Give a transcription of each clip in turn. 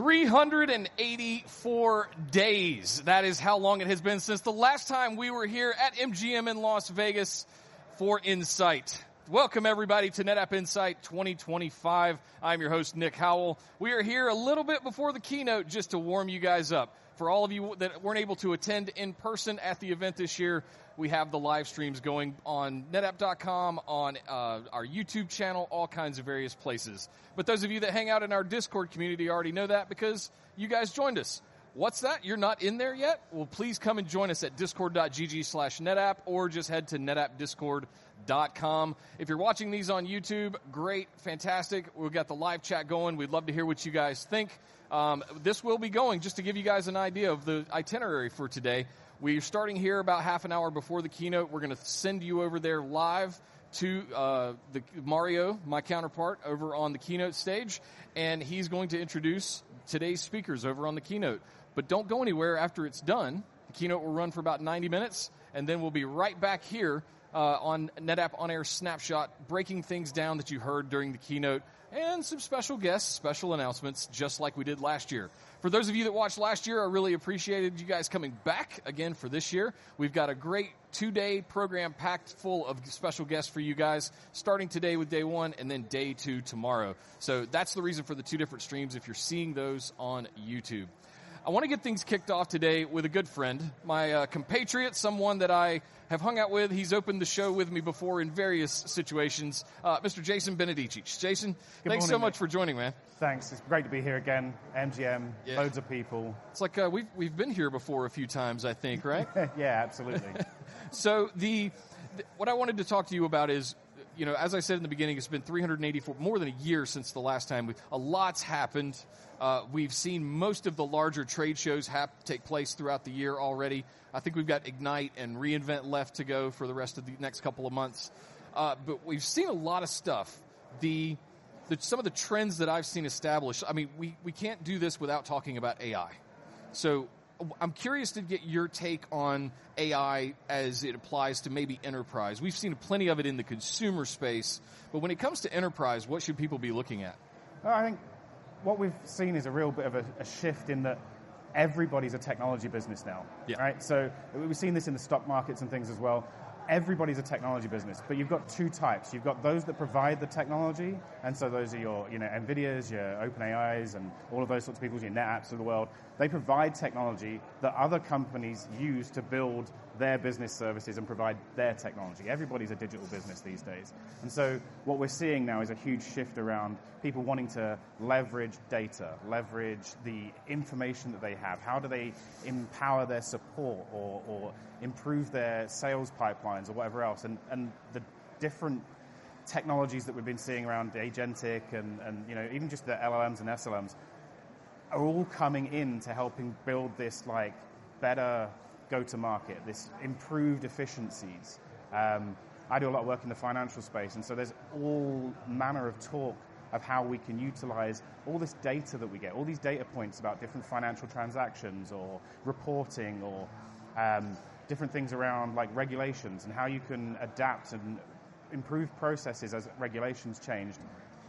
84 days. That is how long it has been since the last time we were here at MGM in Las Vegas for Insight. Welcome everybody to NetApp Insight 2025. I'm your host, Nick Howell. We are here a little bit before the keynote just to warm you guys up. For all of you that weren't able to attend in person at the event this year, we have the live streams going on netapp.com, on our YouTube channel, all kinds of various places. Those of you that hang out in our Discord community already know that because you guys joined us. What's that? You're not in there yet? Please come and join us at Discord GG, NetApp, or just head to NetApp Discord. If you're watching these on YouTube, great, fantastic. We've got the live chat going. We'd love to hear what you guys think. This will be going. Just to give you guys an idea of the itinerary for today, we're starting here about half an hour before the keynote. We're going to send you over there live to Mario, my counterpart over on the keynote stage, and he's going to introduce today's speakers over on the keynote. Do not go anywhere after it's done. The keynote will run for about 90 minutes, and then we'll be right back here on NetApp on Air Snapshot, breaking things down that you heard during the keynote and some special guests, special announcements just like we did last year. For those of you that watched last year, I really appreciated you guys coming back again for this year. We've got a great two-day program packed full of special guests for you guys, starting today with day one and then day two tomorrow. That's the reason for the two different streams if you're seeing those on YouTube. I want to get things kicked off today with a good friend, my compatriot, someone that I have hung out with. He's opened the show with me before in various situations. Mr. Jason Benedicic. Jason, thanks so much for joining, man. Thanks. It's great to be here again. MGM, loads of people. It's like we've been here before a few times, I think, right? Yeah, absolutely. What I wanted to talk to you about is, you know, as I said in the beginning, it's been 384, more than a year since the last time. A lot's happened. We've seen most of the larger trade shows take place throughout the year already. I think we've got Ignite and re:Invent left to go for the rest of the next couple of months. We've seen a lot of stuff. Some of the trends that I've seen established, I mean, we can't do this without talking about AI. I'm curious to get your take on AI as it applies to maybe enterprise. We've seen plenty of it in the consumer space, but when it comes to enterprise, what should people be looking at? I think what we've seen is a real bit of a shift in that everybody's a technology business now, right? We've seen this in the stock markets and things as well. Everybody's a technology business, but you've got two types. You've got those that provide the technology. Those are your, you know, NVIDIA's, your OpenAI's, and all of those sorts of people in the apps of the world. They provide technology that other companies use to build their business services and provide their technology. Everybody's a digital business these days. What we're seeing now is a huge shift around people wanting to leverage data, leverage the information that they have. How do they empower their support or improve their sales pipelines or whatever else? The different technologies that we've been seeing around agentic and even just the LLMs and SLMs are all coming in to help build this better go to market, this improved efficiencies. I do a lot of work in the financial space, and there's all manner of talk of how we can utilize all this data that we get, all these data points about different financial transactions or reporting or different things around regulations and how you can adapt and improve processes as regulations change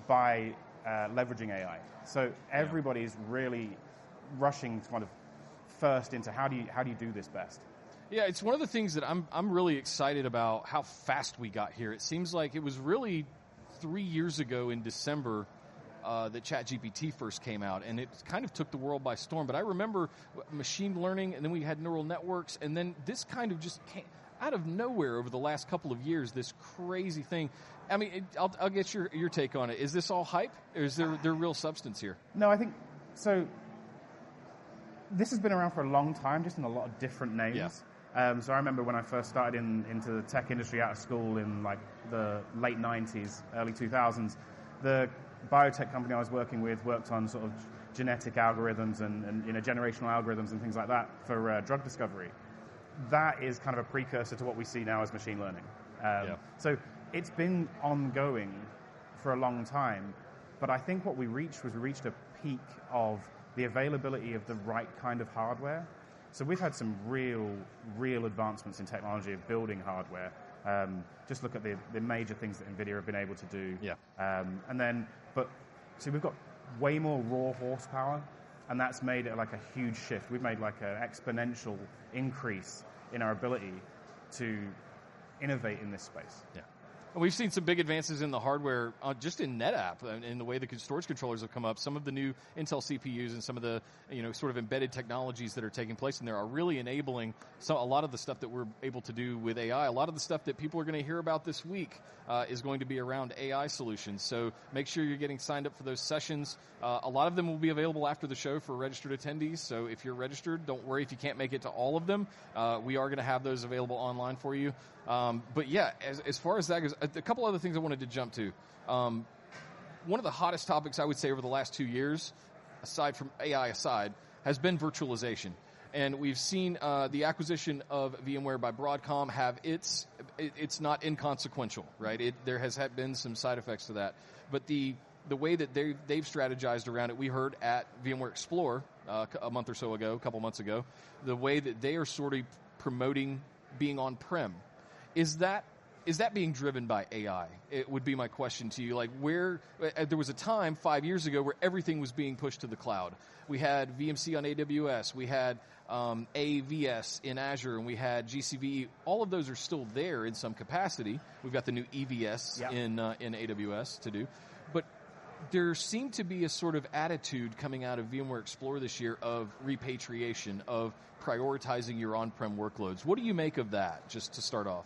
by leveraging AI. Everybody is really rushing kind of first into how do you, how do you do this best? Yeah, it's one of the things that I'm really excited about, how fast we got here. It seems like it was really three years ago in December that ChatGPT first came out and it kind of took the world by storm. I remember machine learning and then we had neural networks, and then this kind of just came out of nowhere over the last couple of years. This crazy, crazy thing. I mean, I'll get your take on it. Is this all hype? Is there real substance here? No, I think so. This has been around for a long time, just in a lot of different names. I remember when I first started into the tech industry out of school in like the late 1990s, early 2000s, the biotech company I was working with worked on sort of genetic algorithms and generational algorithms and things like that for drug discovery. That is kind of a precursor to what we see now as machine learning. It's been ongoing for a long time. I think what we reached was a peak of the availability of the right kind of hardware. We've had some real advancements in technology of building hardware. Just look at the major things that NVIDIA have been able to do. We've got way more raw horsepower and that's made a huge shift. We've made an exponential increase in our ability to innovate in this space. Yeah, we've seen some big advances in the hardware just in NetApp, in the way the storage controllers have come up. Some of the new Intel CPUs and some of the sort of embedded technologies that are taking place in there are really enabling a lot of the stuff that we're able to do with AI. A lot of the stuff that people are going to hear about this week is going to be around AI solutions. Make sure you're getting signed up for those sessions. A lot of them will be available after the show for registered attendees. If you're registered, don't worry if you can't make it to all of them, we are going to have those available online for you. As far as that goes, a couple other things I wanted to jump to. One of the hottest topics I would say over the last two years, aside from AI, has been virtualization. We've seen the acquisition of VMware by Broadcom. It's not inconsequential. There have been some side effects to that, but the way that they've strategized around it. We heard at VMware Explore a month or so ago, a couple months ago, the way that they are sort of promoting being on prem. Is that being driven by AI? It would be my question to you. There was a time five years ago where everything was being pushed to the cloud. We had VMC on AWS, we had AVS in Azure, and we had GCVE. All of those are still there in some capacity. We've got the new EVS in AWS to do, but there seemed to be a sort of attitude coming out of VMware Explore this year of repatriation, of prioritizing your on prem workloads. What do you make of that, just to start off?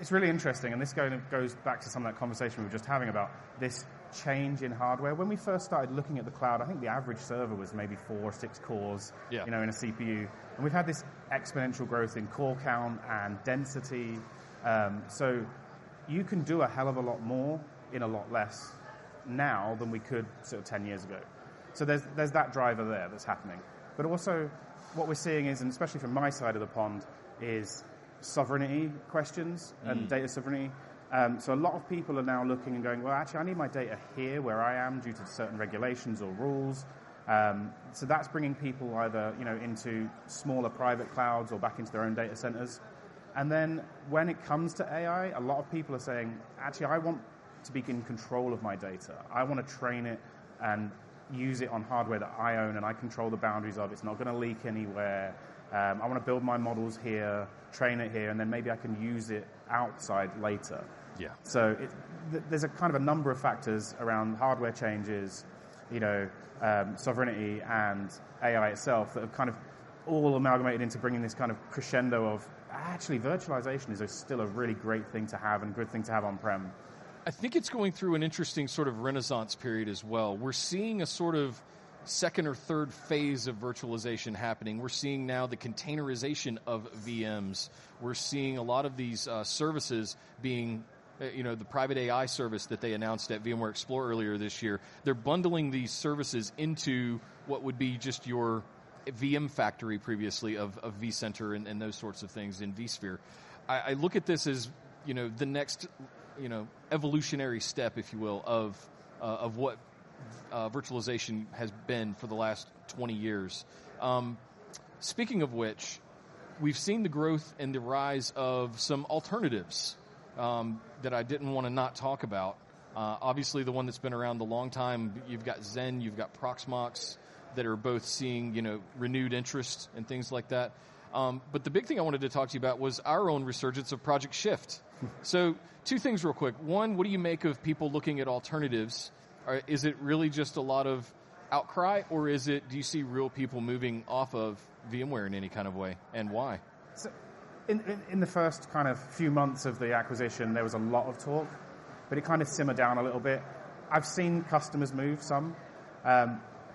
It's really interesting and this goes back to some of that conversation we were just having about this change in hardware. When we first started looking at the cloud, I think the average server was maybe four or six cores in a CPU. We've had this exponential growth in core count and density. You can do a hell of a lot more in a lot less now than we could 10 years ago. There's that driver there that's happening. Also, what we're seeing is, especially from my side of the pond, sovereignty questions and data sovereignty. A lot of people are now looking and going, actually I need my data here where I am due to certain regulations or rules. That's bringing people either into smaller private clouds or back into their own data centers. When it comes to AI, a lot of people are saying, actually I want to be in control of my data. I want to train it and use it on hardware that I own and I control the boundaries of. It's not going to leak anywhere. I want to build my models here, train here, and then maybe I can use it outside later. There's a number of factors around hardware changes, sovereignty, and AI itself that have kind of all amalgamated into bringing this kind of crescendo of actually, virtualization is still a really great thing to have and good thing to have on prem. I think it's going through an interesting sort of renaissance period as well. We're seeing a sort of second or third phase of virtualization happening. We're seeing now the containerization of VMs. We're seeing a lot of these services being, you know, the private AI service that they announced at VMware Explore earlier this year. They're bundling these services into what would be just your VM factory previously of vCenter and those sorts of things in vSphere. I look at this as, you know, the next, you know, evolutionary step, if you will, of what virtualization has been for the last 20 years. Speaking of which, we've seen the growth and the rise of some alternatives that I didn't want to not talk about. Obviously, the one that's been around a long time, you've got Xen, you've got Proxmox, that are both seeing renewed interest and things like that. The big thing I wanted to talk to you about was our own resurgence of Project Shift. Two things real quick. One, what do you make of people looking at alternatives? Is it really just a lot of outcry or is it, do you see real people moving off of VMware in any kind of way, and why? In the first few months of the acquisition, there was a lot of talk, but it simmered down a little bit. I've seen customers move some,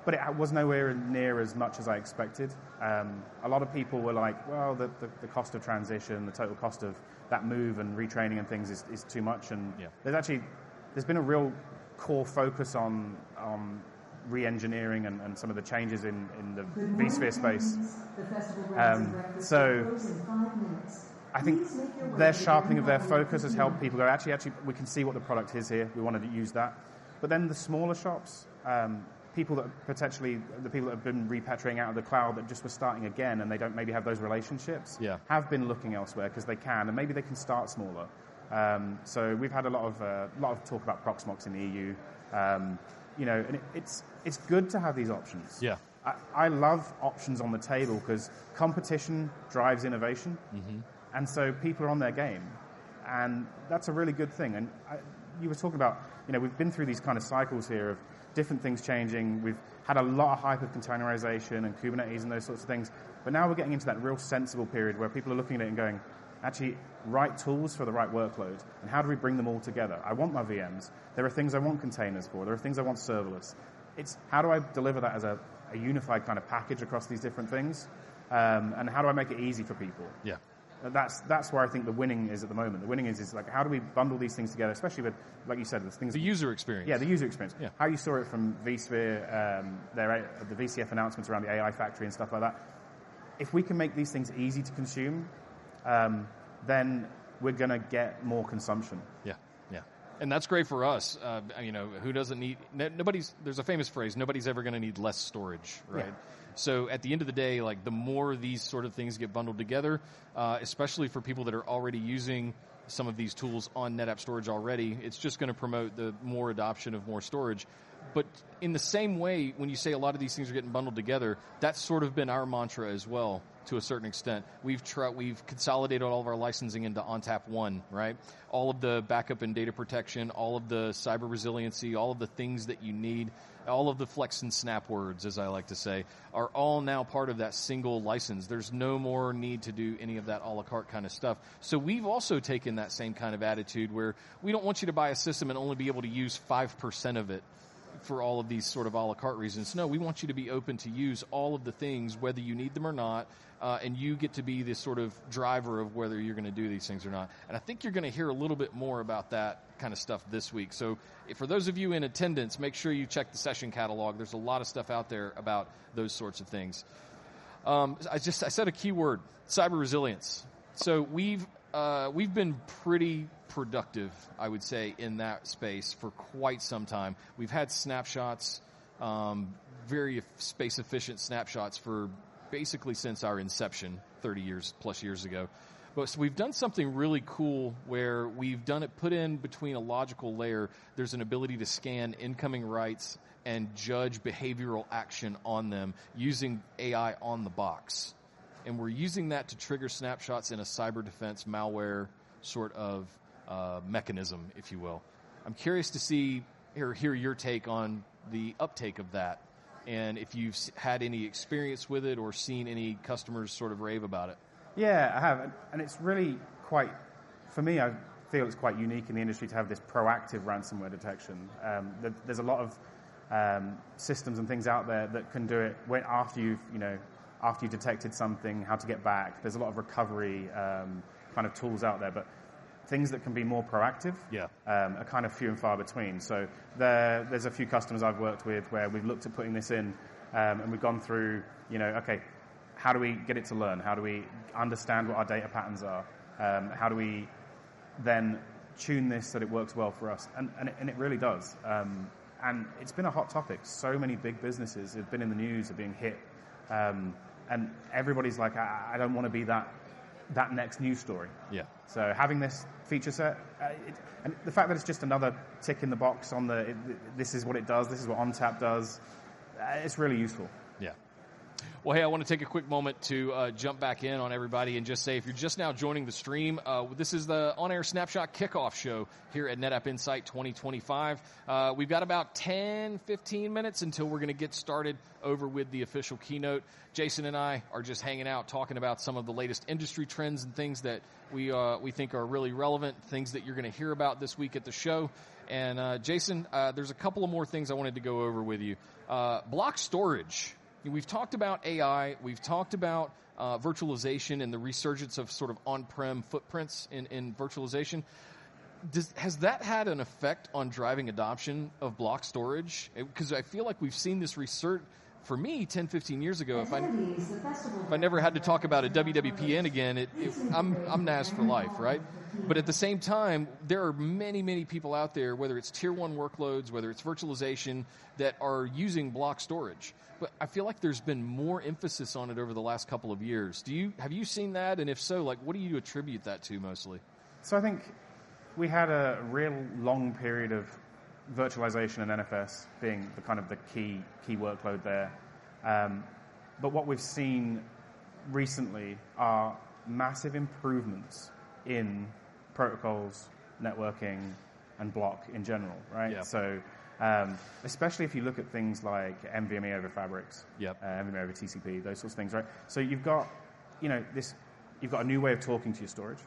but it was nowhere near as much as I expected. A lot of people were like, the cost of transition, the total cost of that move and retraining and things is too much. There's been a real core focus on re-engineering and some of the changes in the vSphere space. I think their sharpening of their focus has helped people go, actually, we can see what the product is here. We wanted to use that, but then the smaller shops, people that potentially have been repatriating out of the cloud that just were starting again and they don't maybe have those relationships, have been looking elsewhere because they can. Maybe they can start smaller. We've had a lot of talk about Proxmox in the EU, and it's good to have these options. I love options on the table because competition drives innovation and people are on their game and that's a really good thing. You were talking about, we've been through these cycles here of different things changing. We've had a lot of hype of containerization and Kubernetes and those sorts of things, but now we're getting into that real sensible period where people are looking at it and going, right tools for the right workload and how do we bring them all together? I want my VMs, there are things I want containers for, there are things I want serverless. How do I deliver that as a unified package across these different things? How do I make it easy for people? That's, that's where I think the winning is at the moment. The winning is, like, how do we bundle these things together? Especially with, like you said, this thing. The user experience. Yeah, the user experience. How you saw it from vSphere, the VCF announcements around the AI factory and stuff like that. If we can make these things easy to consume, then we're going to get more consumption. Yeah, yeah. That's great for us. You know, who doesn't need nobody's. There's a famous phrase, nobody's ever going to need less storage. Right. At the end of the day, the more these sort of things get bundled together, especially for people that are already using some of these tools on NetApp storage already, it's just going to promote the more adoption of more storage. In the same way, when you say a lot of these things are getting bundled together, that's sort of been our mantra as well to a certain extent. We've consolidated all of our licensing into ONTAP One. All of the backup and data protection, all of the cyber resiliency, all of the things that you need, all of the Flex and Snap words, as I like to say, are all now part of that single license. There's no more need to do any of that a la carte kind of stuff. We've also taken that same kind of attitude where we don't want you to buy a system and only be able to use 5% of it for all of these sort of a la carte reasons. We want you to be open to use all of the things whether you need them or not. You get to be this sort of driver of whether you're going to do these things or not. I think you're going to hear a little bit more about that kind of stuff this week. For those of you in attendance, make sure you check the session catalog. There's a lot of stuff out there about those sorts of things. I just, I said a key word, cyber resilience. We've been pretty productive, I would say, in that space for quite some time. We've had snapshots, very space efficient snapshots for basically since our inception 30+ years ago. We've done something really cool where we've put it in between a logical layer. There's an ability to scan incoming writes and judge behavioral action on them using AI on the box. We're using that to trigger snapshots in a cyber defense malware sort of mechanism, if you will. I'm curious to see or hear your take on the uptake of that and if you've had any experience with it or seen any customers sort of rave about it. Yeah, I have and it's really quite, for me, I feel it's quite unique in the industry to have this proactive ransomware detection. There are a lot of systems and things out there that can do it after you've detected something, how to get back. There are a lot of recovery kind of tools out there, but things that can be more proactive are kind of few and far between. There are a few customers I've worked with where we've looked at putting this in and we've gone through, okay, how do we get it to learn? How do we understand what our data patterns are? How do we then tune this, that it works well for us and it really does. It's been a hot topic. So many big businesses have been in the news are being hit and everybody's like, I don't want to be that next news story. Having this feature set and the fact that it's just another ticking the box on the. This is what it does, this is what ONTAP does. It's really useful. Yeah. Hey, I want to take a quick moment to jump back in on everybody and just say if you're just now joining the stream, this is the On Air Snapshot Kickoff Show here at NetApp Insight 2025. We've got about 10-15 minutes until we're going to get started over with the official keynote. Jason and I are just hanging out talking about some of the latest industry trends and things that we think are really relevant, things that you're going to hear about this week at the show. Jason, there's a couple more things I wanted to go over with you. Block storage, we've talked about AI, we've talked about virtualization and the resurgence of sort of on-prem footprints in virtualization. Has that had an effect on driving adoption of block storage? I feel like we've seen this resurgence. For me, 10-15 years ago, if I never had to talk about a WWPN again, I'm NAS for life, right? At the same time, there are many, many people out there, whether it's tier one workloads, whether it's virtualization, that are using block storage. I feel like there's been more emphasis on it over the last couple of years. Have you seen that? If so, what do you attribute that to? I think we had a real long period of virtualization and NFS being kind of the key workload there. What we've seen recently are massive improvements in protocols, networking, and block in general. Right. Especially if you look at things like NVMe over Fabrics. Yep. NVMe over TCP, those sorts of things. Right. You've got a new way of talking to your storage,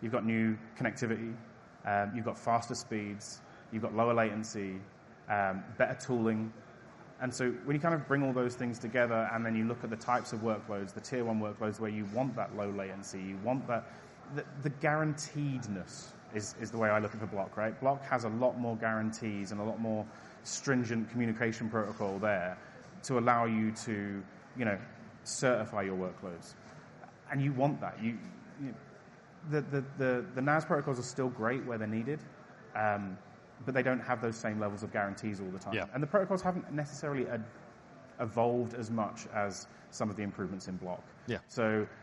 you've got new connectivity, you've got faster speeds, you've got lower latency, better tooling. When you kind of bring all those things together and then you look at the types of workloads, the tier one workloads, where you want that low latency, you want that the guaranteedness is the way I look at the Block. Right. Block has a lot more guarantees and a lot more stringent communication protocol there to allow you to certify your workloads. You want that. The NAS protocols are still great where they're needed, but they don't have those same levels of guarantees all the time. The protocols haven't necessarily evolved as much as some of the improvements in Block.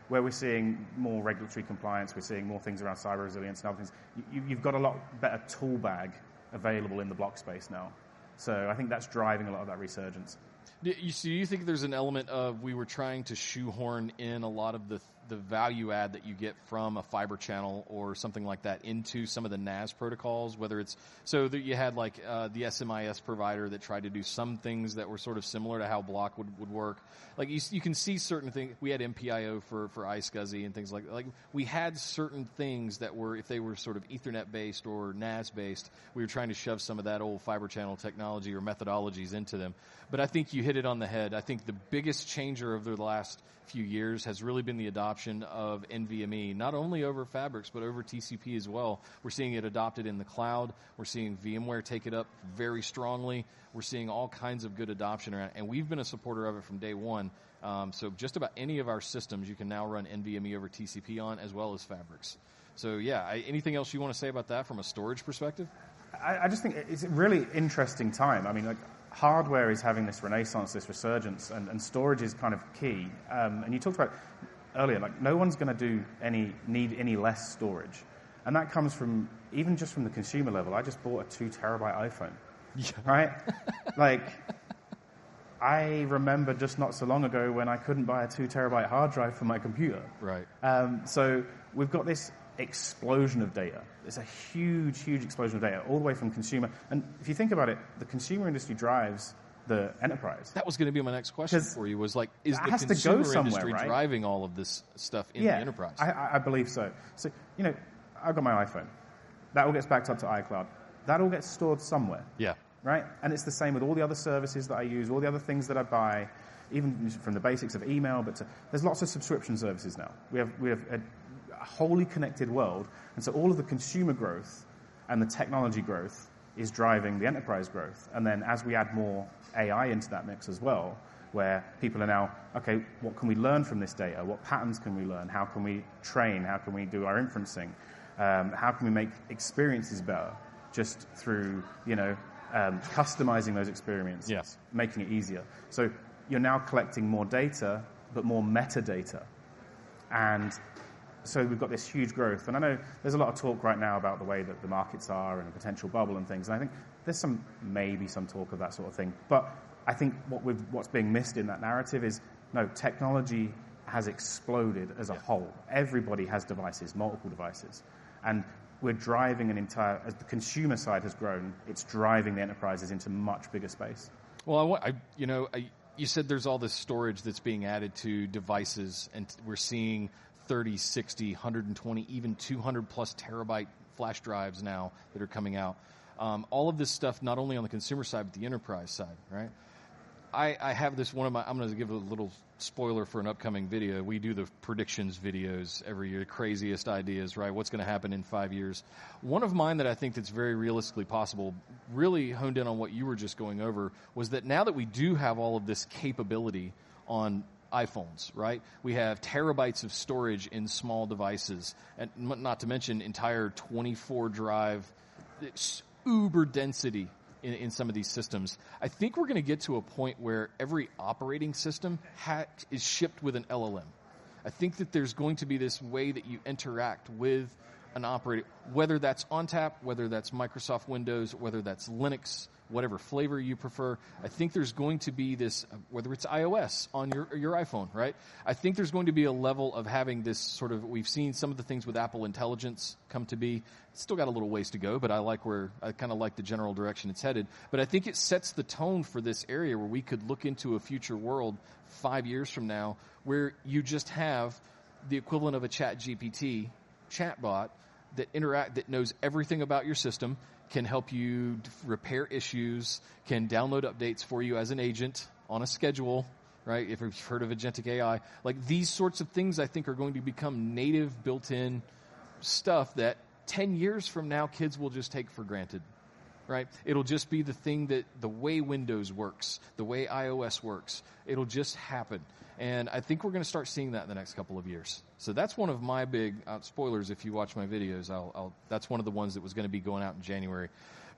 Where we're seeing more regulatory compliance, we're seeing more things around cyber resilience and other things. You've got a lot better tool bag available in the Block space now. I think that's driving a lot of that resurgence. Do you think there's an element of, we were trying to shoehorn in a lot of the value add that you get from a fiber channel or something like that into some of the NAS protocols? Whether it's so that you had like the SMIS provider that tried to do some things that were sort of similar to how Block would work, like you can see certain things. We had MPIO for iSCSI and things like that. We had certain things that were, if they were sort of Ethernet based or NAS based, we were trying to shove some of that old fiber channel technology or methodologies into them. I think you hit it on the head. I think the biggest, the biggest changer of the last few years has really been the adoption of NVMe, not only over fabrics, but over TCP as well. We're seeing it adopted in the cloud, we're seeing VMware take it up very strongly. We're seeing all kinds of good adoption and we've been a supporter of it from day one. Just about any of our systems, you can now run NVMe over TCP on as well as fabrics. Yeah. Anything else you want to say about that from a storage perspective? I just think it's a really interesting time. I mean, hardware is having this renaissance, this resurgence, and storage is kind of key. You talked about earlier, no one's going to need any less storage. That comes from even just from the consumer level. I just bought a 2 TB iPhone, right? I remember just not so long ago when I couldn't buy a 2 TB hard drive for my computer, right? We've got this explosion of data. It's a huge, huge, huge explosion of data all the way from consumer. If you think about it, the consumer industry drives the enterprise. That was going to be my next question for you, was like, is the consumer industry driving all of this stuff in the enterprise? I believe so. You know, I've got my iPhone that all gets backed up to iCloud, that all gets stored somewhere, right? It's the same with all the other services that I use, all the other things that I buy, even from the basics of email. There's lots of subscription services now. We have a wholly connected world. All of the consumer growth and the technology growth is driving the enterprise growth. As we add more AI into that mix as well, people are now, okay, what can we learn from this data? What patterns can we learn? How can we train? How can we do our inferencing? How can we make experiences better just through customizing those experiences, making it easier so you're now collecting more data, but more metadata. We've got this huge growth. I know there's a lot of talk right now about the way that the markets are and a potential bubble and things. I think there's maybe some talk of that sort of thing. What I think is being missed in that narrative is no technology has exploded as a whole. Everybody has devices, multiple devices, and we're driving an entire. The consumer side has grown. It's driving the enterprises into much bigger space. You said there's all this storage that's being added to devices and we're seeing 30, 60, 120, even 200+ TB flash drives now that are coming out. All of this stuff not only on the consumer side, but the enterprise side. I have this one of my—I'm going to give a little spoiler for an upcoming video. We do the predictions videos every year. Craziest ideas, right? What's going to happen in five years. One of mine that I think that's very realistically possible, really honed in on what you were just going over was that now that we do have all of this capability on iPhones, we have terabytes of storage in small devices, not to mention entire 24 drive uber density in some of these systems. I think we're going to get to a point where every operating system is shipped with an LLM. I think that there's going to be this way that you interact with an operator, whether that's ONTAP, whether that's Microsoft Windows, whether that's Linux, whatever flavor you prefer. I think there's going to be this—whether it's iOS on your iPhone. I think there's going to be a level of having this sort of—we've seen some of the things with Apple Intelligence come to be. Still got a little ways to go, but I like where I kind of like the general direction it's headed. I think it sets the tone for this area where we could look into a future world five years from now where you just have the equivalent of a ChatGPT chatbot that knows everything about your system, can help you repair issues, can download updates for you as an agent on a schedule. If you've heard of agentic AI, like these sorts of things I think are going to become native, built-in stuff that 10 years from now kids will just take for granted. It'll just be the thing that the way Windows works, the way iOS works, it'll just happen. I think we are going to start seeing that in the next couple of years. That's one of my big spoilers. If you watch my videos, that's one of the ones that was going to be going out in January.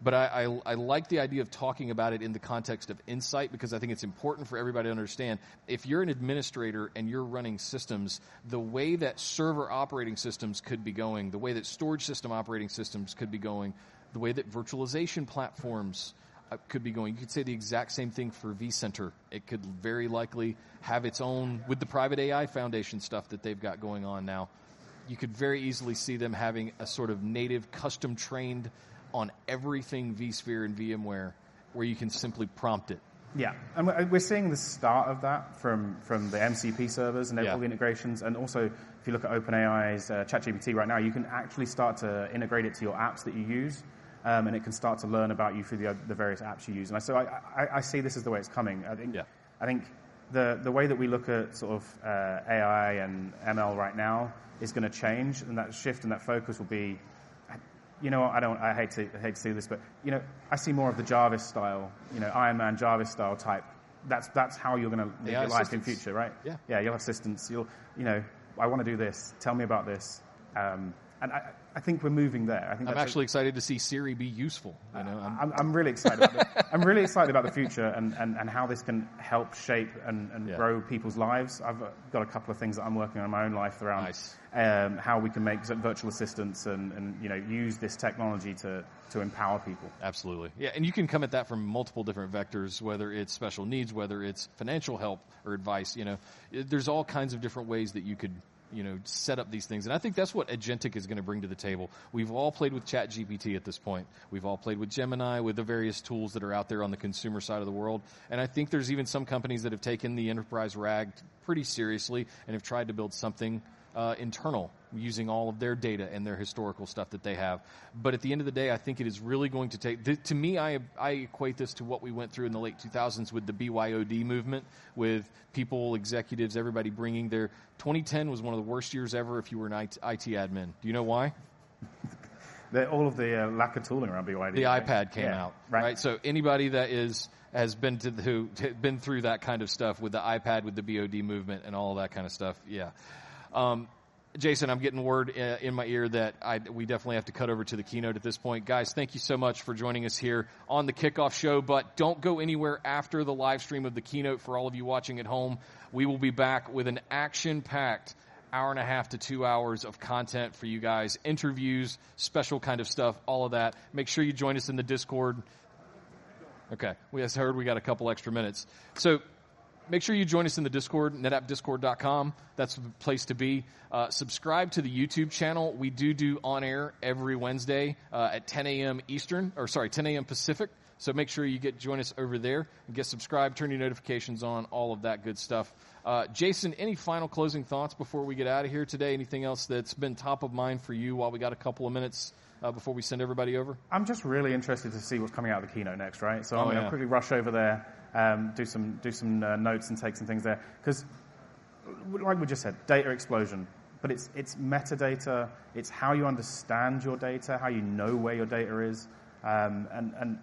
I like the idea of talking about it in the context of Insight because I think it's important for everybody to understand if you're an administrator and you're running systems, the way that server operating systems could be going, the way that storage system operating systems could be going, the way that virtualization platforms could be going, you could say the exact same thing for vCenter. It could very likely have its own. With the private AI foundation stuff that they've got going on now, you could very easily see them having a sort of native custom trained on everything vSphere and VMware where you can simply prompt it. Yeah, we're seeing the start of that from the MCP servers and network integrations. If you look at OpenAI's ChatGPT right now, you can actually start to integrate it to your apps that you use, and it can start to learn about you through the various apps you use. I see this as the way it's coming. I think the way that we look at sort of AI and ML right now is going to change, and that shift and that focus will be, you know, I don't, I hate to do this, but, you know, I see more of the Jarvis style, you know, Iron Man, Jarvis style type. That's how you're going to utilize in future, right? Yeah, you'll have systems, you'll, you know, I want to do this, tell me about this. I think we're moving there. I'm actually excited to see Siri be useful. I'm really excited about the future and how this can help shape and grow people's lives. I've got a couple of things that I'm working on in my own life around how we can make virtual assistants and use this technology to empower people. Absolutely. You can come at that from multiple different vectors, whether it's special needs, whether it's financial help or advice. There are all kinds of different ways that you could set up these things. I think that's what Agentic is going to bring to the table. We've all played with ChatGPT at this point. We've all played with Gemini, with the various tools that are out there on the consumer side of the world. I think there are even some companies that have taken the enterprise RAG pretty seriously and have tried to build something internal using all of their data and their historical stuff that they have. At the end of the day, I think it is really going to take, to me, I equate this to what we went through in the late 2000s with the BYOD movement, with people, executives, everybody bringing their devices. 2010 was one of the worst years ever if you were an IT admin. You know why all of the lack of tooling around BYOD? The iPad came out. Anybody that has been through that kind of stuff with the iPad, with the BYOD movement and all that kind of stuff. Jason, I'm getting word in my ear that we definitely have to cut over to the keynote at this point. Guys, thank you so much for joining us here on the kickoff show. Don't go anywhere after the live stream of the keynote. For all of you watching at home, we will be back with an action-packed hour and a half to two hours of content for you guys. Interviews, special kind of stuff, all of that. Make sure you join us in the Discord. We just heard we got a couple extra minutes, so make sure you join us in the Discord. netappdiscord.com, that's the place to be. Subscribe to the YouTube channel. We do do On Air every Wednesday at 10:00 A.M. Eastern, oh sorry, 10:00 A.M. Pacific. Make sure you join us over there, get subscribed, turn your notifications on, all of that good stuff. Jason, any final closing thoughts before we get out of here today? Anything else that's been top of mind for you while we got a couple of minutes before we send everybody over. I'm just really interested to see what's coming out of the keynote next. I'm going to quickly rush over there, do some notes and take some things there because like we just said, data explosion, but it's metadata, it's how you understand your data, how you know where your data is, and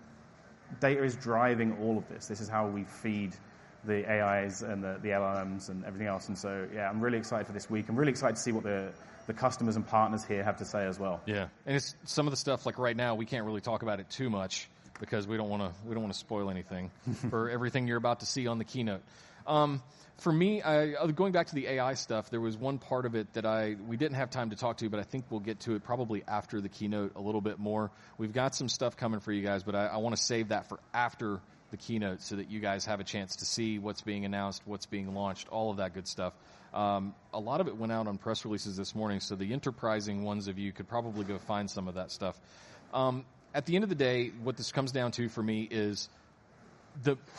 data is driving all of this. This is how we feed the AIs and the LLMs and everything else. I'm really excited for this week. I'm really excited to see what the customers and partners here have to say as well. Yeah. It's some of the stuff, like right now, we can't really talk about it too much because we don't want to spoil anything for everything you're about to see on the keynote. For me, going back to the AI stuff, there was one part of it that I didn't have time to talk to, but I think we'll get to it probably after the keynote a little bit more. We've got some stuff coming for you guys, but I want to save that for after the keynote so that you guys have a chance to see what's being announced, what's being launched. All of that good stuff, a lot of it went out on press releases this morning, so the enterprising ones of you could probably go find some of that stuff. At the end of the day, what this comes down to for me is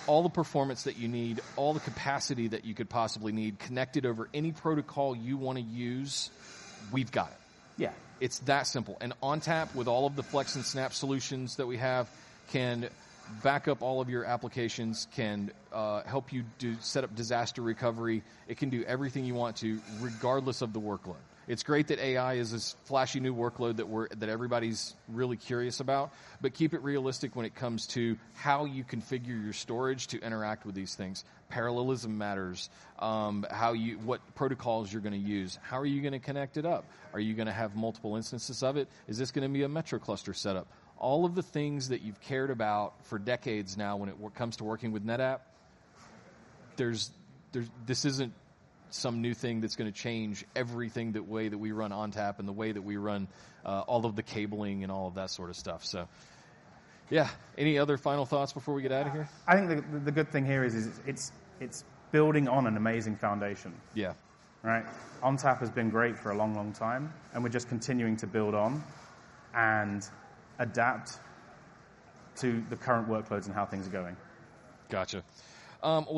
all the performance that you need, all the capacity that you could possibly need connected over any protocol you want to use. We've got it. Yeah, it's that simple. ONTAP, with all of the Flex and Snap solutions that we have, can back up all of your applications, can help you set up disaster recovery. It can do everything you want to, regardless of the workload. It's great that AI is a flashy new workload that everybody's really curious about, but keep it realistic when it comes to how you configure your storage to interact with these things. Parallelism matters. What protocols you're going to use, how are you going to connect it up? Are you going to have multiple instances of it? Is this going to be a Metro cluster setup? All of the things that you've cared about for decades now when it comes to working with NetApp, this isn't some new thing that's going to change everything. The way that we run ONTAP and the way that we run all of the cabling and all of that sort of stuff. Yeah. Any other final thoughts before we get out of here? I think the good thing here is it's building on an amazing foundation. Right. ONTAP has been great for a long, long time, and we're just continuing to build on and adapt to the current workloads and how things are going. Gotcha.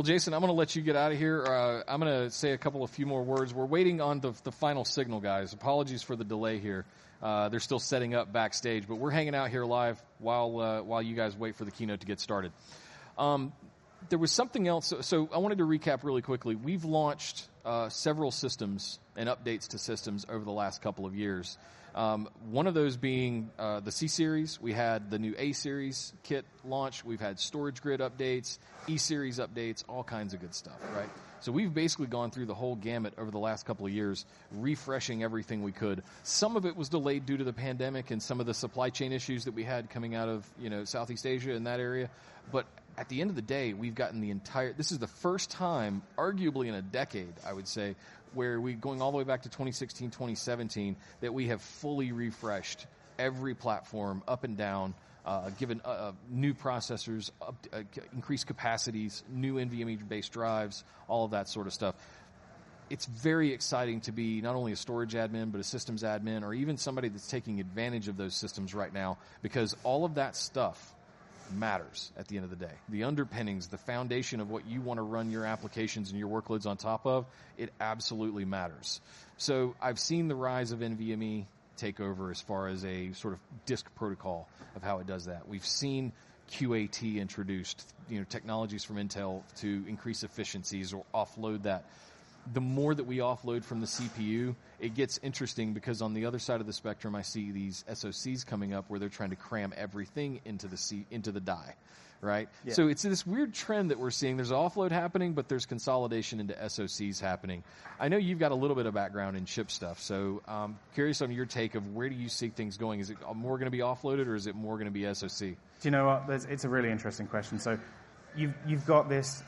Jason, I'm going to let you get out of here. I'm going to say a couple of few more words. We're waiting on the final signal. Guys, apologies for the delay here. They're still setting up backstage, but we're hanging out here live while you guys wait for the keynote to get started. There was something else I wanted to recap really quickly. We've launched several systems and updates to systems over the last couple of years. One of those being the C-Series. We had the new A-Series kit launch. We've had StorageGRID updates, E-Series updates, all kinds of good stuff. Right. We've basically gone through the whole gamut over the last couple of years, refreshing everything we could. Some of it was delayed due to the pandemic and some of the supply chain issues that we had coming out of Southeast Asia in that area. At the end of the day, we've gotten the entire—this is the first time arguably in a decade, I would say, going all the way back to 2016, 2017, that we have fully refreshed every platform up and down, given new processors, increased capacities, new NVMe-based drives, all of that sort of stuff. It's very exciting to be not only a storage admin, but a systems admin or even somebody that's taking advantage of those systems right now because all of that stuff matters. At the end of the day, the underpinnings, the foundation of what you want to run your applications and your workloads on top of, it absolutely matters. I've seen the rise of NVMe technically take over as far as a sort of disk protocol of how it does that. We've seen QAT introduced, technologies from Intel to increase efficiencies or offload. The more that we offload from the CPU, it gets interesting because on the other side of the spectrum, I see these SoCs coming up where they're trying to cram everything into the die. Right. It's this weird trend that we're seeing. There's offload happening, but there's consolidation into SoCs happening. I know you've got a little bit of background in chip stuff. Curious on your take of where do you see things going. Is it more going to be offloaded or is it more going to be SoC? Do you know what? It's a really interesting question. You've got this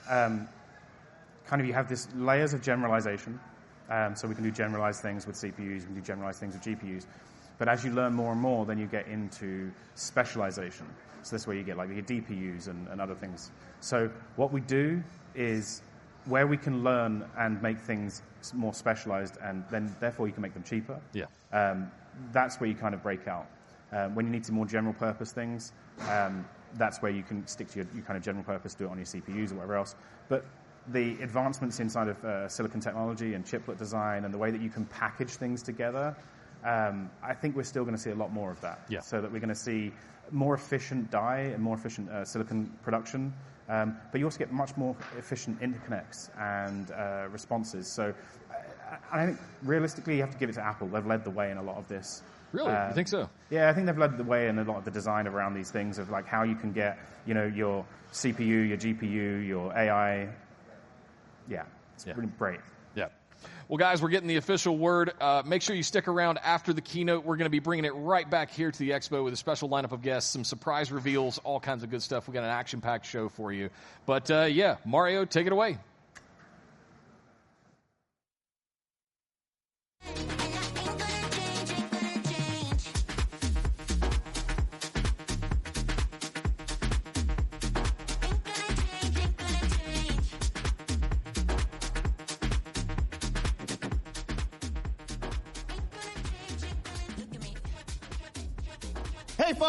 kind of, you have these layers of generalization. We can do generalized things with CPUs, we can do generalized things with GPUs, but as you learn more and more, then you get into specialization. That's where you get like DPUs and other things. What we do is where we can learn and make things more specialized and therefore you can make them cheaper. That's where you break out when you need some more general purpose things. That's where you can stick to your general purpose, do it on your CPUs or whatever else. The advancements inside of silicon technology and chiplet design and the way that you can package things together, I think we're still going to see a lot more of that so that we are going to see more efficient die and more efficient silicon production. You also get much more efficient interconnects and responses. I think realistically you have to give it to Apple. They've led the way in a lot of this. Really? I think so, yeah. I think they've led the way in a lot of the design around these things, like how you can get your CPU, your GPU, your AI. Yeah, it's really great. Yeah. We're getting the official word. Make sure you stick around. After the keynote we're going to be bringing it right back here to the Expo. A special lineup of guests, some surprise reveals, all kinds of good stuff. We got an action packed show for you. Mario, take it away.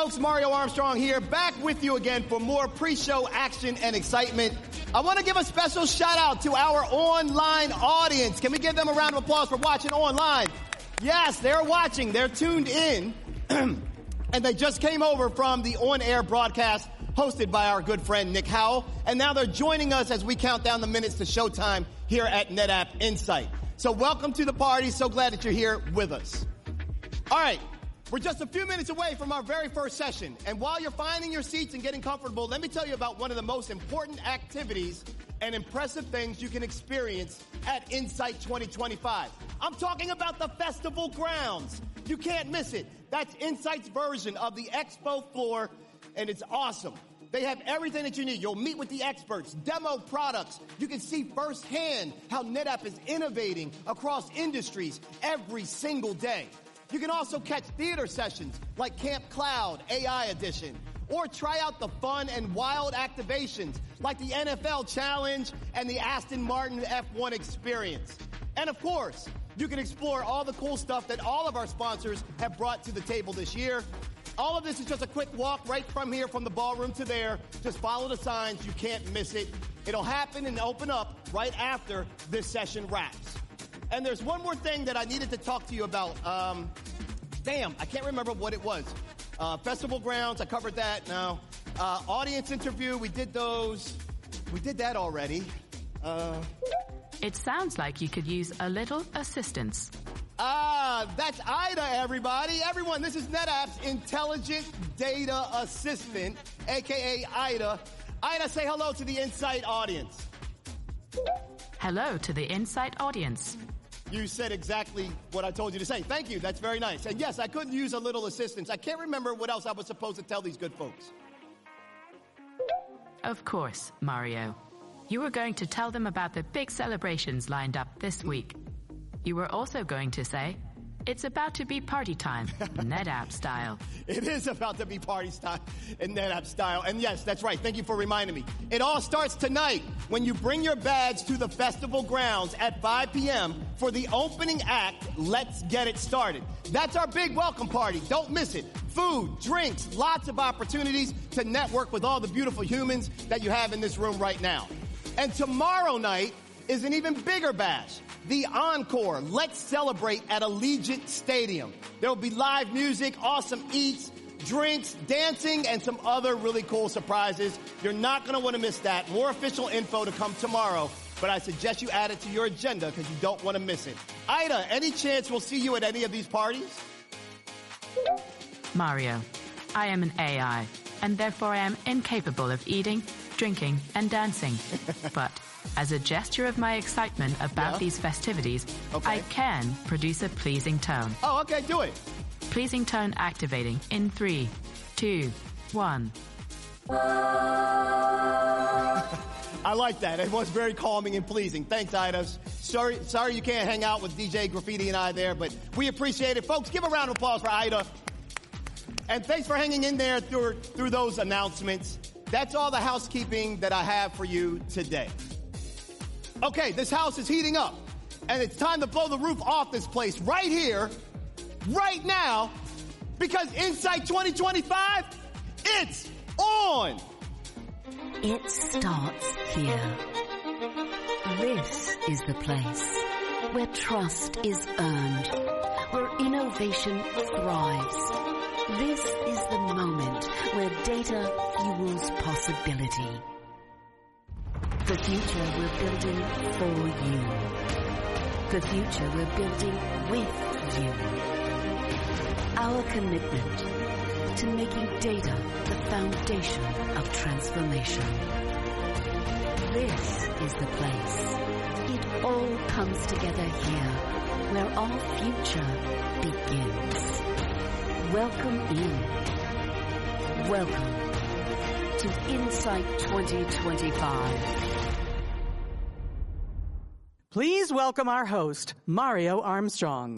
Hey folks, Mario Armstrong here, back with you again for more pre-show action and excitement. I want to give a special shout out to our online audience. Can we give them a round of applause for watching online? Yes, they're watching, they're tuned in and they just came over from the on-air broadcast hosted by our good friend Nick Howell. Now they're joining us as we count down the minutes to Showtime here at NetApp Insight. Welcome to the party. So glad that you're here with us. We're just a few minutes away from our very first session and while you're finding your seats and getting comfortable, let me tell you about one of the most important activities and impressive things you can experience at Insight 2025. I'm talking about the festival grounds, you can't miss it. That's Insight's version of the Expo floor and it's awesome. They have everything that you need. You'll meet with the experts, demo products, and you can see firsthand how NetApp is innovating across industries every single day. You can also catch theater sessions like Camp Cloud AI Edition, or try out the fun and wild activations like the NFL Challenge and the Aston Martin F1 experience. Of course, you can explore all the cool stuff that all of our sponsors have brought to the table this year. All of this is just a quick walk right from here, from the Boat Ballroom to there. Just follow the signs. You can't miss it. It'll happen and open up right after this session wraps. There's one more thing that I needed to talk to you about. Damn, I can't remember what it was. Festival grounds. I covered that. Now, audience interview. We did those. We did that already. It sounds like you could use a little assistance. Ah, that's Ida, everybody. Everyone, this is NetApp's Intelligent Data Assistant, AKA Ida. Ida, say hello to the Insight audience. Hello to the Insight audience. You said exactly what I told you to say. Thank you, that's very nice. Yes, I could use a little assistance. I can't remember what else I was supposed to tell these good folks. Of course, Mario, you were going to tell them about the big celebrations lined up this week. You were also going to say it's about to be party time, NetApp style. It is about to be party style. In NetApp style. Yes, that's right. Thank you for reminding me. It all starts tonight when you bring your bags to the festival grounds at 5:00 P.M. for the opening act. Let's get it started. That's our big welcome party. Don't miss it. Food, drinks, lots of opportunities to network with all the beautiful humans that you have in this room right now. Tomorrow night is an even bigger bash, the encore. Let's celebrate at Allegiant Stadium. There will be live music, awesome eats, drinks, dancing, and some other really cool surprises. You're not going to want to miss that. More official info to come tomorrow, but I suggest you add it to your agenda because you don't want to miss it. Ida, any chance we'll see you at any of these parties? Mario, I am an AI and therefore I am incapable of eating, drinking, and dancing, but as a gesture of my excitement. About these festivities, I can produce a pleasing tone. Oh, okay, do it. Pleasing tone. Activating in three, two, one. I like that. It was very calming and pleasing. Thanks, Ida. Sorry you can't hang out with DJ Graffiti and I there, but we appreciate it. Folks, give a round of applause for Ida. Thanks for hanging in there through those announcements. That's all the housekeeping that I have for you today. This house is heating up and it's time to blow the roof off this place right here, right now. Because Insight 2025, it's on. It starts here. This is the place where trust is earned, where innovation thrives. This is the moment where data fuels possibility. The future we're building for you, the future we're building with you, our commitment to making data the foundation of transformation. This is the place. It all comes together here, where our future begins. Welcome in. Welcome to Insight 2025. Please welcome our host, Mario Armstrong.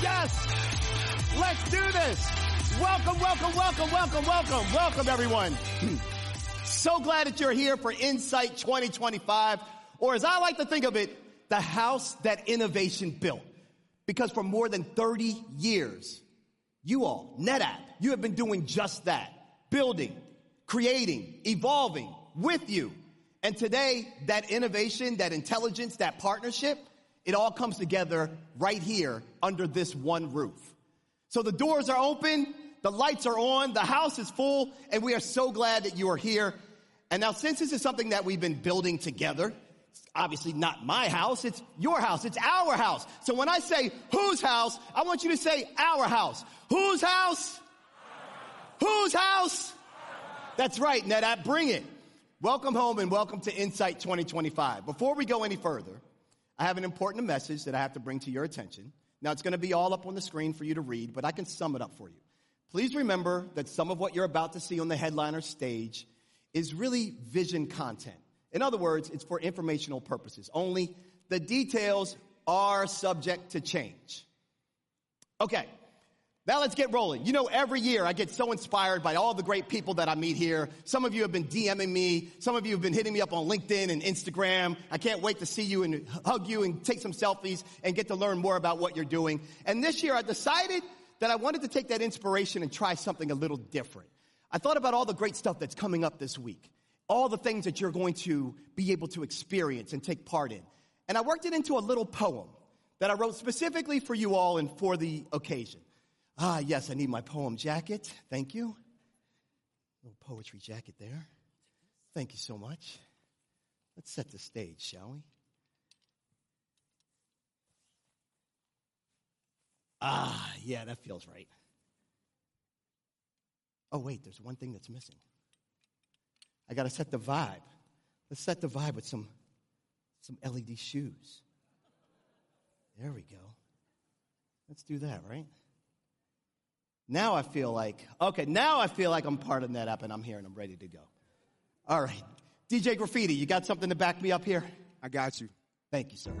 Yes. Let's do this. Welcome, welcome, welcome, welcome, welcome, welcome, everyone. So glad that you're here for Insight 2025, or as I like to think of it, the house that innovation built. Because for more than 30 years, you all, NetApp, you have been doing just that, building, creating, evolving with you. Today, that innovation, that intelligence, that partnership, it all comes together right here under this one roof. The doors are open, the lights are on, the house is full. We are so glad that you are here. Now, since this is something that we've been building together, obviously not my house. It's your house. It's our house. When I say, whose house? I want you to say our house. Whose house? Whose house? That's right, NetApp, bring it. Welcome home and welcome to Insight 2025. Before we go any further, I have an important message that I have to bring to your attention. It's going to be all up on the screen for you to read, but I can sum it up for you. Please remember that some of what you're about to see on the headline or stage is really vision, content. In other words, it's for informational purposes only. The details are subject to change. Now let's get rolling. You know, every year I get so inspired by all the great people that I meet here. Some of you have been DMing me, some of you have been hitting me up on LinkedIn and Instagram. I can't wait to see you and hug you and take some selfies and get to learn more about what you're doing. This year, I decided that I wanted to take that inspiration and try something a little different. I thought about all the great stuff that's coming up this week, all the things that you're going to be able to experience and take part in, and I worked it into a little poem that I wrote specifically for you all and for the occasion. Ah, yes. I need my poem jacket. That. Thank you. Little poetry jacket there. Thank you so much. Let's set the stage, shall we? Yeah, that feels right. Oh, wait, there's one thing that's missing. I have to set the vibe. Let's set the vibe with some LED shoes. There we go. Let's do that. Right now I feel like, okay, now I feel like I'm part of NetApp. I'm here and I'm ready to go. All right, DJ Graffiti, you got something to back me up? Here, I got you. Thank you, sir.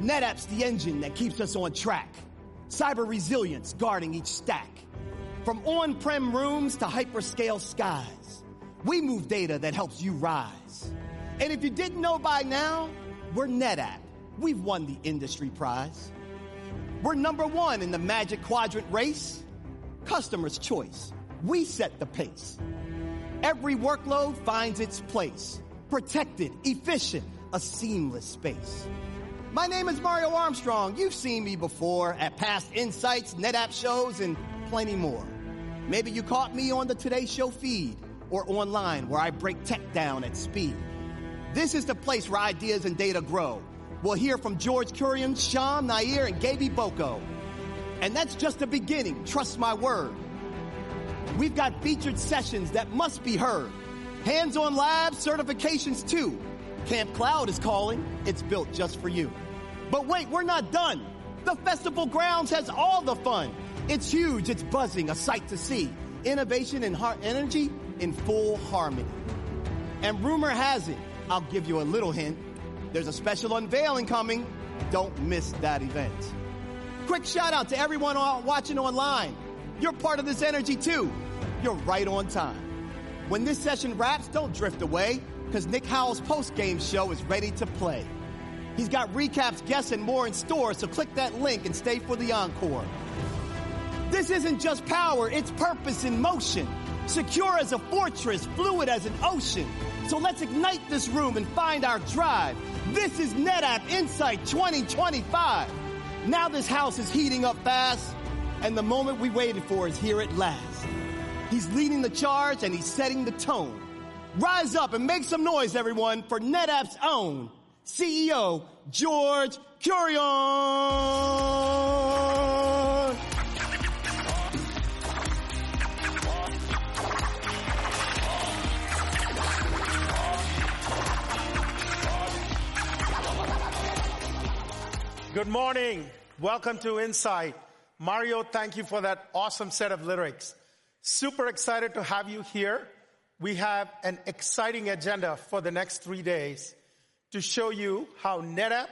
NetApp's the engine that keeps us on track. Cyber resilience guarding each stack. From on-prem rooms to hyperscale skies, we move data that helps you rise. If you didn't know by now, we're NetApp. We've won the industry prize. We're number one in the Magic Quadrant race. Customer's choice. We set the pace. Every workload finds its place. Protected, efficient, a seamless space. My name is Mario Armstrong. You've seen me before at past Insights, NetApp shows, and plenty more. Maybe you caught me on the Today Show feed or online, where I break tech down at speed. This is the place where ideas and data grow. We'll hear from George Kurian, Syam Nair, and Gabie Boko. That's just the beginning. Trust my word. We've got featured sessions that must be heard. Hands-on lab certifications too. Camp Cloud is calling. It's built just for you. Wait, we're not done. The festival grounds has all the fun. It's huge. It's buzzing. A sight to see. Innovation and heart energy in full harmony. Rumor has it, I'll give you a little hint. There's a special unveiling coming. Don't miss that event. Quick shout out to everyone watching online. You're part of this energy too. You're right on time. When this session wraps, don't drift away, because Nick Howell's post-game show is ready to play. He's got recaps, guests, and more in store. Click that link and stay for the encore. This isn't just power. It's purpose in motion. Secure as a fortress. Fluid as an ocean. Let's ignite this room and find our drive. This is NetApp Insight 2024 25. Now, this house is heating up fast, and the moment we waited for is here at last. He's leading the charge and he's setting the tone. Rise up and make some noise, everyone, for NetApp's own CEO, George Kurian. Good morning. Welcome to Insight. Mario, thank you for that awesome set of lyrics. Super excited to have you here. We have an exciting agenda for the next three days to show you how NetApp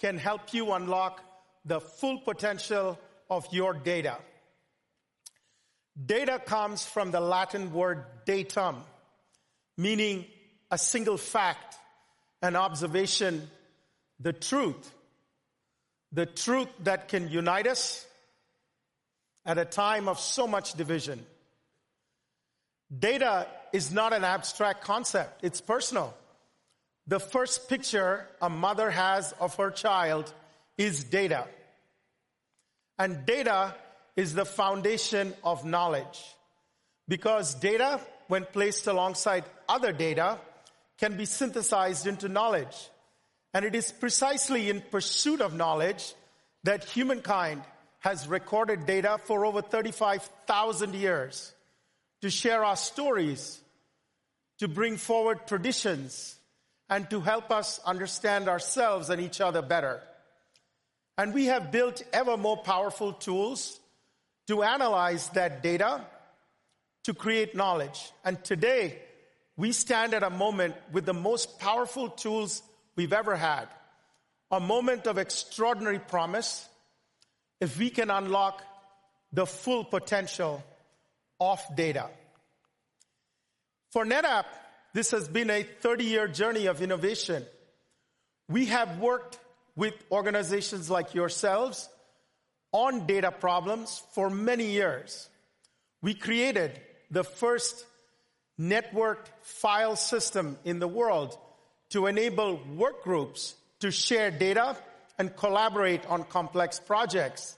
can help you unlock the full potential of your data. Data comes from the Latin word datum, meaning a single fact, an observation. The truth. The truth that can unite us at a time of so much division. Data is not an abstract concept. It's personal. The first picture a mother has of her child is data. Data is the foundation of knowledge, because data, when placed alongside other data, can be synthesized into knowledge. It is precisely in pursuit of knowledge that humankind has recorded data for over 35,000 years to share our stories, to bring forward traditions, and to help us understand ourselves and each other better. We have built ever more powerful tools to analyze that data to create knowledge. Today, we stand at a moment with the most powerful tools we've ever had. A moment of extraordinary promise if we can unlock the full potential of data. For NetApp, this has been a 30 year journey of innovation. We have worked with organizations like yourselves on data problems for many years. We created the first networked file system in the world to enable work groups to share data and collaborate on complex projects.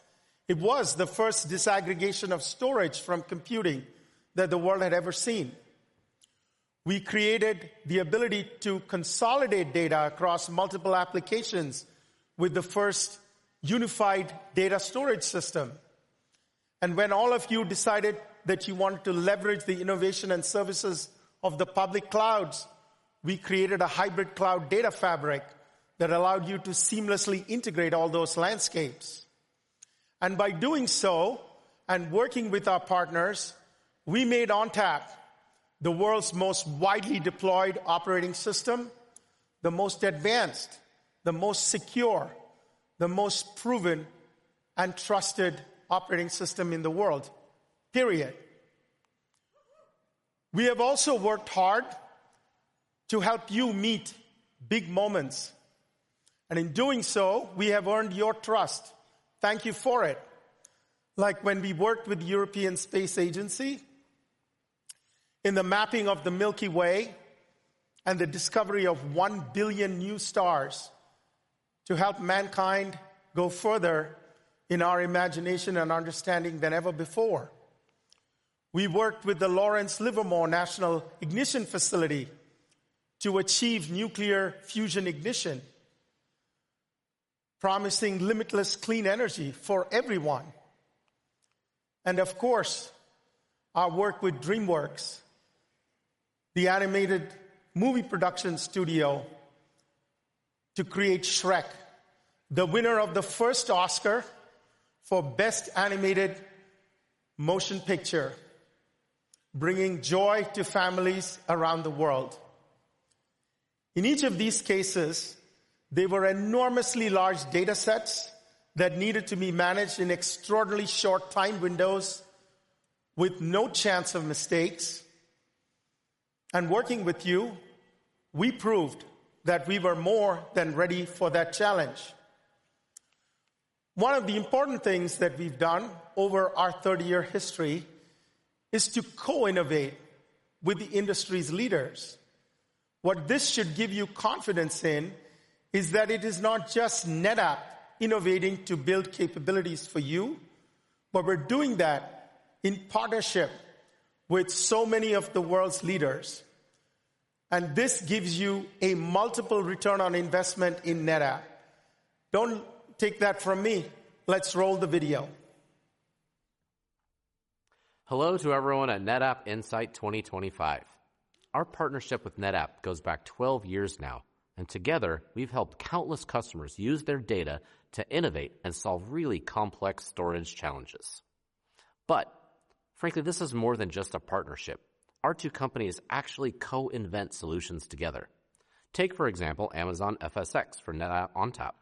It was the first disaggregation of storage from computing that the world had ever seen. We created the ability to consolidate data across multiple applications with the first unified data storage system. When all of you decided that you wanted to leverage the innovation and services of the public clouds, we created a hybrid cloud data fabric that allowed you to seamlessly integrate all those landscapes. By doing so, and working with our partners, we made ONTAP, the world's most widely deployed operating system. The most advanced, the most secure, the most proven and trusted operating system in the world. Period. We have also worked hard to help you meet big moments. In doing so, we have earned your trust. Thank you for it. Like when we worked with European Space Agency in the mapping of the Milky Way and the discovery of 1 billion new stars to help mankind go further in our imagination and understanding than ever before. We worked with the Lawrence Livermore National Ignition Facility to achieve nuclear fusion ignition, promising limitless clean energy for everyone. Of course, our work with DreamWorks, the animated movie production studio, to create Shrek, the winner of the first Oscar for Best Animated Motion Picture, bringing joy to families around the world. In each of these cases, they were enormously large data sets that needed to be managed in extraordinarily short time windows with no chance of mistakes, and working with you, we proved that we were more than ready for that challenge. One of the important things that we've done over our 30-year history is to co-innovate with the industry's leaders. What this should give you confidence in is that it is not just NetApp innovating to build capabilities for you, but we're doing that in partnership with so many of the world's leaders, and this gives you a multiple return on investment in NetApp. Don't take that from me. Let's roll the video. Hello to everyone at NetApp Insight 2025. Our partnership with NetApp goes back 12 years now, and together we've helped countless customers use their data to innovate and solve really complex storage challenges. This is more than just a partnership. Our two companies actually co-invent solutions together. Take for example Amazon FSx for NetApp ONTAP.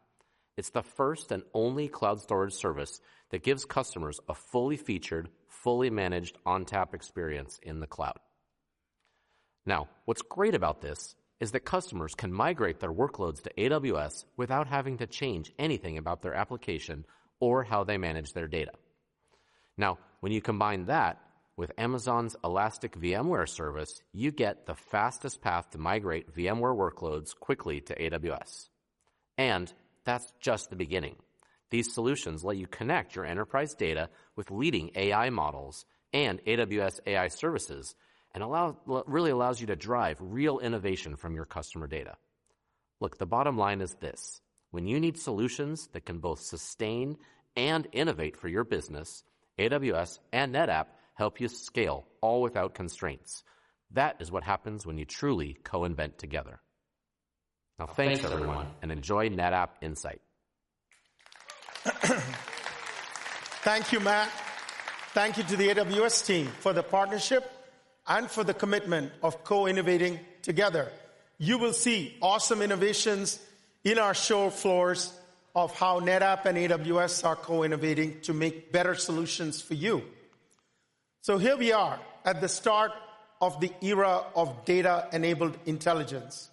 It's the first and only cloud storage service that gives customers a fully featured, fully managed ONTAP experience in the cloud. What's great about this is that customers can migrate their workloads to AWS without having to change anything about their application or how they manage their data. When you combine that with Amazon's elastic VMware service, you get the fastest path to migrate VMware workloads quickly to AWS. That's just the beginning. These solutions let you connect your enterprise. Data with leading AI models and AWS AI services really allows you to drive real innovation from your customer data. Look, the bottom line is this. When you need solutions that can both sustain and innovate for your business, AWS and NetApp help you scale all without constraints. That is what happens when you truly co-invent together. Thanks everyone and enjoy NetApp Insight. Thank you, Matt. Thank you to the AWS team for the partnership and for the commitment of co-innovating. Together, you will see awesome innovations in our show floors of how NetApp and AWS are co-innovating to make better solutions for you. Here we are at the start of the era of data-enabled intelligence.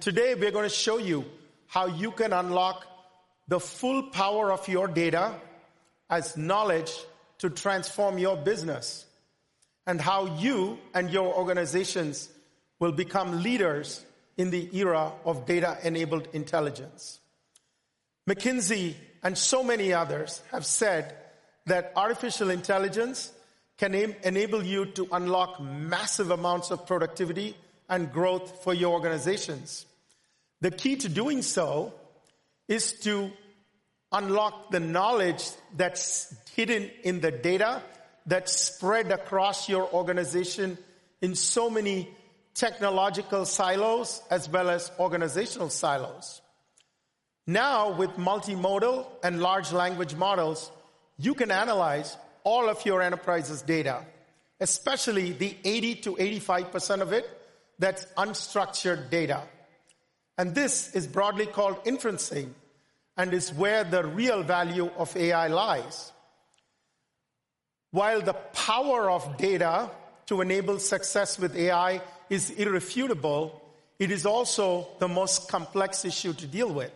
Today, we're going to show you how you can unlock the full power of your data as knowledge to transform your business and how you and your organizations will become leaders in the era of data-enabled intelligence. McKinsey and so many others have said that artificial intelligence can enable you to unlock massive amounts of productivity and growth for your organizations. The key to doing so is to unlock the knowledge that's hidden in the data that's spread across your organization in so many technological silos as well as organizational silos. Now, with multimodal and large language models, you can analyze all of your enterprise's data, especially the 80%-85% of it that's unstructured data. This is broadly called inferencing and is where the real value of AI lies. While the power of data to enable success with AI is irrefutable, it is also the most complex issue to deal with.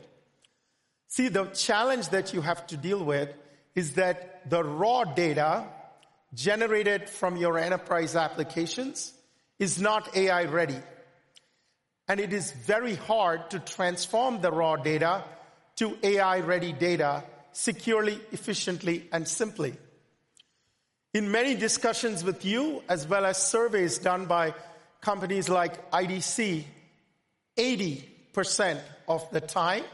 The challenge that you have to deal with is that the raw data generated from your enterprise applications is not AI-ready. It is very hard to transform the raw data to AI-ready data securely, efficiently, and simply. In many discussions with you, as well as surveys done by companies like IDC, 80% of the time—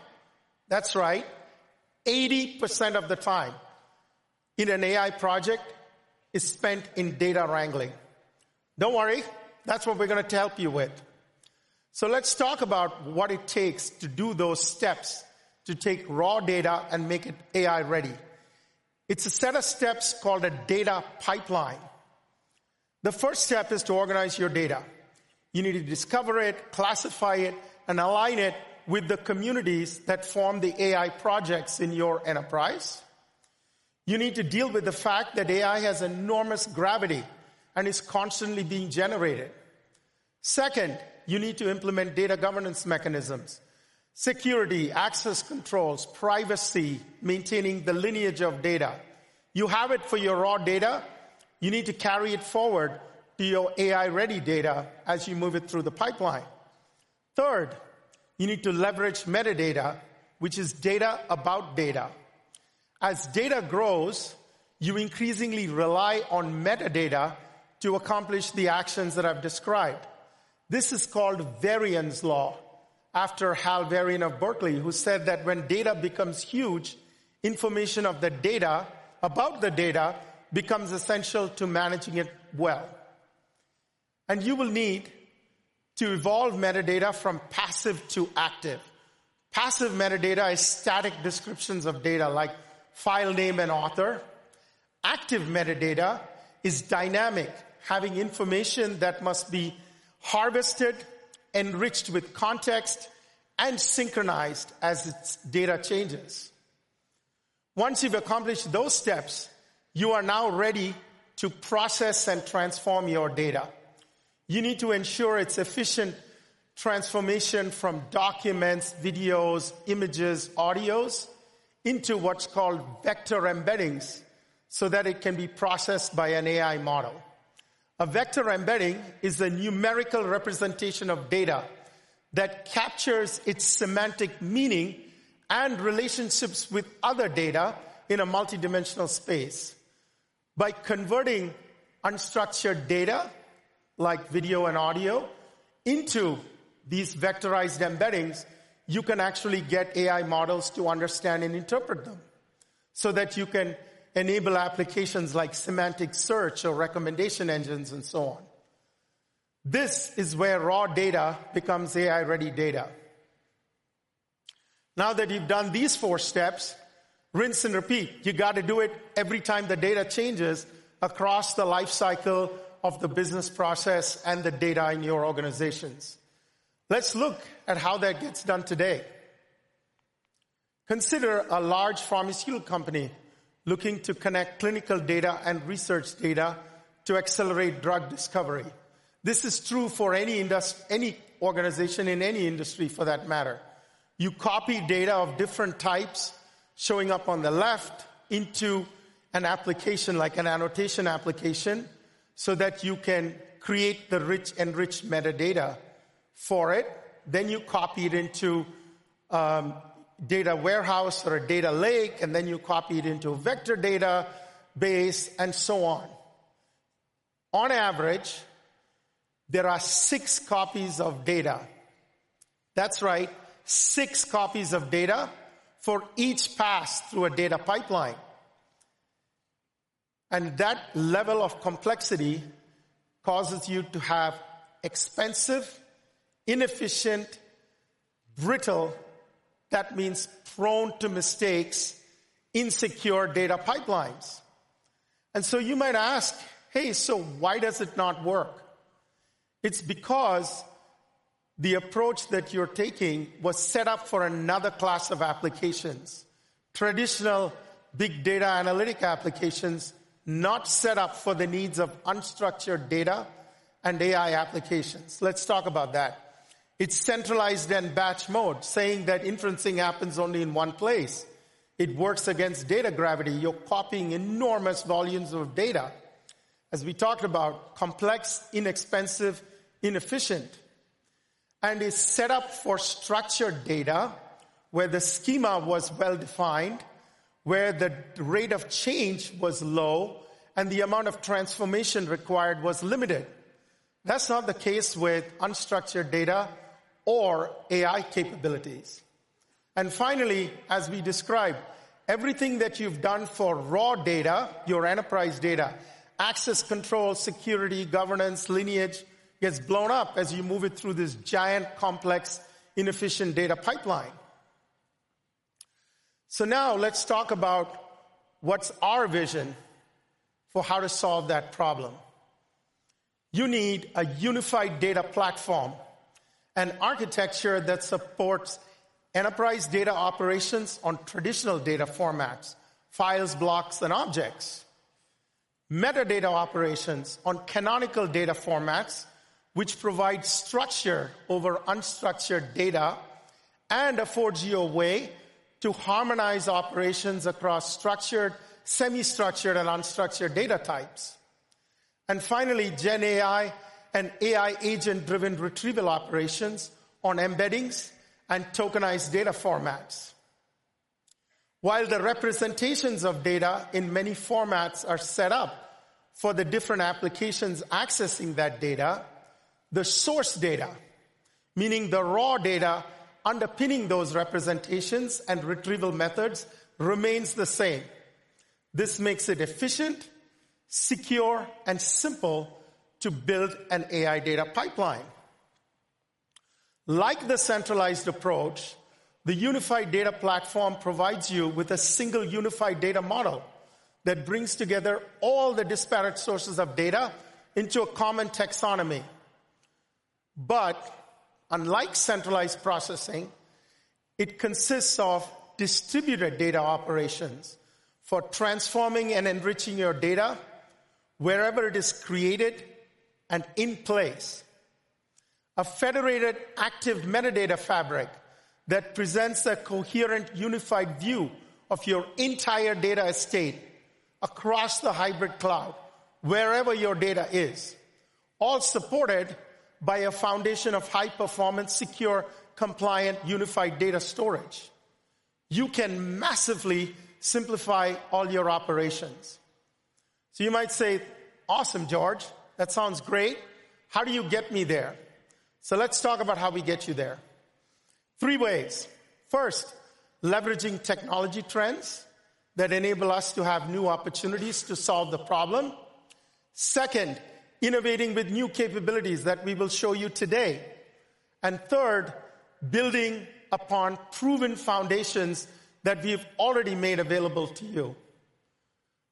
that's right, 80% of the time in an AI project is spent in data wrangling. Don't worry, that's what we're going to help you with. Let's talk about what it takes to do those steps to take raw data and make it AI-ready. It's a set of steps called a data pipeline. The first step is to organize your data. You need to discover it, classify it, and align it with the communities that form the AI projects in your enterprise. You need to deal with the fact that AI has enormous gravity and is constantly being generated. Second, you need to implement data governance mechanisms: security, access controls, privacy, maintaining the lineage of data. You have it for your raw data. You need to carry it forward to your AI-ready data as you move it through the pipeline. Third, you need to leverage metadata, which is data about data. As data grows, you increasingly rely on metadata to accomplish the actions that I've described. This is called Varian's Law, after Hal Varian of Berkeley, who said that when data becomes huge, information of the data about the data becomes essential to managing it well. You will need to evolve metadata from passive to active. Passive metadata is static descriptions of data like file name and author. Active metadata is dynamic, having information that must be harvested, enriched with context, and synchronized as its data changes. Once you've accomplished those steps, you are now ready to process and transform your data. You need to ensure its efficient transformation from documents, videos, images, audios, into what's called vector embeddings so that it can be processed by an AI model. A vector embedding is a numerical representation of data that captures its semantic meaning and relationships with other data in a multidimensional space. By converting unstructured data like video and audio into these vectorized embeddings, you can actually get AI models to understand and interpret them so that you can enable applications like semantic search or recommendation engines and so on. This is where raw data becomes AI-ready data. Now that you've done these four steps, rinse and repeat, you gotta do it every time the data changes across the lifecycle of the business process and the data in your organizations. Let's look at how that gets done today. Consider a large pharmaceutical company looking to connect clinical data and research data to accelerate drug discovery. This is true for any organization in any industry for that matter. You copy data of different types showing up on the left into an application like an annotation application, so that you can create the rich, enriched metadata for it. You copy it into a data warehouse or a data lake, and then you copy it into a vector database and so on. On average, there are six copies of data. That's right, six copies of data for each pass through a data pipeline. That level of complexity causes you to have expensive, inefficient, brittle, that means prone to mistakes, insecure data pipelines. You might ask, hey, so why does it not work? It's because the approach that you're taking was set up for another class of applications, traditional big data analytic applications, not set up for the needs of unstructured data and AI applications. Let's talk about that. It's centralized and batch mode, saying that inferencing happens only in one place. It works against data gravity. You're copying enormous volumes of data as we talked about, complex, inexpensive, inefficient, and is set up for structured data where the schema was well defined, where the rate of change was low and the amount of transformation required was limited. That's not the case with unstructured data or AI capabilities. Finally, as we described, everything that you've done for raw data, your enterprise data access control, security, governance, lineage gets blown up as you move it through this giant, complex, inefficient data pipeline. Now let's talk about what's our vision for how to solve that problem. You need a unified data platform, an architecture that supports enterprise data operations on traditional data formats, files, blocks and objects, metadata operations on canonical data formats which provide structure over unstructured data and a 4G way to harmonize operations across structured, semi-structured and unstructured data types. Finally, Gen AI and AI agent driven retrieval operations on embeddings and tokenized data formats. While the representations of data in many formats are set up for the different applications accessing that data, the source data, meaning the raw data underpinning those representations and retrieval methods, remains the same. This makes it efficient, secure and simple to build an AI data pipeline. Like the centralized approach, the unified data platform provides you with a single unified data model that brings together all the disparate sources of data into a common taxonomy. Unlike centralized processing, it consists of distributed data operations for transforming and enriching your data wherever it is created and in place. A federated active metadata fabric that presents a coherent, unified view of your entire data estate across the hybrid cloud, wherever your data is, all supported by a foundation of high performance, secure, compliant unified data storage, you can massively simplify all your operations. You might say, awesome, George, that sounds great. How do you get me there? Let's talk about how we get you there. Three ways. First, leveraging technology trends that enable us to have new opportunities to solve the problem. Second, innovating with new capabilities that we will show you today. Third, building upon proven foundations that we've already made available to you.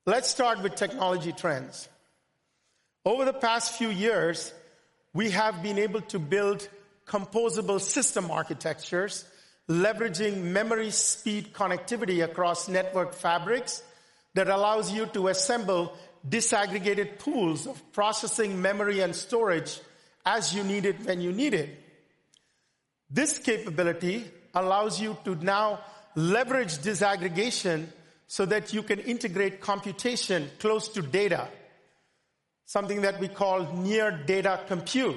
Let's start with technology trends. Over the past few years, we have been able to build composable system architectures leveraging memory-speed connectivity across network fabrics that allows you to assemble disaggregated pools of processing, memory, and storage as you need it, when you need it. This capability allows you to now leverage disaggregation so that you can integrate computation close to data, something that we call near data compute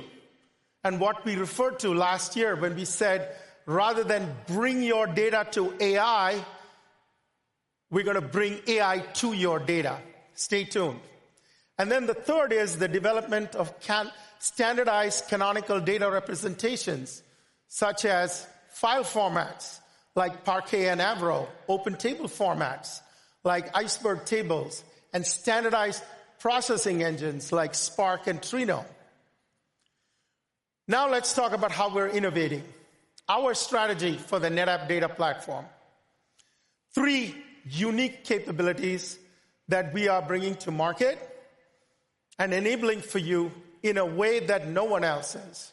and what we referred to last year when we said rather than bring your data to AI, we're going to bring AI to your data. Stay tuned. The third is the development of standardized canonical data representations such as file formats like Parquet and Avro, open table formats like Iceberg tables, and standardized processing engines like Spark and Trino. Now let's talk about how we're innovating our strategy for the NetApp data platform. Three unique capabilities that we are bringing to market and enabling for you in a way that no one else is.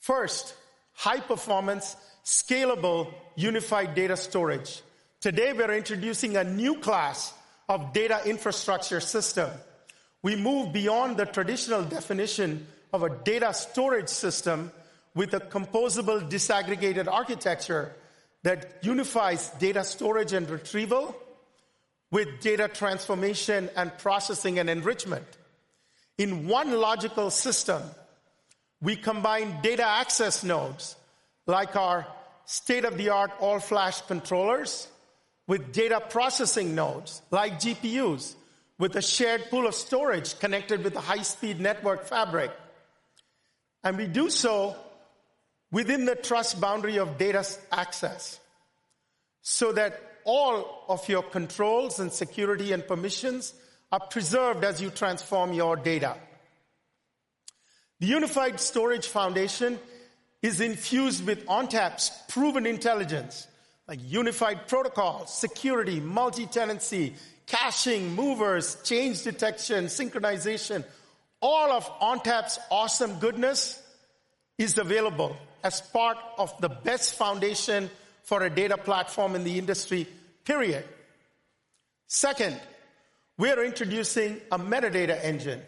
First, high-performance, scalable unified data storage. Today, we are introducing a new class of data infrastructure system. We move beyond the traditional definition of a data storage system with a composable, disaggregated architecture that unifies data storage and retrieval with data transformation, processing, and enrichment in one logical system. We combine data access nodes like our state-of-the-art all-flash controllers with data processing nodes like GPUs, with a shared pool of storage connected with the high-speed network fabric. We do so within the trust boundary of data access so that all of your controls, security, and permissions are preserved as you transform your data. The unified storage foundation is infused with ONTAP's proven intelligence like unified protocol security, multi-tenancy integration, caching movers, change detection, and synchronization. All of ONTAP's awesome goodness is available as part of the best foundation for a data platform in the industry. Period. Second, we are introducing a metadata engine.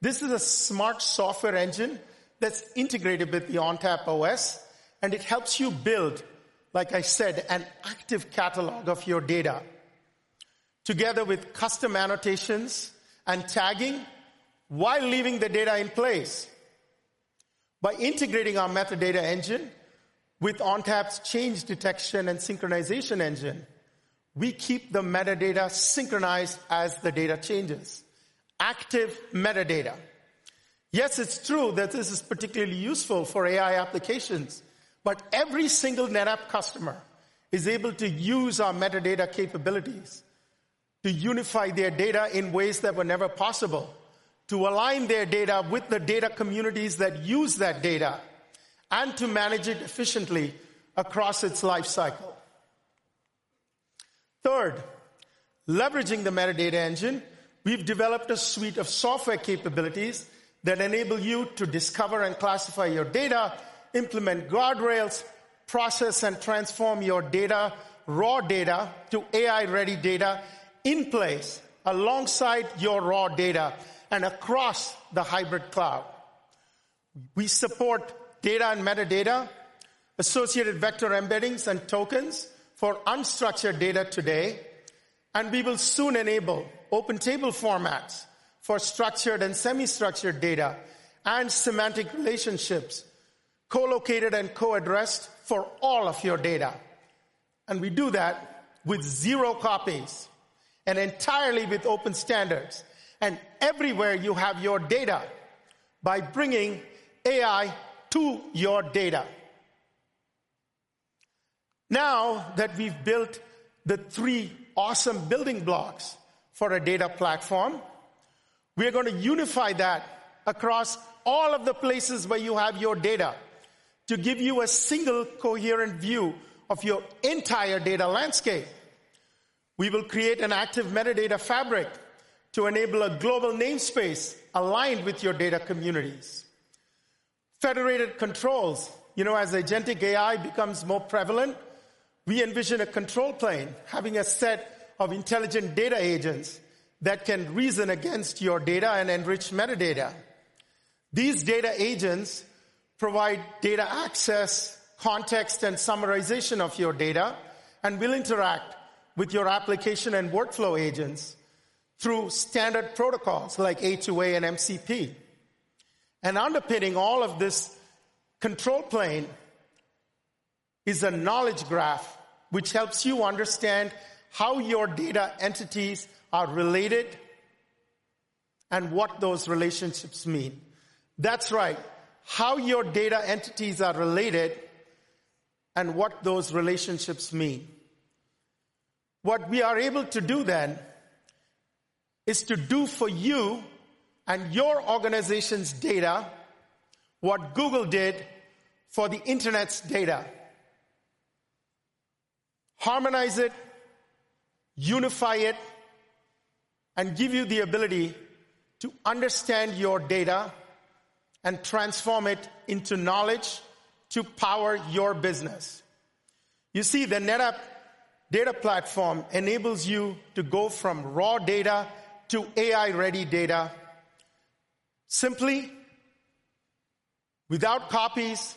This is a smart software engine that's integrated with the ONTAP OS, and it helps you build, like I said, an active catalog of your data together with custom annotations and tagging while leaving the data in place. By integrating our metadata engine with ONTAP's change detection and synchronization engine, we keep the metadata synchronized as the data changes. Active metadata, yes, it's true that this is particularly useful for AI applications, but every single NetApp customer is able to use our metadata capabilities to unify their data in ways that were never possible, to align their data with the data communities that use that data, and to manage it efficiently across its life cycle. Third, leveraging the metadata engine, we've developed a suite of software capabilities that enable you to discover and classify your data, implement guardrails, process and transform your raw data to AI-ready data in place alongside your raw data and across the hybrid cloud. We support data and metadata associated vector embeddings and tokens for unstructured data today, and we will soon enable open table formats for structured and semi-structured data and semantic relationships co-located and co-addressed for all of your data. We do that with zero copies and entirely with open standards and everywhere you have your data by bringing AI to your data. Now that we've built the three awesome building blocks for a data platform, we are going to unify that across all of the places where you have your data to give you a single coherent view of your entire data landscape. We will create an active metadata fabric to enable a global namespace aligned with your data communities. Federated controls, you know, as agentic AI becomes more prevalent, we envision a control plane having a set of intelligent data agents that can reason against your data and enrich metadata. These data agents provide data access, context, and summarization of your data and will interact with your application and workflow agents through standard protocols like A2A and MCP. Underpinning all of this control plane is a knowledge graph which helps you understand how your data entities are related and what those relationships mean. That's right, how your data entities are related and what those relationships mean. What we are able to do then is to do for you and your organization's data what Google did for the Internet's data. Harmonize it, unify it, and give you the ability to understand your data and transform it into knowledge to power your business. You see, the NetApp data platform enables you to go from raw data to AI-ready data simply, without copies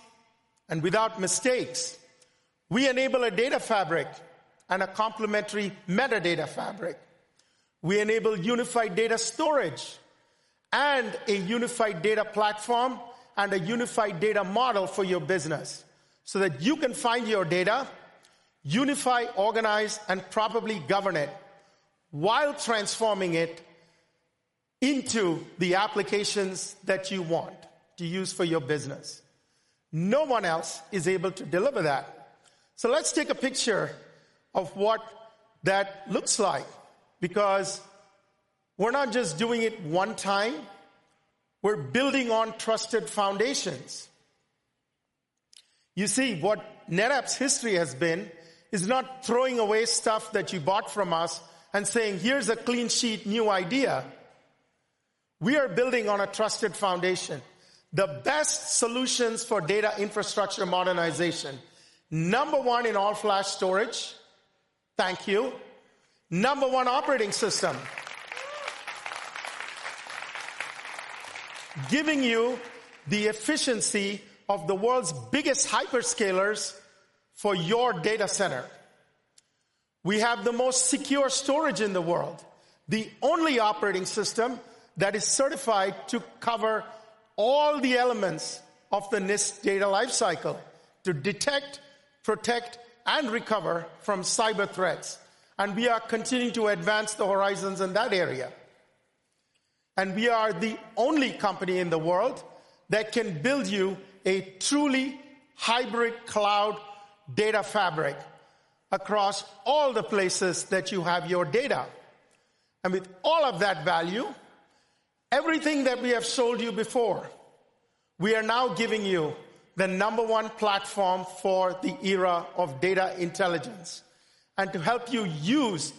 and without mistakes. We enable a data fabric and a complementary metadata fabric. We enable unified data storage and a unified data platform and a unified data model for your business so that you can find your data, unify, organize, and probably govern it, while transforming it into the applications that you want to use for your business. No one else is able to deliver that. Let's take a picture of what that looks like, because we're not just doing it one time. We're building on trusted foundations. You see, what NetApp's history has been is not throwing away stuff that you bought from us and saying, here's a clean sheet, new idea. We are building on a trusted foundation. The best solutions for data infrastructure modernization. Number one in all-flash storage. Thank you. Number one operating system, giving you the efficiency of the world's biggest hyperscalers for your data center. We have the most secure storage in the world, the only operating system that is certified to cover all the elements of the NIST data lifecycle to detect, protect, and recover from cyber threats. We are continuing to advance the horizons in that area. We are the only company in the world that can build you a truly hybrid cloud data fabric across all the places that you have your data. With all of that value, everything that we have sold you before, we are now giving you the number one platform for the era of data intelligence. To help you use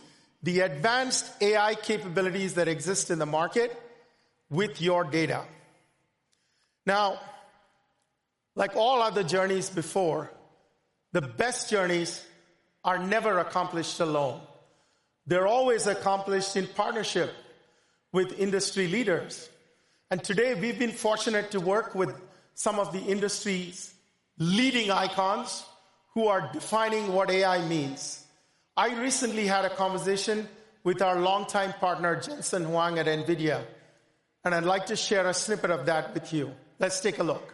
the advanced AI capabilities that exist in the market with your data now. Like all other journeys before, the best journeys are never accomplished alone. They're always accomplished in partnership with industry leaders. Today we've been fortunate to work with some of the industry's leading icons who are defining what AI means. I recently had a conversation with our longtime partner, Jensen Huang at NVIDIA, and I'd like to share a snippet of that with you. Let's take a look.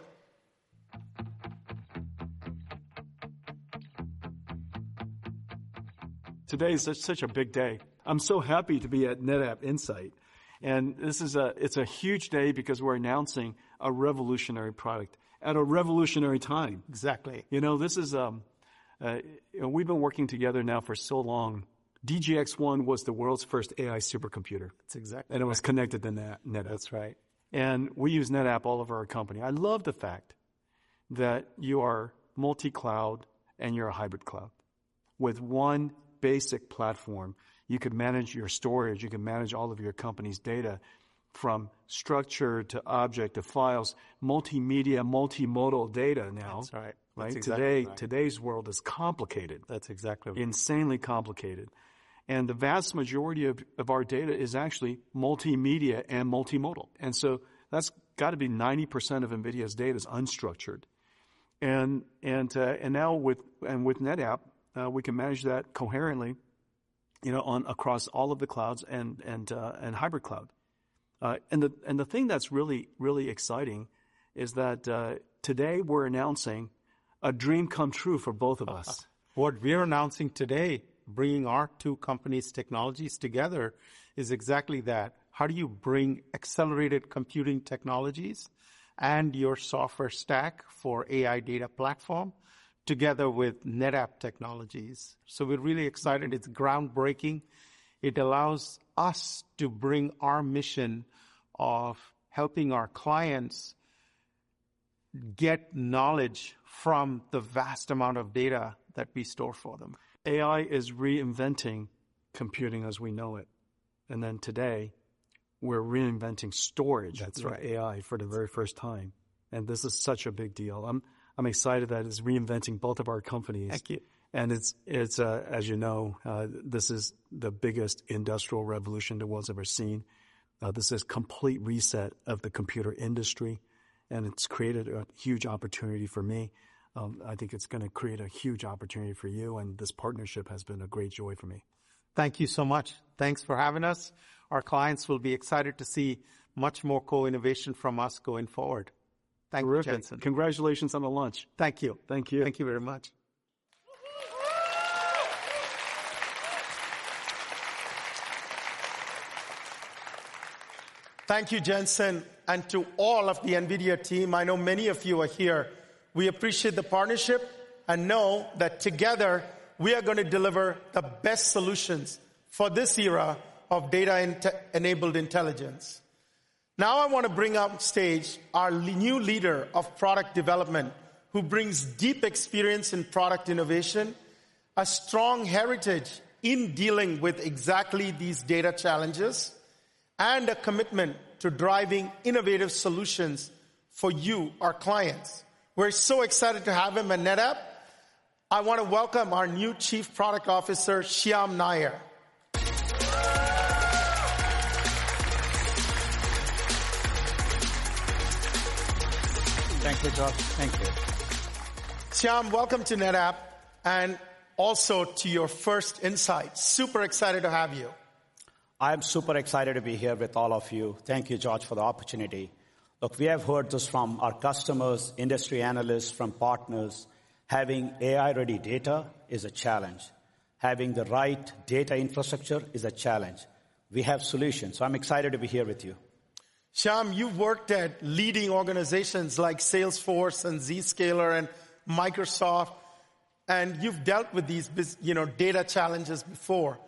Today is such a big day. I'm so happy to be at NetApp Insight, and it's a huge day because we're announcing a revolutionary product at a revolutionary time. Exactly. You know, this is. We've been working together now for so long. DGX-1 was the world's first AI supercomputer. It was connected to NetApp. We use NetApp all over our company. I love the fact that you are multi-cloud and you're a hybrid cloud. With one basic platform, you could manage your storage. You can manage all of your company's data from structured to object to files, multimedia, multimodal data. Today's world is complicated. That's exactly, insanely complicated. The vast majority of our data is actually multimedia and multimodal. That has got to be 90% of NVIDIA's data is unstructured. Now with NetApp, we can manage that coherently across all of the clouds and hybrid cloud. The thing that's really, really exciting is that today we're announcing a dream come true for both of us. What we are announcing today, bringing our two companies' technologies together, is exactly that. How do you bring accelerated computing technologies and your software stack for AI data platform together with NetApp technologies? We're really excited. It's groundbreaking. It allows us to bring our mission of helping our clients get knowledge from the vast amount of data that we store for them. AI is reinventing computing as we know it. Today we're reinventing storage for AI for the very first time. This is such a big deal. I'm excited that it's reinventing both of our companies. Thank you. As you know, this is the biggest industrial revolution the world's ever seen. This is a complete reset of the computer industry, and it's created a huge opportunity for me. I think it's going to create a huge opportunity for you, and this partnership has been a great joy for me. Thank you so much. Thanks for having us. Our clients will be excited to see much more co-innovation from us going forward. Thank you, Jensen. Congratulations on the launch. Thank you. Thank you. Thank you very much. Thank you, Jensen. To all of the NVIDIA team, I know many of you are here. We appreciate the partnership and know that together we are going to deliver the best solutions for this era of data-enabled intelligence. Now I want to bring up on stage our new leader of product development, who brings deep experience in product innovation, a strong heritage in dealing with exactly these data challenges, and a commitment to driving innovative solutions for you, our clients. We're so excited to have him at NetApp. I want to welcome our new Chief Product Officer, Syam Nair. Thank you, George. Thank you, Syam. Welcome to NetApp and also to your first Insight. Super excited to have you. I'm super excited to be here with all of you. Thank you, George, for the opportunity. We have heard this from our customers, industry analysts, from partners. Having AI-ready data is a challenge. Having the right data infrastructure is a challenge. We have solutions. I'm excited to be here with you, Syam. You've worked at leading organizations like Salesforce, Zscaler, and Microsoft, and you've dealt with these data challenges before.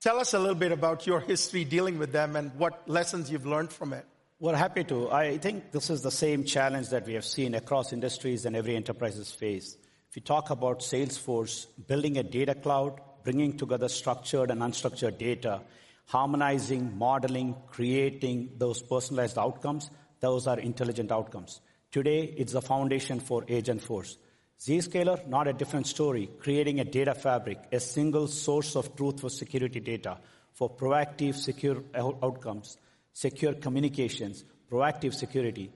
Tell us a little bit about your history dealing with them and what lessons you've learned from it. We're happy to. I think this is the same challenge that we have seen across industries and every enterprise's face. If you talk about Salesforce building a Data Cloud, bringing together structured and unstructured data, harmonizing, modeling, creating those personalized outcomes, those are intelligent outcomes. Today it's a foundation for Agentforce, Zscaler, not a different story. Creating a data fabric, a single source of truth for security data for proactive secure outcomes, secure communications, proactive security.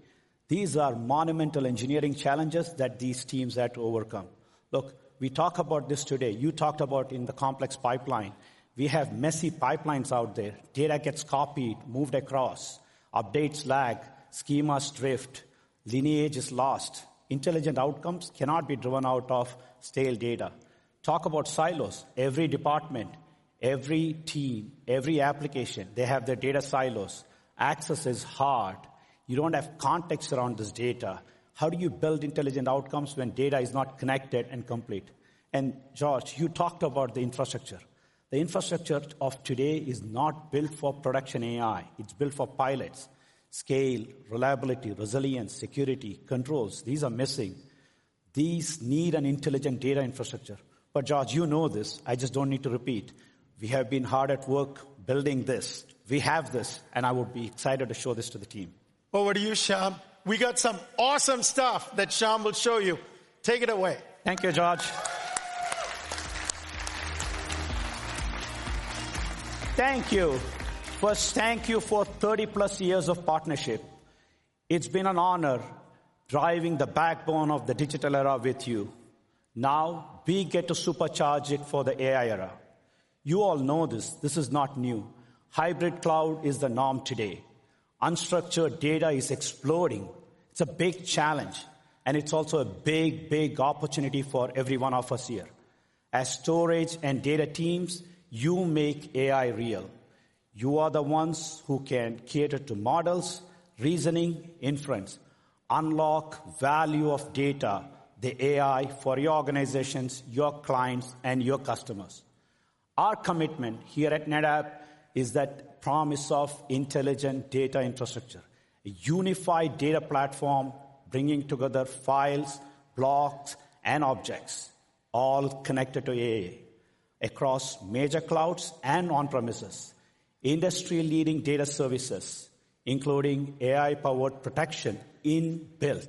These are monumental engineering challenges that these teams had to overcome. We talk about this today. You talked about in the complex pipeline. We have messy pipelines out there. Data gets copied, moved across, updates, lag, schemas, drift, lineage is lost. Intelligent outcomes cannot be driven out of stale data. Talk about silos. Every department, every team, every application, they have the data silos. Access is hard. You don't have context around this data. How do you build intelligent outcomes when data is not connected and complete? George, you talked about the infrastructure. The infrastructure of today is not built for production AI. It's built for pilots. Scale, reliability, resilience, security controls. These are missing. These need an intelligent data infrastructure. George, you know this. I just don't need to repeat. We have been hard at work building this. We have this and I would be excited to show this to the team. Over to you, Syam. We got some awesome stuff that Syam will show you. Take it away. Thank you, George. Thank you. First, thank you for 30+ years of partnership. It's been an honor driving the backbone of the digital era with you. Now we get to supercharge it for the AI era. You all know this. This is not new. Hybrid cloud is the norm today. Unstructured data is exploding. It's a big challenge and it's also a big, big opportunity for every one of us here. As storage and data teams, you make AI real. You are the ones who can cater to models, reasoning, inference, unlock value of data. The AI for your organizations, your clients, and your customers. Our commitment here at NetApp is that promise of intelligent data infrastructure. A unified data platform bringing together files, blocks, and objects, all connected to AI across major clouds and on-premises, industry-leading data services including AI-powered protection, built-in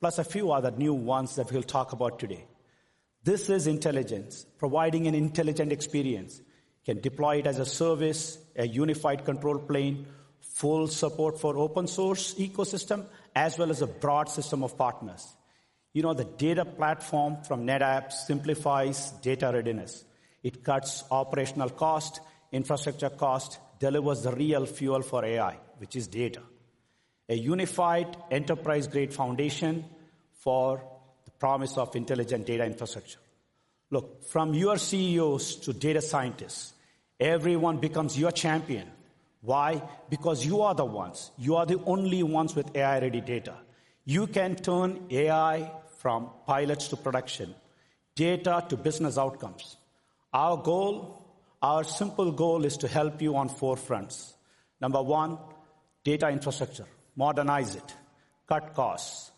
plus a few other new ones that we'll talk about today. This is intelligence providing an intelligent experience, can deploy it as a service. A unified control plane, full support for open source ecosystem as well as a broad system of partners. You know the data platform from NetApp simplifies data readiness. It cuts operational cost, infrastructure cost. Delivers the real fuel for AI, which is data. A unified enterprise-grade foundation for the promise of intelligent data infrastructure. Look, from your CEOs to data scientists, everyone becomes your champion. Why? Because you are the ones, you are the only ones with AI-ready data. You can turn AI from pilots to production data to business outcomes. Our goal, our simple goal, is to help you on four fronts. Number one, data infrastructure, modernize it, cut costs,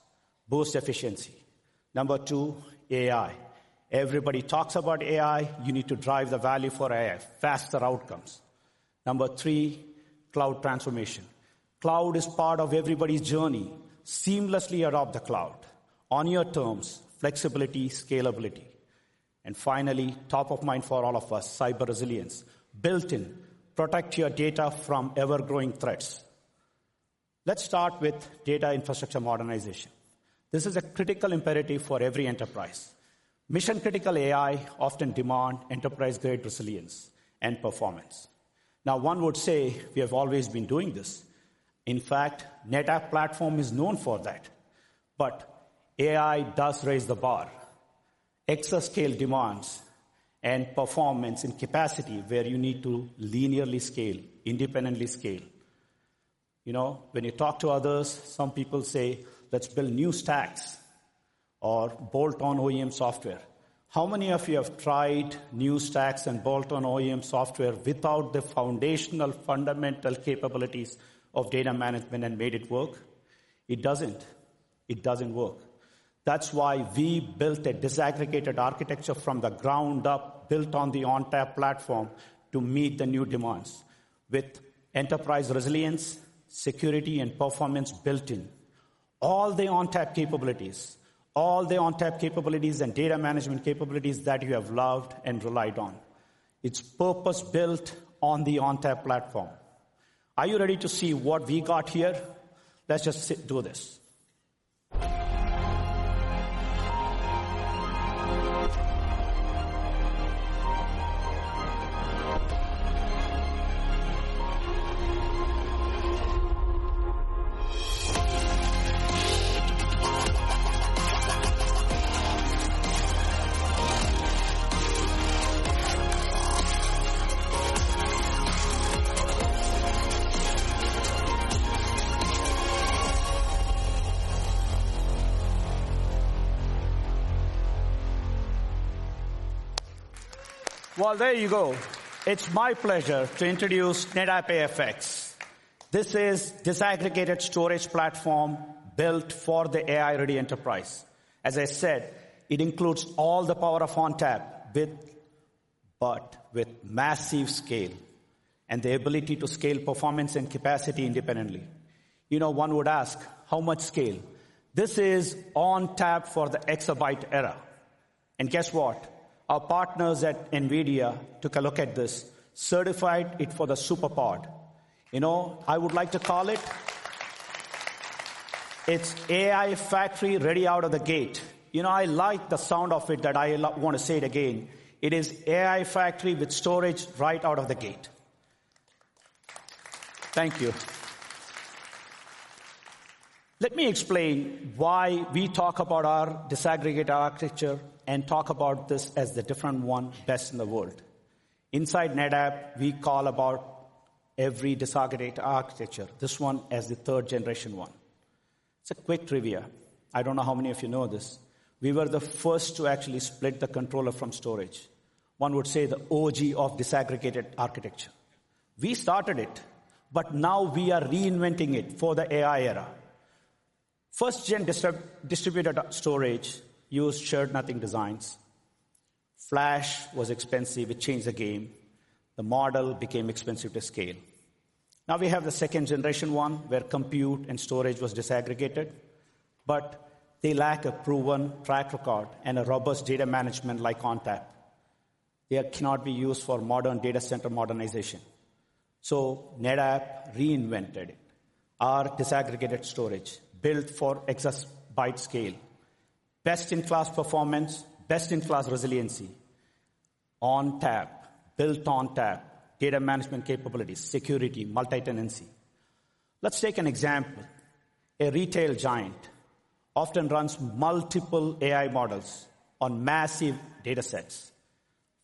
boost efficiency. Number two, AI. Everybody talks about AI, you need to drive the value for AI, faster outcomes. Number three, cloud transformation. Cloud is part of everybody's journey. Seamlessly adopt the cloud on your terms. Flexibility, scalability, and finally, top of mind for all of us, cyber resilience built in, protect your data from ever-growing threats. Let's start with data infrastructure modernization. This is a critical imperative for every enterprise mission. Critical AI often demand enterprise-grade resilience and performance. One would say we have always been doing this. In fact, NetApp platform is known for that. AI does raise the bar. Exascale demands and performance and capacity where you need to linearly scale, independently scale when you talk to others. Some people say let's build new stacks or bolt on OEM software. How many of you have tried new stacks and bolt on OEM software without the foundational fundamental capabilities of data management and made it work? It doesn't. It doesn't work. That's why we built a disaggregated architecture from the ground up built on the ONTAP platform to meet the new demands, with enterprise resilience, security, and performance built in. All the ONTAP capabilities, all the ONTAP capabilities and data management capabilities that you have loved and relied on. It's purpose built on the ONTAP platform. Are you ready to see what we got here? Let's just do this. There you go. It's my pleasure to introduce NetApp AFX. This is a disaggregated storage platform built for the AI-ready enterprise. As I said, it includes all the power of ONTAP but with massive scale and the ability to scale performance and capacity independently. You know, one would ask how much scale this is ONTAP for the exabyte era. Guess what? Our partners at NVIDIA took a look at this, certified it for the SuperPOD. You know I would like to call it AI factory ready out of the gate. I like the sound of it so I want to say it again. It is AI factory with storage right out of the gate. Thank you. Let me explain why we talk about our disaggregated architecture and talk about this as the different one, better, best in the world. Inside NetApp we call every disaggregated architecture, this one as the third generation one. It's a quick trivia. I don't know how many of you know this. We were the first to actually split the controller from storage. One would say the OG of disaggregated architecture. We started it, but now we are reinventing it for the AI era. First gen distributed storage used shared nothing designs. Flash was expensive. It changed the game. The model became expensive to scale. Now we have the second generation, one where compute and storage was disaggregated, but they lack a proven track record and a robust data management like ONTAP. They cannot be used for modern data center modernization. NetApp reinvented it. Our disaggregated storage built for exabyte scale. Best in class performance, best in class resiliency ONTAP. Built ONTAP data management capabilities, security, multi-tenancy. Let's take an example. A retail giant often runs multiple AI models on massive data sets.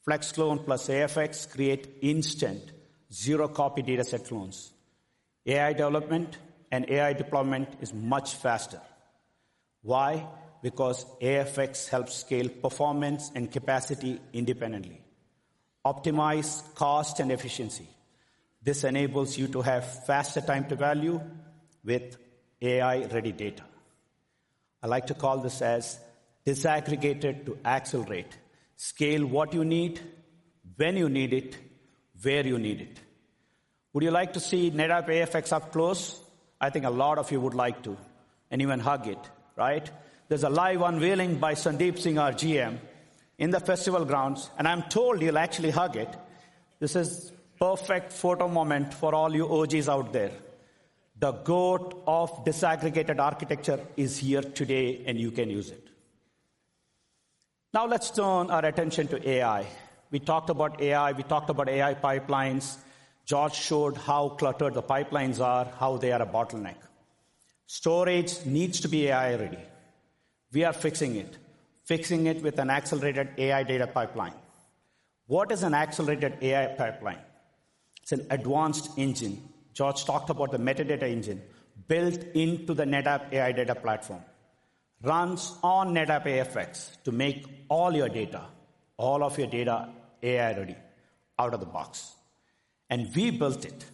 FlexClone plus AFX create instant zero-copy data set clones. AI development and AI deployment is much faster. Why? Because AFX helps scale performance and capacity independently, optimize cost and efficiency. This enables you to have faster time to value with AI-ready data. I like to call this as disaggregated to accelerate scale. What you need, when you need it, where you need it. Would you like to see NetApp AFX up close? I think a lot of you would like to and even hug it, right? There's a live unveiling by Sandeep Singh, our GM, in the festival grounds. I'm told you'll actually hug it. This is a perfect photo moment for all you OGs out there. The GOAT of disaggregated architecture is here today and you can use it. Now let's turn our attention to AI. We talked about AI. We talked about AI pipelines. George showed how cluttered the pipelines are, how they are a bottleneck. Storage needs to be AI-ready. We are fixing it, fixing it with an accelerated AI data pipeline. What is an accelerated AI pipeline? It's an advanced engine. George talked about the metadata engineering built into the NetApp AI data platform. Runs on NetApp AFX to make all your data, all of your data, AI-ready out of the box and we built it.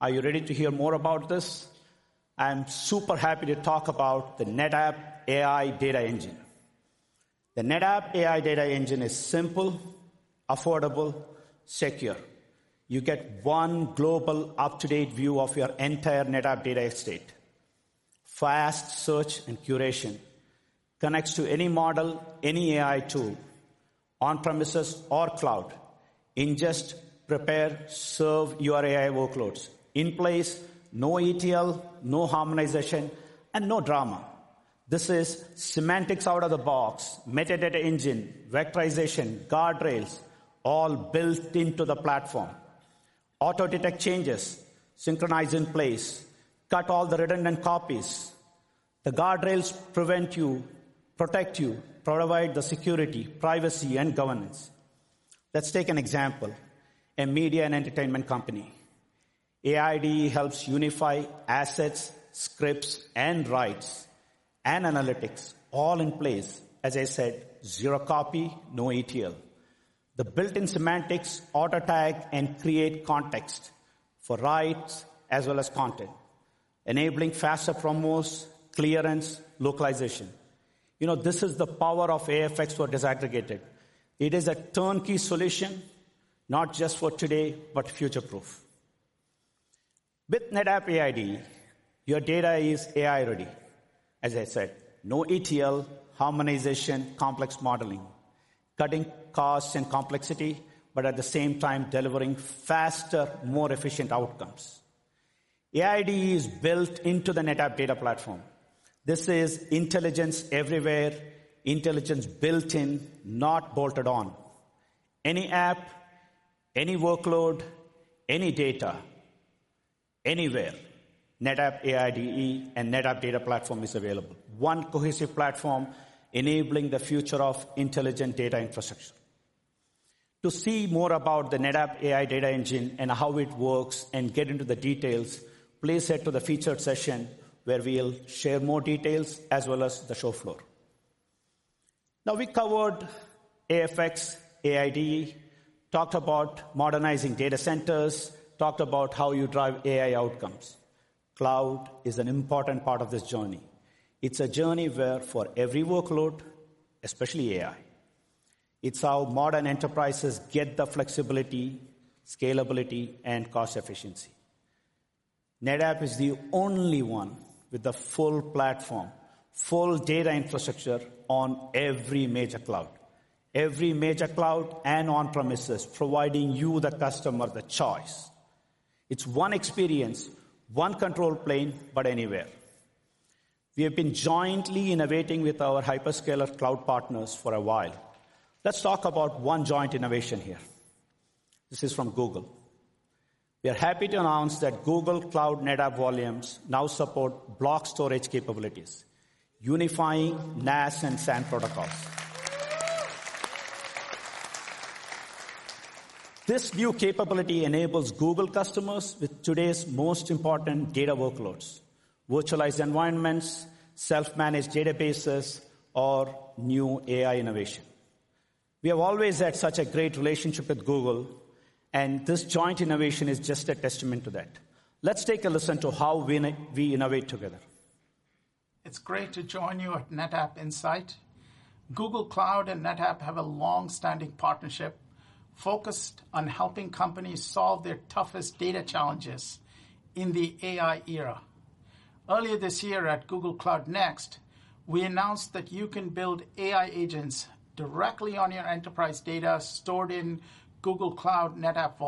Are you ready to hear more about this? I'm super happy to talk about the NetApp AI Data Engine. The NetApp AI Data Engine is simple, affordable, secure. You get one global, up-to-date view of your entire NetApp data estate. Fast search and curation connects to any model, any AI tool, on premises or cloud. Ingest, prepare, serve your AI workloads in place, no ETL, no harmonization, and no drama. This is semantics out of the box. Metadata engine, vectorization, guardrails, all built into the platform. Auto-detect changes, synchronize in place, cut all the redundant copies. The guardrails prevent you, protect you, provide the security, privacy, and governance. Let's take an example. A media and entertainment company AIDE helps unify assets, scripts, and rights and analytics all in place. As I said, zero copy, no ETL. The built-in semantics auto tag and create context for rights as well as content, enabling faster promos, clearance, localization. You know this is the power of AFX for disaggregated. It is a turnkey solution, not just for today but future-proof. With NetApp AIDE, your data is AI-ready. As I said, no ETL, harmonization, complex modeling, cutting costs and complexity, but at the same time delivering faster, more efficient outcomes. AIDE is built into the NetApp data platform. This is intelligence everywhere, intelligence built in, not bolted on. Any app, any workload, any data, anywhere. NetApp AI Data Engine and NetApp Data Platform is available. One cohesive platform enabling the future of intelligent data infrastructure. To see more about the NetApp AI Data Engine and how it works and get into the details, please head to the featured session where we'll share more details as well as the show floor. Now, we covered AFX. AIDE talked about modernizing data centers, talked about how you drive AI outcomes. Cloud is an important part of this journey. It's a journey where for every workload, especially AI, it's how modern enterprises get the flexibility, scalability, and cost efficiency. NetApp is the only one with the full platform, full data infrastructure on every major cloud and on premises, providing you, the customer, the choice. It's one experience, one control plane, but anywhere. We have been jointly innovating with our hyperscaler cloud partners for a while. Let's talk about one joint innovation here. This is from Google. We are happy to announce that Google Cloud NetApp Volumes now support block storage capabilities, unifying NAS and SAN protocols. This new capability enables Google customers with today's most important data workloads, virtualized environments, self-managed databases, or new AI innovation. We have always had such a great relationship with Google, and this joint innovation is just a testament to that. Let's take a listen to how we innovate together. It's great to join you at NetApp Insight. Google Cloud and NetApp have a long-standing partnership focused on helping companies solve their toughest data challenges in the AI era. Earlier this year at Google Cloud Next, we announced that you can build AI agents directly on your enterprise data stored in Google Cloud NetApp Volumes. Google Cloud NetApp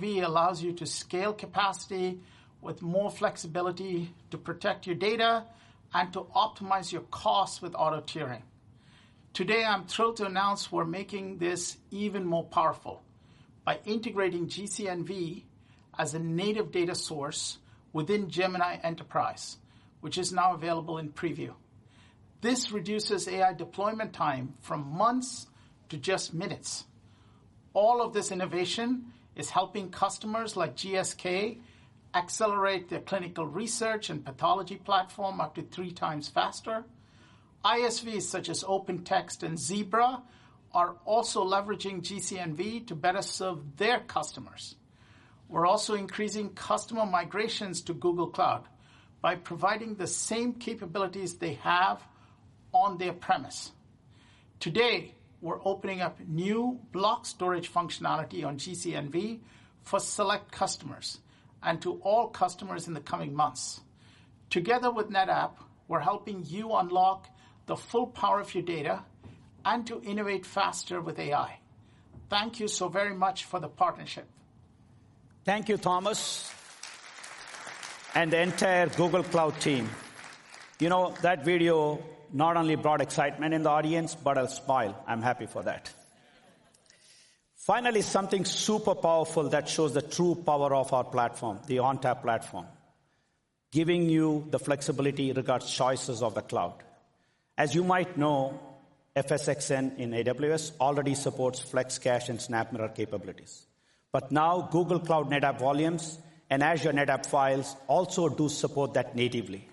Volumes allows you to scale capacity with more flexibility to protect your data and to optimize your costs with auto tiering. Today I'm thrilled to announce we're making this even more powerful by integrating Google Cloud NetApp Volumes as a native data source within Gemini Enterprise, which is now available in preview. This reduces AI deployment time from months to just minutes. All of this innovation is helping customers like GSK accelerate their clinical research and pathology platform up to three times faster. ISVs such as OpenText and Zebra are also leveraging Google Cloud NetApp Volumes to better serve their customers. We're also increasing customer migrations to Google Cloud by providing the same capabilities they have on their premise. Today we're opening up new block storage functionality on Google Cloud NetApp Volumes for select customers and to all customers in the coming months. Together with NetApp we're helping you unlock the full power of your data and to innovate faster with AI. Thank you so very much for the partnership. Thank you, Thomas and the entire Google Cloud team. You know that video not only brought excitement in the audience, but a smile. I'm happy for that. Finally, something super powerful that shows the true power of our platform, the ONTAP platform, giving you the flexibility regarding choices of the cloud. As you might know, Amazon FSx for NetApp ONTAP in Amazon Web Services already supports FlexCache and SnapMirror capabilities. Now, Google Cloud NetApp Volumes and Azure NetApp Files also do support that natively.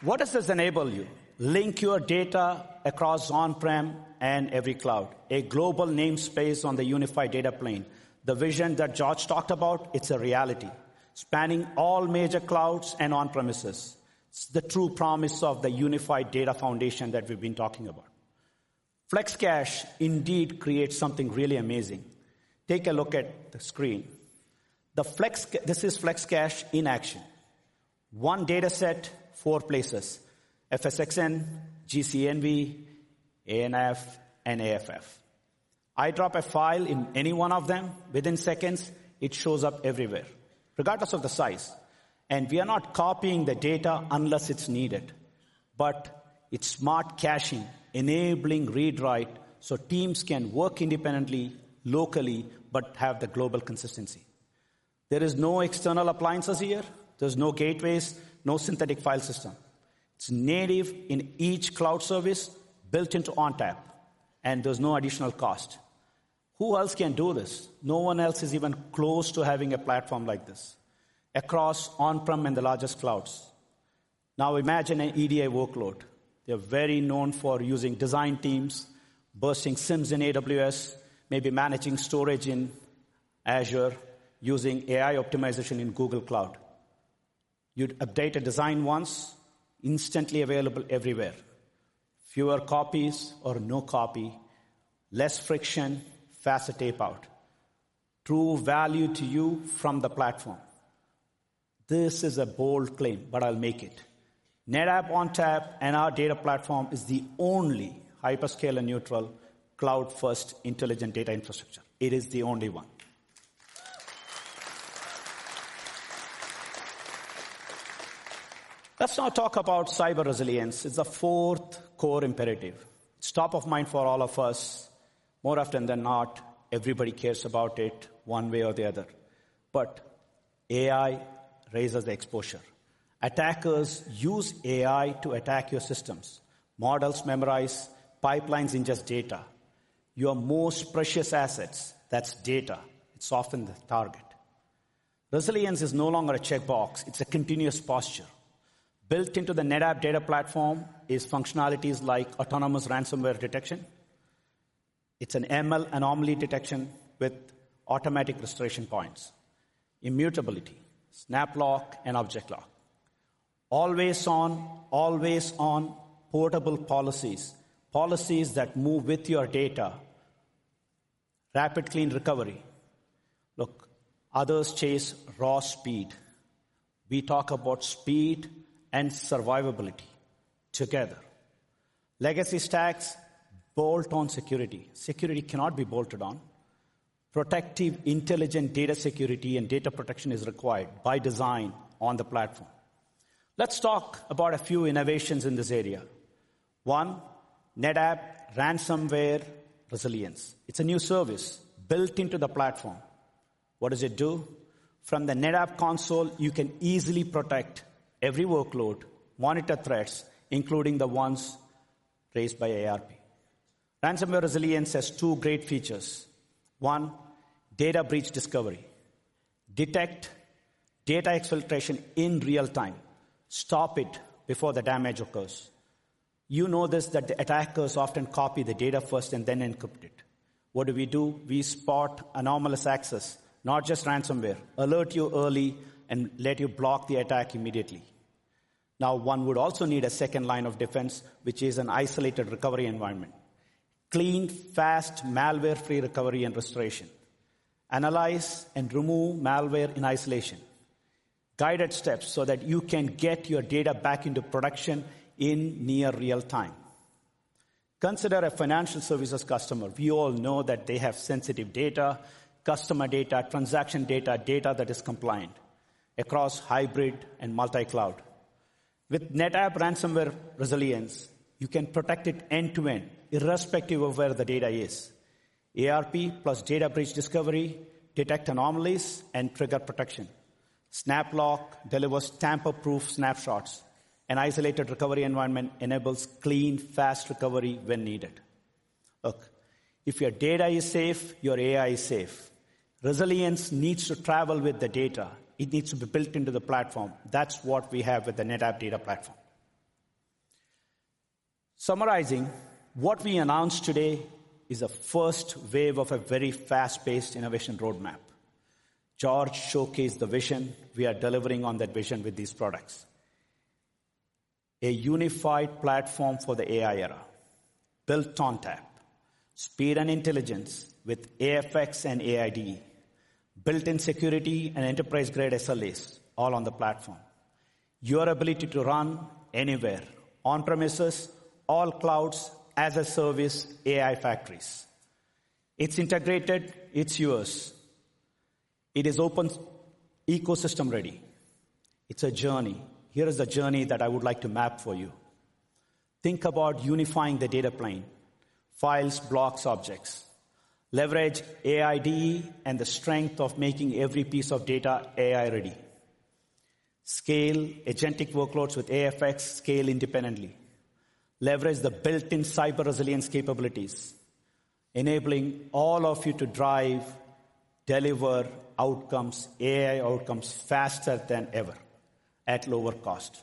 What does this enable? You link your data across on-prem and every cloud. A global namespace on the unified data plane. The vision that George talked about. It's a reality spanning all major clouds and on-premises. The true promise of the Unified Data Foundation that we've been talking about, FlexCache indeed creates something really amazing. Take a look at the screen. This is FlexCache in action. One data set, four places: Amazon FSx for NetApp ONTAP, Google Cloud NetApp Volumes, Azure NetApp Files, and NetApp AFF. I drop a file in any one of them, within seconds it shows up everywhere, regardless of the size. We are not copying the data unless it's needed. It's smart caching, enabling read-write so teams can work independently locally but have the global consistency. There are no external appliances here, there's no gateways, no synthetic file system. It's native in each cloud service, built into ONTAP, and there's no additional cost. Who else can do this? No one else is even close to having a platform like this across on-prem and the largest clouds. Now imagine an EDA workload. They're very known for using design teams, bursting sims in Amazon Web Services, maybe managing storage in Azure, using AI optimization in Google Cloud. You'd update a design once, instantly available everywhere. Fewer copies or no copy, less friction. Facetape out true value to you from the platform. This is a bold claim, but I'll make it. NetApp ONTAP and our data platform is the only hyperscaler-neutral cloud. First intelligent data infrastructure. It is the only one. Now, talk about cyber resilience. It's a fourth core imperative. It's top of mind for all of us. More often than not, everybody cares about it one way or the other. AI raises exposure. Attackers use AI to attack your systems, models, memorize pipelines, ingest data, your most precious assets. That's data. It's often the target. Resilience is no longer a checkbox, it's a continuous posture. Built into the NetApp data platform is functionalities like autonomous ransomware detection. It's an ML anomaly detection with automatic restoration points, immutability, SnapLock, and object lock. Always on, always on. Portable policies, policies that move with your data. Rapid, clean recovery. Look, others chase raw speed. We talk about speed and survivability together. Legacy stacks bolt on security. Security cannot be bolted on. Protective, intelligent data security and data protection is required by design on the platform. Let's talk about a few innovations in this area. One, NetApp Ransomware Resilience. It's a new service built into the platform. What does it do? From the NetApp Console, you can easily protect every workload, monitor threats, including the ones raised by autonomous ransomware protection. Ransomware Resilience has two great features. One, data breach discovery detects data exfiltration in real time. Stop it before the damage occurs. You know this, that the attackers often copy the data first and then encrypt it. What do we do? We spot anomalous access, not just ransomware. Alert you early and let you block the attack immediately. Now, one would also need a second line of defense, which is an isolated recovery environment. Clean, fast, malware-free recovery and restoration. Analyze and remove malware in isolation, guided steps so that you can get your data back into production in near real time. Consider a financial services customer. We all know that they have sensitive data, customer data, transaction data. Data that is compliant across hybrid and multi-cloud. With NetApp Ransomware Resilience, you can protect it end to end irrespective of where the data is. Autonomous ransomware protection plus data breach discovery detect anomalies and trigger protection. SnapLock delivers tamper-proof snapshots. An isolated recovery environment enables clean, fast recovery when needed. Look, if your data is safe, your AI is safe. Resilience needs to travel with the data. It needs to be built into the platform. That's what we have with the NetApp data platform. Summarizing, what we announced today is a first wave of a very fast-paced innovation roadmap. George showcased the vision. We are delivering on that vision with these products. A unified platform for the AI era. Built on ONTAP speed and intelligence with NetApp AFX and AI Data Engine, built-in security, and enterprise-grade SLAs, all on the platform. Your ability to run anywhere, on premises, all clouds, as a service. AI factories. It's integrated, it's yours. It is open ecosystem ready. It's a journey. Here is a journey that I would like to map for you. Think about unifying the data plane. Files, blocks, objects, leverage AI and the strength of making every piece of data AI ready. Scale agentic workloads with AFX, scale independently, leverage the built-in cyber resilience capabilities, enabling all of you to drive, deliver outcomes, AI outcomes faster than ever at lower cost.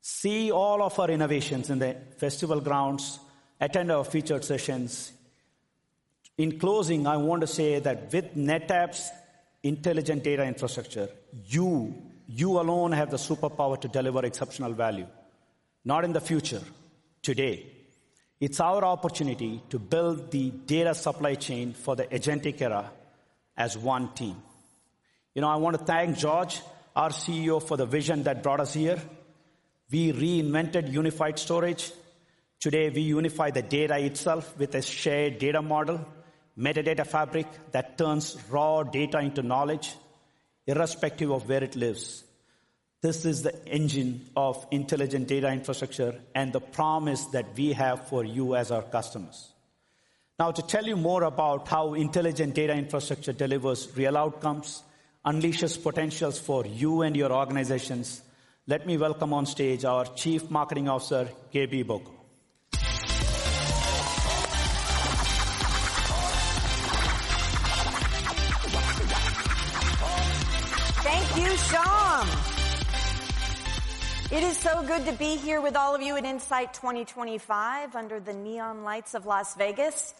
See all of our innovations in the festival grounds. Attend our featured sessions. In closing, I want to say that with NetApp's intelligent data infrastructure, you, you alone have the superpower to deliver exceptional value. Not in the future. Today it's our opportunity to build the data supply chain for the agentic era as one team. You know, I want to thank George, our CEO, for the vision that brought us here. We reinvented unified storage. Today we unify the data itself with a shared data model, metadata fabric that turns raw data into knowledge irrespective of where it lives. This is the engine of intelligent data infrastructure and the promise that we have for you as our customers. Now, to tell you more about how intelligent data infrastructure delivers real outcomes, unleashes potentials for you and your organizations, let me welcome on stage our Chief Marketing Officer, Gabie Boko. Thank you Syam. It is so good to be here with all of you at Insight 2025 under the neon lights of Las Vegas.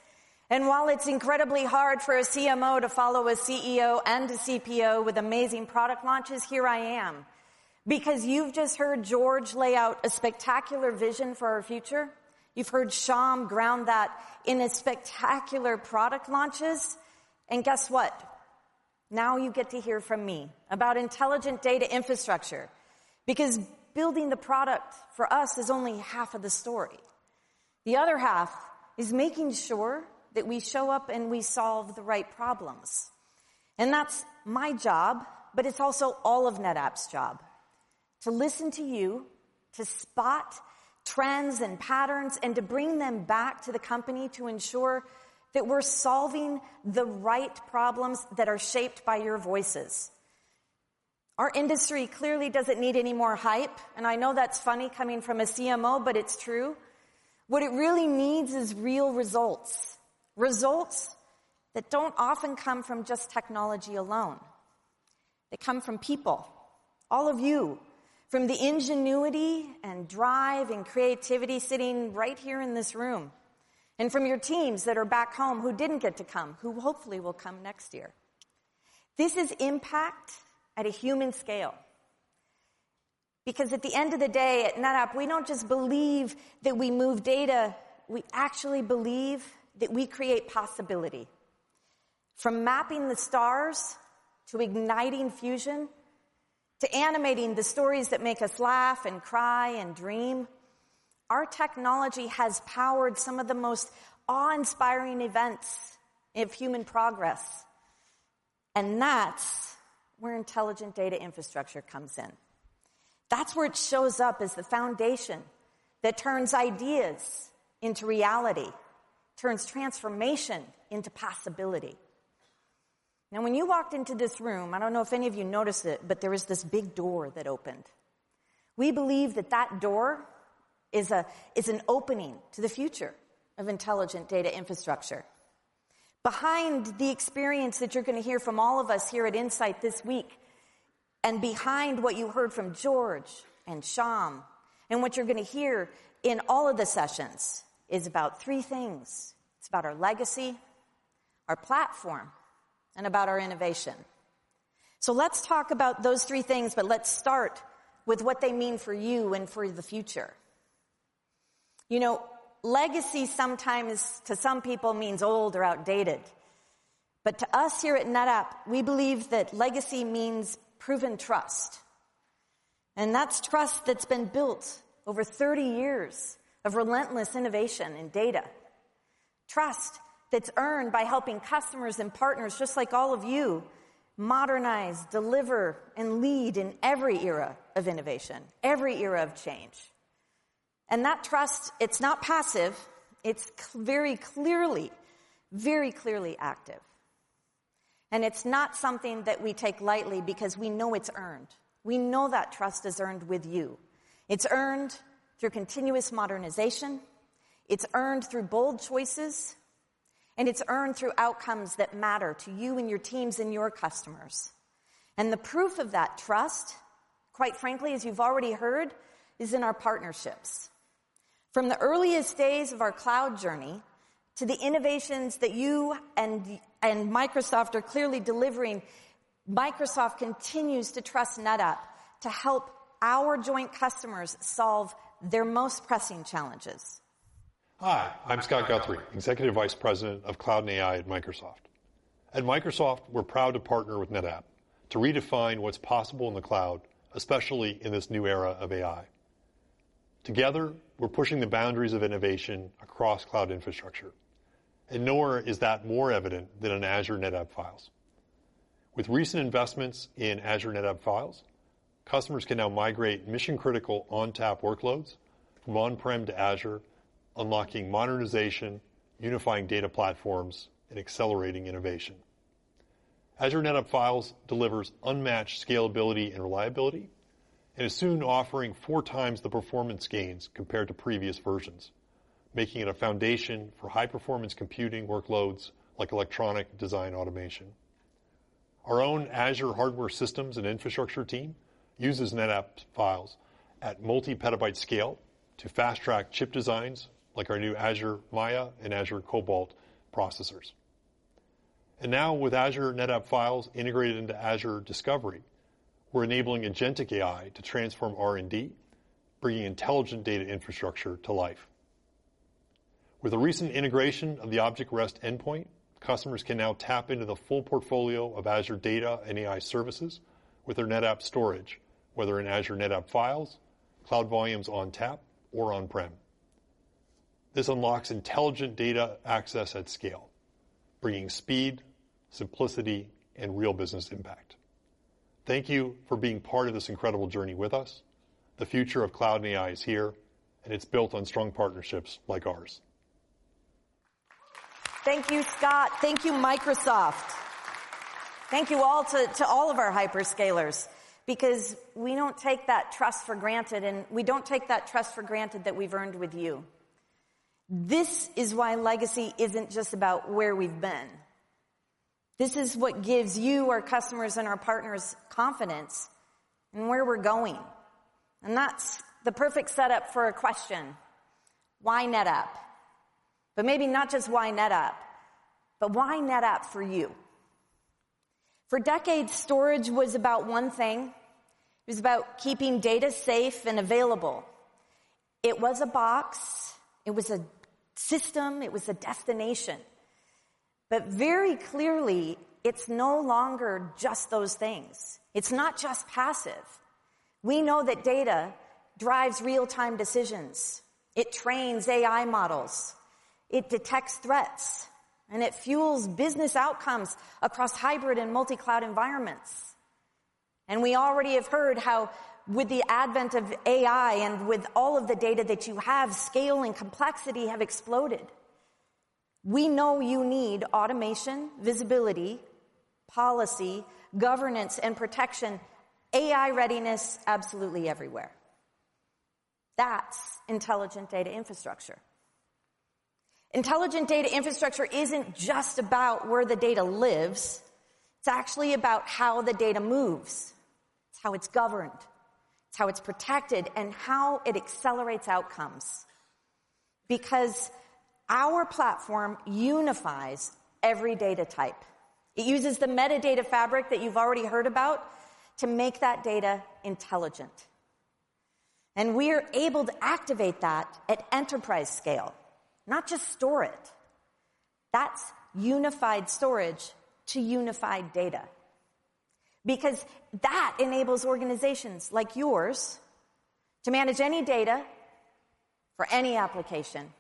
While it's incredibly hard for a CMO to follow a CEO and a CPO with amazing product launches, here I am. Because you've just heard George lay out a spectacular vision for our future. You've heard Syam ground that in his spectacular product launches. Guess what? Now you get to hear from me about intelligent data infrastructure. Building the product for us is only half of the story. The other half is making sure that we show up and we solve the right problems. That's my job. It's also all of NetApp's job to listen to you, to spot trends and patterns, and to bring them back to the company to ensure that we're solving the right problems that are shaped by your voices. Our industry clearly doesn't need any more hype. I know that's funny coming from a CMO, but it's true. What it really needs is real results. Results that don't often come from just technology alone. They come from people. All of you, from the ingenuity and drive and creativity sitting right here in this room, and from your teams that are back home, who didn't get to come, who hopefully will come next year. This is impact at a human scale. At the end of the day at NetApp, we don't just believe that we move data, we actually believe that we create possibility. From mapping the stars to igniting fusion, to animating the stories that make us laugh and cry and dream, our technology has powered some of the most awe-inspiring events of human progress. That's where intelligent data infrastructure comes in. That's where it shows up as the foundation that turns ideas into reality, turns transformation into possibility. When you walked into this room, I don't know if any of you noticed it, but there was this big door that opened. We believe that that door is an opening to the future of intelligent data infrastructure. Behind the experience that you're going to hear from all of us here at Insight this week and behind what you heard from George and Syam and what you're going to hear in all of the sessions is about three things. It's about our legacy, our platform, and about our innovation. Let's talk about those three things, but let's start with what they mean for you and for the future. You know, legacy sometimes to some people means old or outdated. To us here at NetApp, we believe that legacy means proven trust. That's trust that's been built over 30 years of relentless innovation in data, trust that's earned by helping customers and partners, just like all of you, modernize, deliver, and lead in every era of innovation, every era of change. That trust is not passive. It is very clearly, very clearly active. It's not something that we take lightly because we know it's earned. We know that trust is earned with you. It's earned through continuous modernization, through bold choices, and through outcomes that matter to you and your teams and your customers. The proof of that trust, quite frankly, as you've already heard, is in our partnerships. From the earliest days of our cloud journey to the innovations that you and Microsoft are clearly delivering, Microsoft continues to trust NetApp to help our joint customers solve their most pressing challenges. Hi, I'm Scott Guthrie, Executive Vice President of Cloud and AI at Microsoft. At Microsoft, we're proud to partner with NetApp to redefine what's possible in the cloud, especially in this new era of AI. Together, we're pushing the boundaries of innovation across cloud infrastructure. Nowhere is that more evident than in Azure NetApp Files. With recent investments in Azure NetApp Files, customers can now migrate mission-critical ONTAP workloads from on-prem to Azure, unlocking modernization, unifying data platforms, and accelerating innovation. Azure NetApp Files delivers unmatched scalability and reliability and is soon offering four times the performance gains compared to previous versions, making it a foundation for high-performance computing workloads like electronic design automation. Our own Azure hardware systems and infrastructure team uses NetApp Files at multi-petabyte scale to fast track chip designs like our new Azure Maya and Azure Cobalt processors. Now with Azure NetApp Files integrated into Azure Discovery, we're enabling Agentic AI to transform R&D, bringing intelligent data infrastructure to life. With the recent integration of the Object REST endpoint, customers can now tap into the full portfolio of Azure data and AI services with their NetApp storage, whether in Azure NetApp Files, Cloud Volumes ONTAP, or on-prem. This unlocks intelligent data access at scale, bringing speed, simplicity, and real business impact. Thank you for being part of this incredible journey with us. The future of cloud and AI is here, and it's built on strong partnerships like ours. Thank you, Scott. Thank you, Microsoft. Thank you to all of our hyperscalers. We don't take that trust for granted, and we don't take that trust for granted that we've earned with you. This is why legacy isn't just about where we've been. This is what gives you, our customers and our partners, confidence in where we're going. That's the perfect setup for a question: why NetApp? Maybe not just why NetApp, but why NetApp for you. For decades, storage was about one thing. It was about keeping data safe and available. It was a box, it was a system, it was a destination. Very clearly, it's no longer just those things. It's not just passive. We know that data drives real-time decisions, it trains AI models, it detects threats, and it fuels business outcomes across hybrid and multicloud environments. We already have heard how, with the advent of AI and with all of the data that you have, scale and complexity have exploded. We know you need automation, visibility, policy, governance, and protection, AI readiness absolutely everywhere. That's intelligent data infrastructure. Intelligent data infrastructure isn't just about where the data lives. It's actually about how the data moves. It's how it's governed, it's how it's protected, and how it accelerates outcomes. Our platform unifies every data type. It uses the metadata fabric that you've already heard about to make that data intelligent. We are able to activate that at enterprise scale, not just store it. That's unified storage to unified data. That enables organizations like yours to manage any data for any application,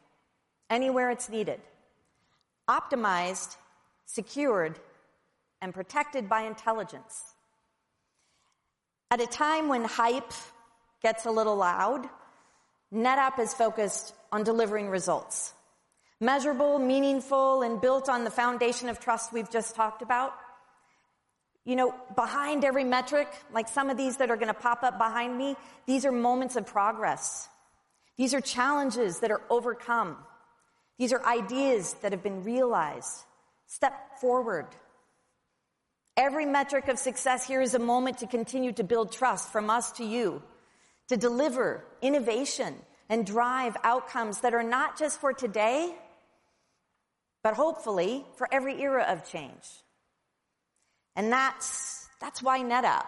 anywhere. It's needed, optimized, secured, and protected by intelligence. At a time when hype gets a little loud, NetApp is focused on delivering results—measurable, meaningful, and built on the foundation of trust we've just talked about. Behind every metric, like some of these that are going to pop up behind me, these are moments of progress, these are challenges that are overcome, these are ideas that have been realized. Step forward every metric of success. Here is a moment to continue to build trust from us to you, to deliver innovation and drive outcomes that are not just for today, but hopefully for every era of change. That's why NetApp.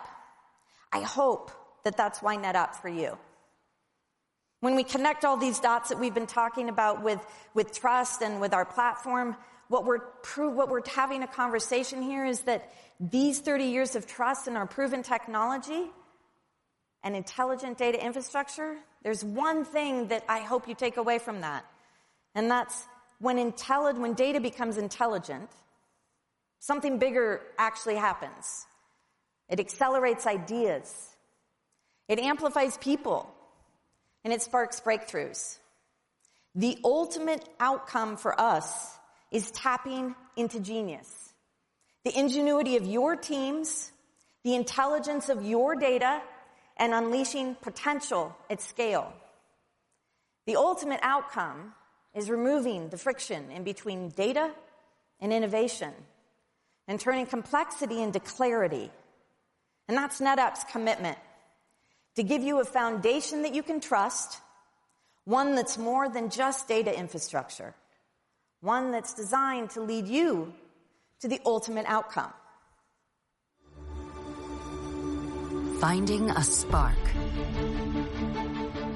I hope that that's why NetApp for you. When we connect all these dots that we've been talking about with trust and with our platform, what we're having a conversation here is that these 30 years of trust in our proven technology and intelligent data infrastructure, there's one thing that I hope you take away from that, and that's when data becomes intelligent, something bigger actually happens. It accelerates ideas, it amplifies people, and it sparks breakthroughs. The ultimate outcome for us is tapping into genius, the ingenuity of your teams, the intelligence of your data, and unleashing potential at scale. The ultimate outcome is removing the friction in between data innovation and turning complexity into clarity. That's NetApp's commitment to give you a foundation that you can trust, one that's more than just data infrastructure, one that's designed to lead you to the ultimate outcome. Finding a spark.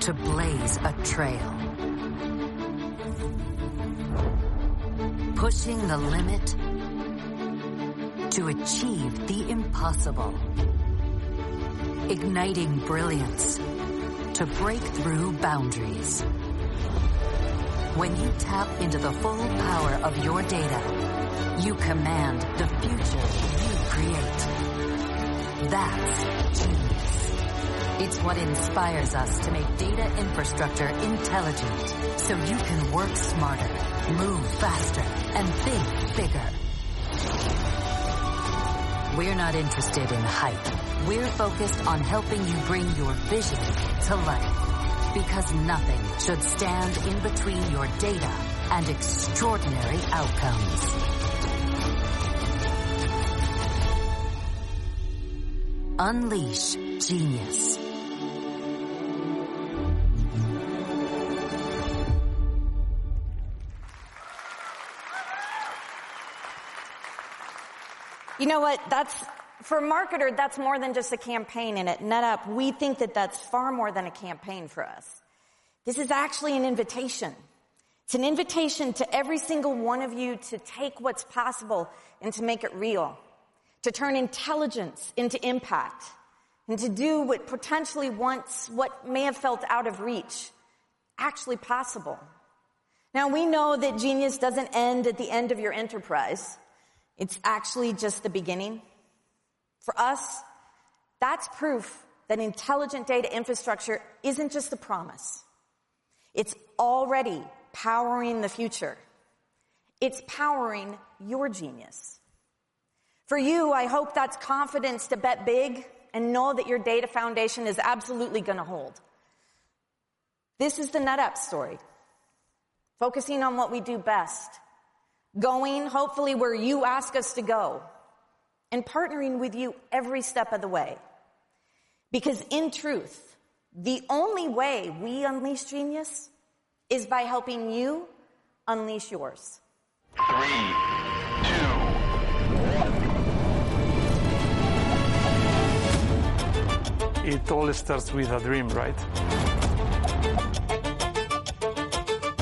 To blaze a trail. Pushing the limit to achieve the impossible. Igniting brilliance to break through boundaries. When you tap into the full power of your data, you command the future you create. That's genius. It's what inspires us to make data infrastructure intelligent so you can work smarter, move faster, and think bigger. We're not interested in hype. We're focused on helping you bring your vision to life. Because nothing should stand in between your data and extraordinary outcomes. Unleash genius. You know what that's for, marketer. That's more than just a campaign. At NetApp, we think that that's far more than a campaign. For us, this is actually an invitation. It's an invitation to every single one of you to take what's possible and to make it real, to turn intelligence into impact, and to do what potentially once may have felt out of reach actually possible. We know that genius doesn't end at the end of your enterprise. It's actually just the beginning for us. That's proof that intelligent data infrastructure isn't just a promise. It's already powering the future. It's powering your genius. For you, I hope that's confidence to bet big and know that your data foundation is absolutely going to hold. This is the NetApp story, focusing on what we do best, going hopefully where you ask us to go, and partnering with you every step of the way. In truth, the only way we unleash genius is by helping you unleash yours. Three, two, one. It all starts with a dream, right?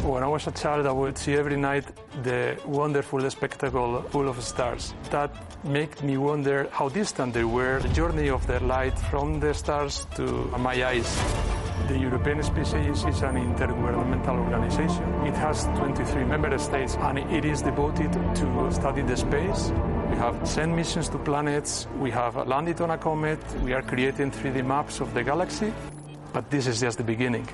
When I was a child, I would. See every night the wonderful spectacle, full. Of stars that make me wonder how distant they were. The journey of the light from the stars to my eyes. The European Space Agency is an intergovernmental organization. It has 23 member states, and it is devoted to study the space. We have sent missions to planets. We have landed on a comet. We are creating 3D maps of the galaxy. This is just the beginning.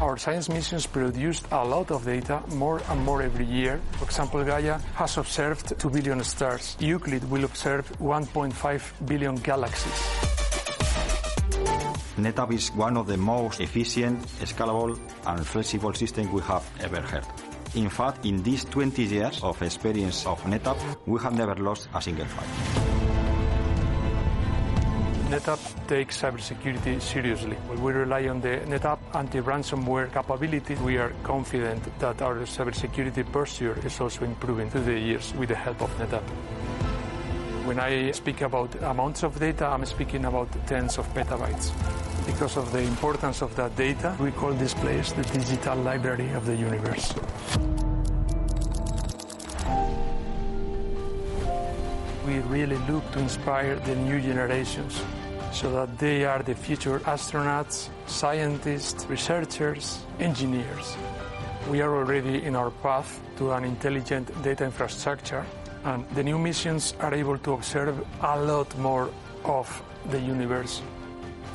Our science missions produced a lot of data made more and more every year. For example, Gaia has observed 2 billion stars. Euclid will observe 1.5 billion galaxies. NetApp is one of the most efficient, scalable, and flexible systems we have ever heard. In fact, in these 20 years of experience of NetApp, we have never lost a single fight. NetApp takes cybersecurity seriously. While we rely on NetApp. Anti ransomware capability, we are confident that our cybersecurity posture is also improving through the years with the help of NetApp. When I speak about amounts of data, I'm speaking about tens of petabytes because of the importance of that data. We call this place the digital library of the universe. We really look to inspire the new. Generations so that they are the future astronauts, scientists, researchers, engineers. We are already in our path to. An intelligent data infrastructure. The new missions are able to observe a lot more of the universe.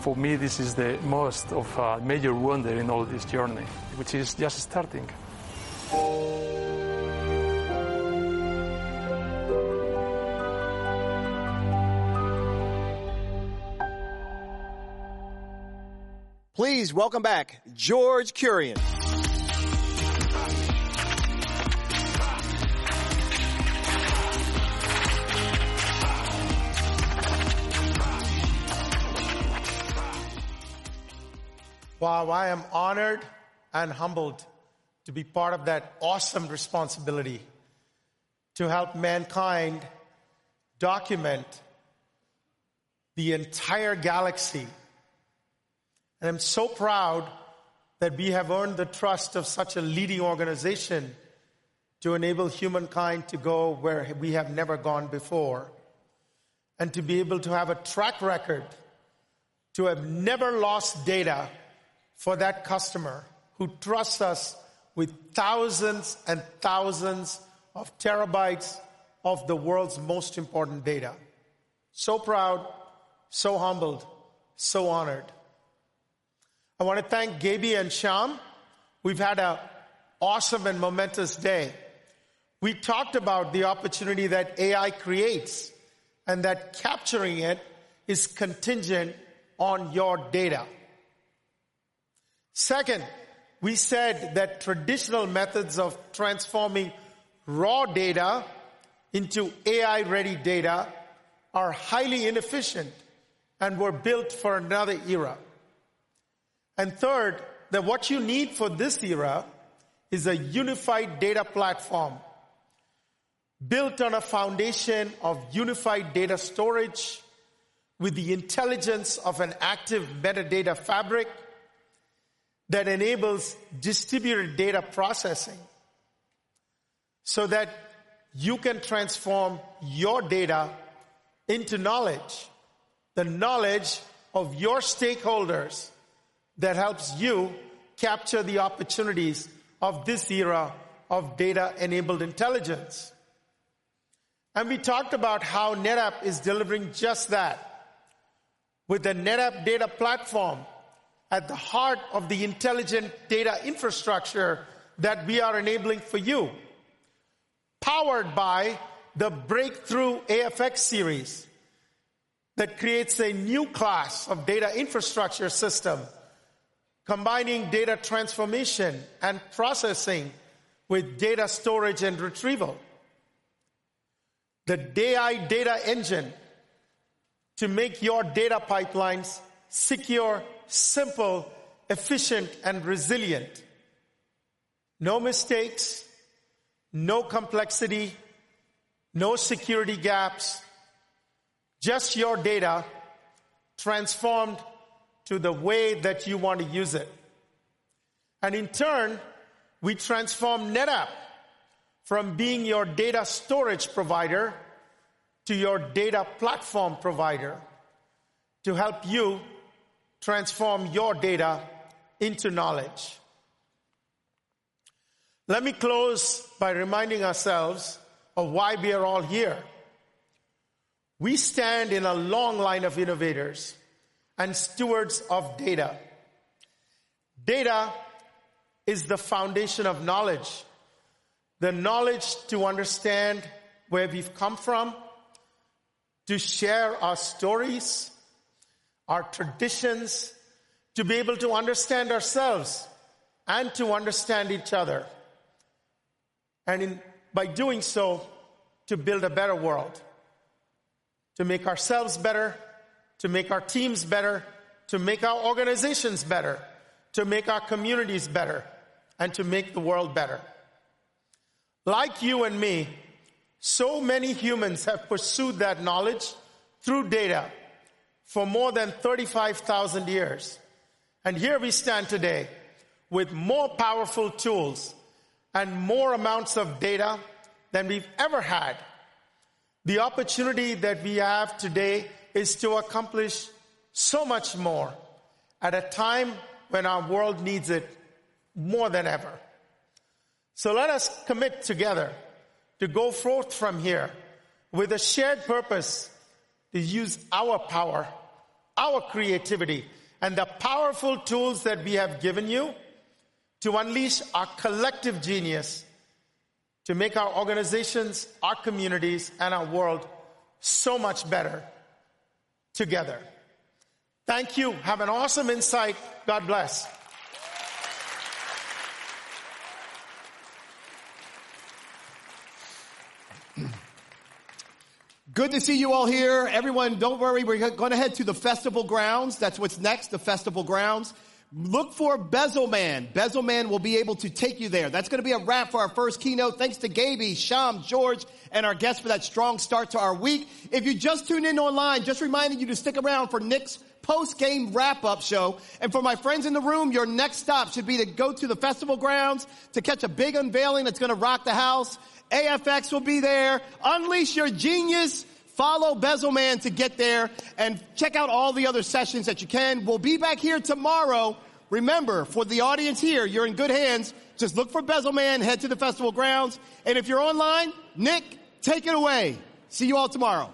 For me, this is the most major wonder in all this journey, which is just starting. Please welcome back George Kurian. Wow. I am honored and humbled to be part of that awesome responsibility to help mankind document the entire galaxy. I'm so proud that we have earned the trust of such a leading organization to enable humankind to go where we have never gone before and to be able to have a track record to have never lost data for that customer who trusts us with thousands and thousands of terabytes of the world's most important data. So proud, so humbled, so honored. I want to thank Gabie and Syam. We've had an awesome and momentous day. We talked about the opportunity that AI creates and that capturing it is contingent on your data. Second, we said that traditional methods of transforming raw data into AI-ready data are highly inefficient and were built for another era. Third, what you need for this era is a unified data platform built on a foundation of unified data storage with the intelligence of an active metadata fabric that enables distributed data processing so that you can transform your data into knowledge, the knowledge of your stakeholders that helps you capture the opportunities of this era of data-enabled intelligence. We talked about how NetApp is delivering just that with the NetApp Data Platform at the heart of the intelligent data infrastructure that we are enabling for you. Powered by the breakthrough AFX series that creates a new class of data infrastructure system combining data transformation and processing with data storage and retrieval. The data engine to make your data pipelines secure, simple, efficient, and resilient. No mistakes, no complexity, no security gaps. Just your data transformed to the way that you want to use it. In turn, we transform NetApp from being your data storage provider to your data platform provider to help you transform your data into knowledge. Let me close by reminding ourselves of why we are all here. We stand in a long line of innovators and stewards of data. Data is the foundation of knowledge. The knowledge to understand where we've come from, to share our stories, our traditions, to be able to understand ourselves and to understand each other. By doing so, to build a better world, to make ourselves better, to make our teams better, to make our organizations better, to make our communities better, and to make the world better. Like you and me, so many humans have pursued that knowledge through data for more than 35,000 years. We stand today with more powerful tools and more amounts of data than we've ever had. The opportunity that we have today is to accomplish so much more at a time when our world needs it more than ever. Let us commit together to go forth from here with a shared purpose, to use our power, our creativity, and the powerful tools that we have given you to unleash our collective genius, to make our organizations, our communities, and our world so much better together. Thank you. Have an awesome Insight. God bless. Good to see you all here, everyone. Don't worry, we're going to head to the festival grounds. That's what's next, the festival grounds. Look for Bezelman. Bezelman will be able to take you there. That's going to be a wrap for our first keynote. Thanks to Gabie, Syam, George, and our guests for that strong start to our week. If you just tune in online, just reminding you to stick around for Nick's post-game wrap-up show, and for my friends in the room, your next stop should be to go to the festival grounds to catch a big unveiling that's going to rock the house. NetApp AFX will be there. Unleash your genius. Follow Bezelman to get there and check out all the other sessions that you can. We'll be back here tomorrow. Remember, for the audience here, you're in good hands. Just look for Bezelman, head to the festival grounds, and if you're online, Nick, take it away. See you all tomorrow.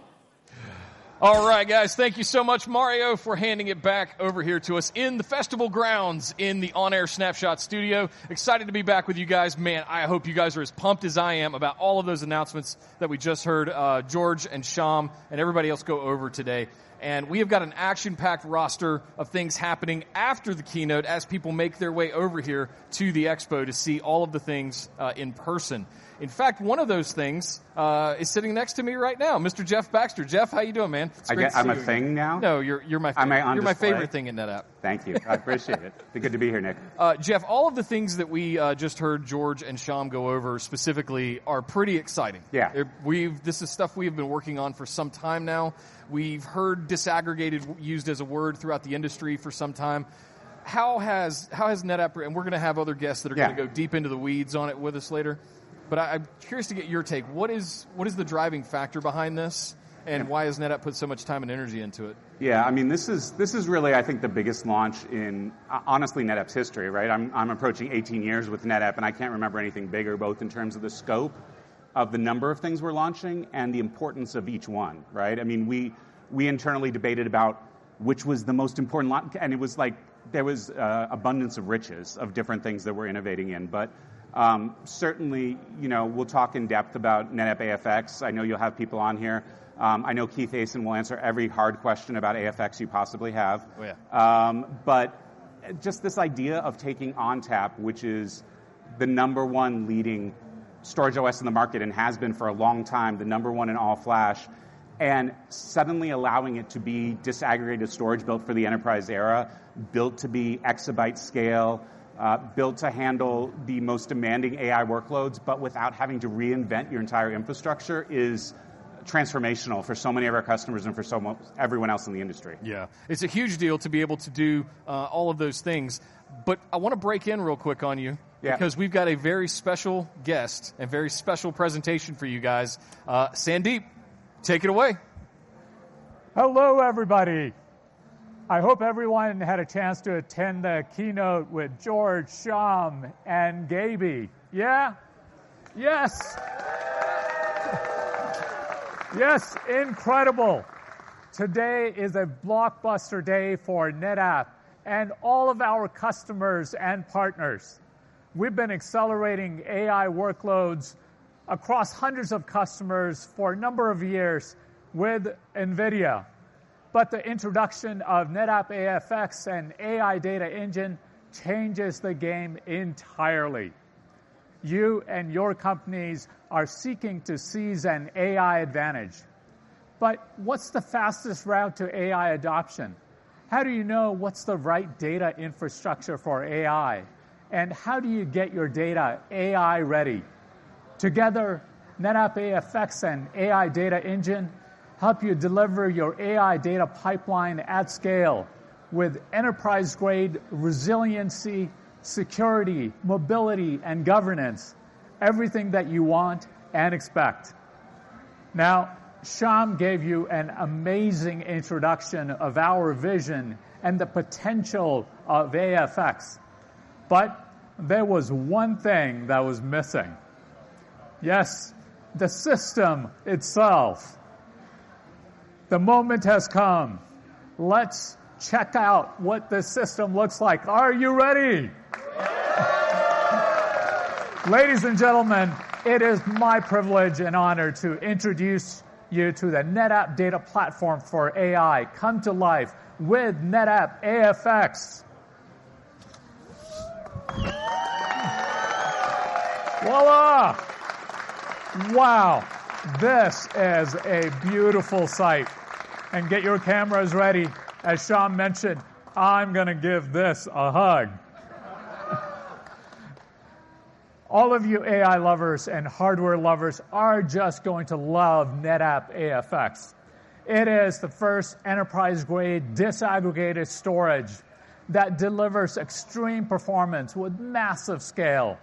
All right, guys. Thank you so much, Mario, for handing it back over here to us in the festival grounds in the On Air Snapshot Studio. Excited to be back with you guys. I hope you guys are as pumped as I am about all of those announcements that we just heard. George and Syam and everybody else go over today. We have got an action-packed roster of things happening after the keynote as people make their way over here to the expo to see all of the things in person. In fact, one of those things is sitting next to me right now, Mr. Jeff Baxter. Jeff, how you doing, man? I guess I'm a thing now. No, you're my, you're my favorite thing in NetApp. Thank you. I appreciate it. Good to be here, Nick. Jeff, all of the things that we just heard George and Syam go over specifically are pretty exciting. Yeah, we've, this is stuff we've been working on for some time now. We've heard disaggregated used as a word throughout the industry for some time. How has, how has NetApp? We're going to have other guests that are going to go deep into the weeds on it with us later. I'm curious to get your take. What is, what is the driving factor behind this and why has NetApp put so much time and energy into it? I mean, this is really, I think, the biggest launch in, honestly, NetApp's history, right? I'm approaching 18 years with NetApp. I can't remember anything bigger, both in terms of the scope of the number of things we're launching and the importance of each one. I mean, we internally debated about which was the most important, and it was like there was an abundance of riches of different things that we're innovating in. Certainly, you know, we'll talk in depth about NetApp AFX. I know you'll have people on here. I know Keith Asen will answer every hard question about AFX you possibly have, but just this idea of taking ONTAP, which is the number one leading storage OS in the market and has been for a long time the number one in all flash, and suddenly allowing it to be disaggregated storage built for the. Enterprise era, built to be exabyte-scale. Built to handle the most demanding AI workloads, but without having to reinvent your entire infrastructure, is transformational for so many of our customers and for everyone else in the industry. Yeah, it's a huge deal to be able to do all of those things. I want to break in real quick on you because we've got a very special guest and very special presentation for you guys. Sandeep, take it away. Hello, everybody. I hope everyone had a chance to attend the keynote with George, Syam, and Gabie. Yeah. Yes. Yes. Incredible. Today is a blockbuster day for NetApp. All of our customers and partners. We've been accelerating AI workloads across hundreds of customers for a number of years with NVIDIA. The introduction of NetApp AFX and NetApp AI Data Engine changes the game entirely. You and your companies are seeking to seize an AI advantage, but what's the. Fastest route to AI adoption. How do you know what's the right? Data infrastructure for AI? How do you get your data AI ready? Together, NetApp AFX and AI Data Engine help you deliver your AI data pipeline at scale with enterprise-grade resiliency, security, mobility, and governance. Everything that you want and expect. Syam gave you an amazing introduction of our vision and the potential of AFX. There was one thing that was missing. Yes, the system itself. The moment has come. Let's check out what the system looks like. Are you ready? Ladies and gentlemen, it is my privilege and honor to introduce you to. The NetApp data platform for AI come. To life with NetApp AFX. Voila. Wow, this is a beautiful site. Get your cameras ready. As Syam mentioned, I'm going to give this a hug. All of you AI lovers and hardware. Lovers are just going to love NetApp AFX. It is the first enterprise-grade disaggregated. Storage that delivers extreme performance with massive scale.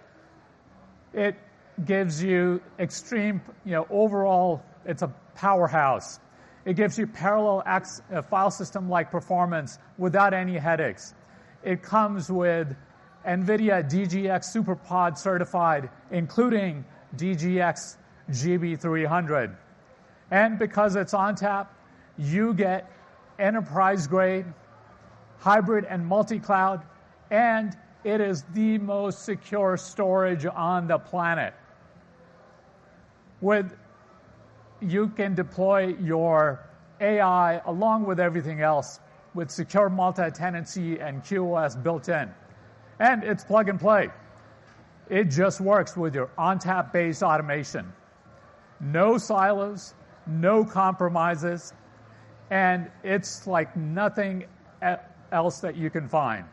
It gives you extreme, you know, overall it's a powerhouse. It gives you parallel file system-like performance without any headaches. It comes with NVIDIA DGX SuperPOD certified, including DGX GB300, and because it's ONTAP, you get enterprise-grade hybrid and multi-cloud, and it is the most secure storage on the planet. You can deploy your AI along with everything else with secure multi-tenancy and QoS built in. It's plug and play. It just works with your ONTAP-based automation. No silos, no compromises, and it's like nothing else that you can find.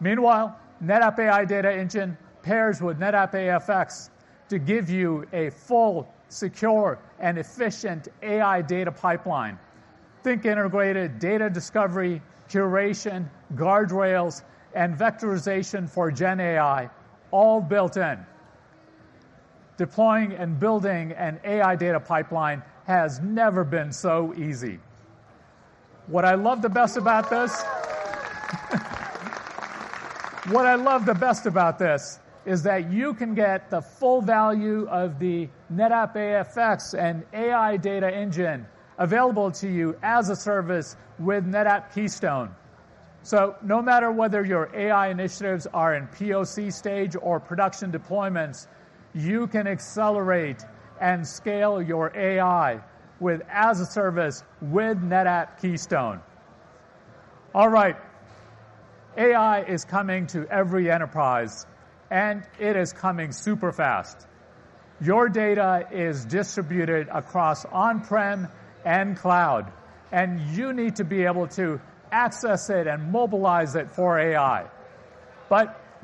Meanwhile, NetApp AI Data Engine pairs with NetApp AFX to give you a full, secure, and efficient AI data pipeline. Think integrated data discovery, curation, guardrails, and vectorization for GenAI all built in. Deploying and building an AI data pipeline has never been so easy. What I love the best about this is that you can get the full value of the NetApp AFX and AI Data Engine available to you as a service with NetApp Keystone. No matter whether your AI initiatives are in POC stage or production deployments, you can accelerate and scale your AI as a service with NetApp Keystone. AI is coming to every enterprise, and it is coming super fast. Your data is distributed across on-prem and cloud, and you need to be able to access it and mobilize it for AI.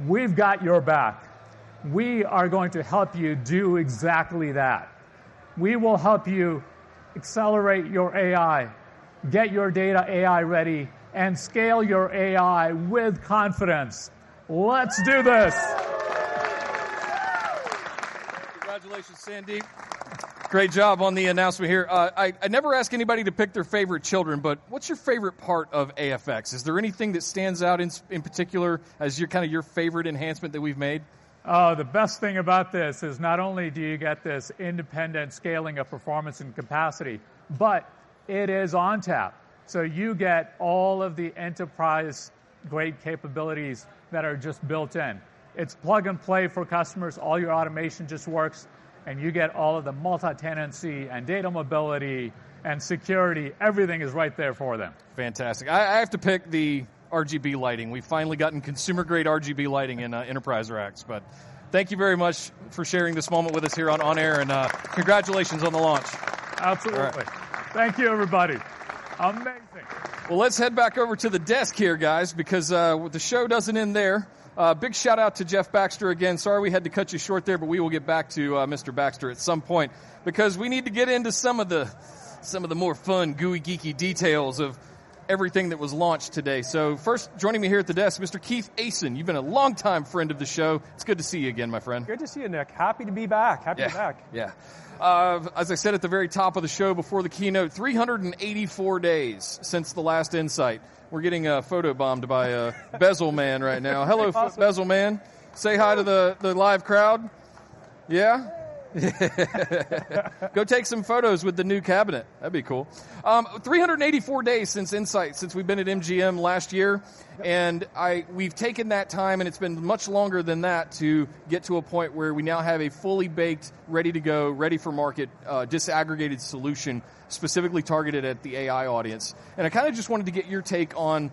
We've got your back. We are going to help you do exactly that. We will help you accelerate your AI, get your data AI-ready, and scale your AI with confidence. Let's do this. Congratulations, Sandeep. Great job on the announcement here. I never ask anybody to pick their favorite children, but what's your favorite part of AFX? Is there anything that stands out in particular as your favorite enhancement that we've made? The best thing about this is not only do you get this independent scaling of performance and capacity, but it is ONTAP. You get all of the enterprise-grade capabilities that are just built in. It's plug and play for customers. All your automation just works, and you get all of the multi-tenancy and data mobility and security. Everything is right there for them. Fantastic. I have to pick the RGB lighting. We've finally gotten consumer-grade RGB lighting in enterprise racks. Thank you very much for sharing this moment with us here on air, and congratulations on the launch. Absolutely. Thank you, everybody. Amazing. Let's head back over to the desk here, guys, because the show doesn't end there. Big shout out to Jeff Baxter. Again, sorry we had to cut you short there, but we will get back to Mr. Baxter at some point because we need to get into some of the more fun, gooey, geeky details of everything that was launched today. First joining me here at the desk, Mr. Keith Aasen. You've been a longtime friend of the show. It's good to see you again, my friend. Good to see you, Nick. Happy to be back. Happy back, yeah. As I said at the very top of the show before the keynote, 384 days since the last Insight. We're getting photobombed by Bezel Man right now. Hello, Bezel Man. Say hi to the live crowd. Yeah. Go take some photos with the new cabinet. That'd be cool. 384 days since Insight, since we've been at MGM last year, and we've taken that time, and it's been much longer than that, to get to a point where we now have a fully baked, ready to go, ready for market disaggregated solution specifically targeted at the AI audience. I kind of just wanted to get your take on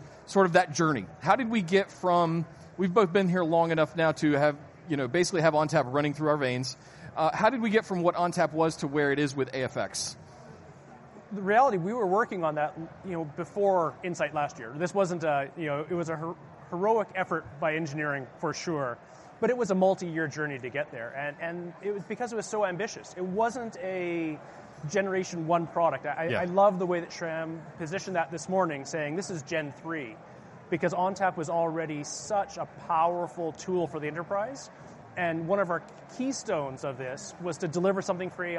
that journey. How did we get from—we've both been here long enough now to have, you know, basically have ONTAP running through our veins. How did we get from what ONTAP was to where it is with NetApp AFX? The reality is we were working on that before Insight last year. This wasn't a, you know, it was a heroic effort by engineering for sure, but it was a multi-year journey to get there. It was because it was so ambitious. It wasn't a Generation 1 product. I love the way that Syam positioned that this morning, saying this is Gen 3, because ONTAP was already such a powerful tool for the enterprise. One of our keystones of this was to deliver something free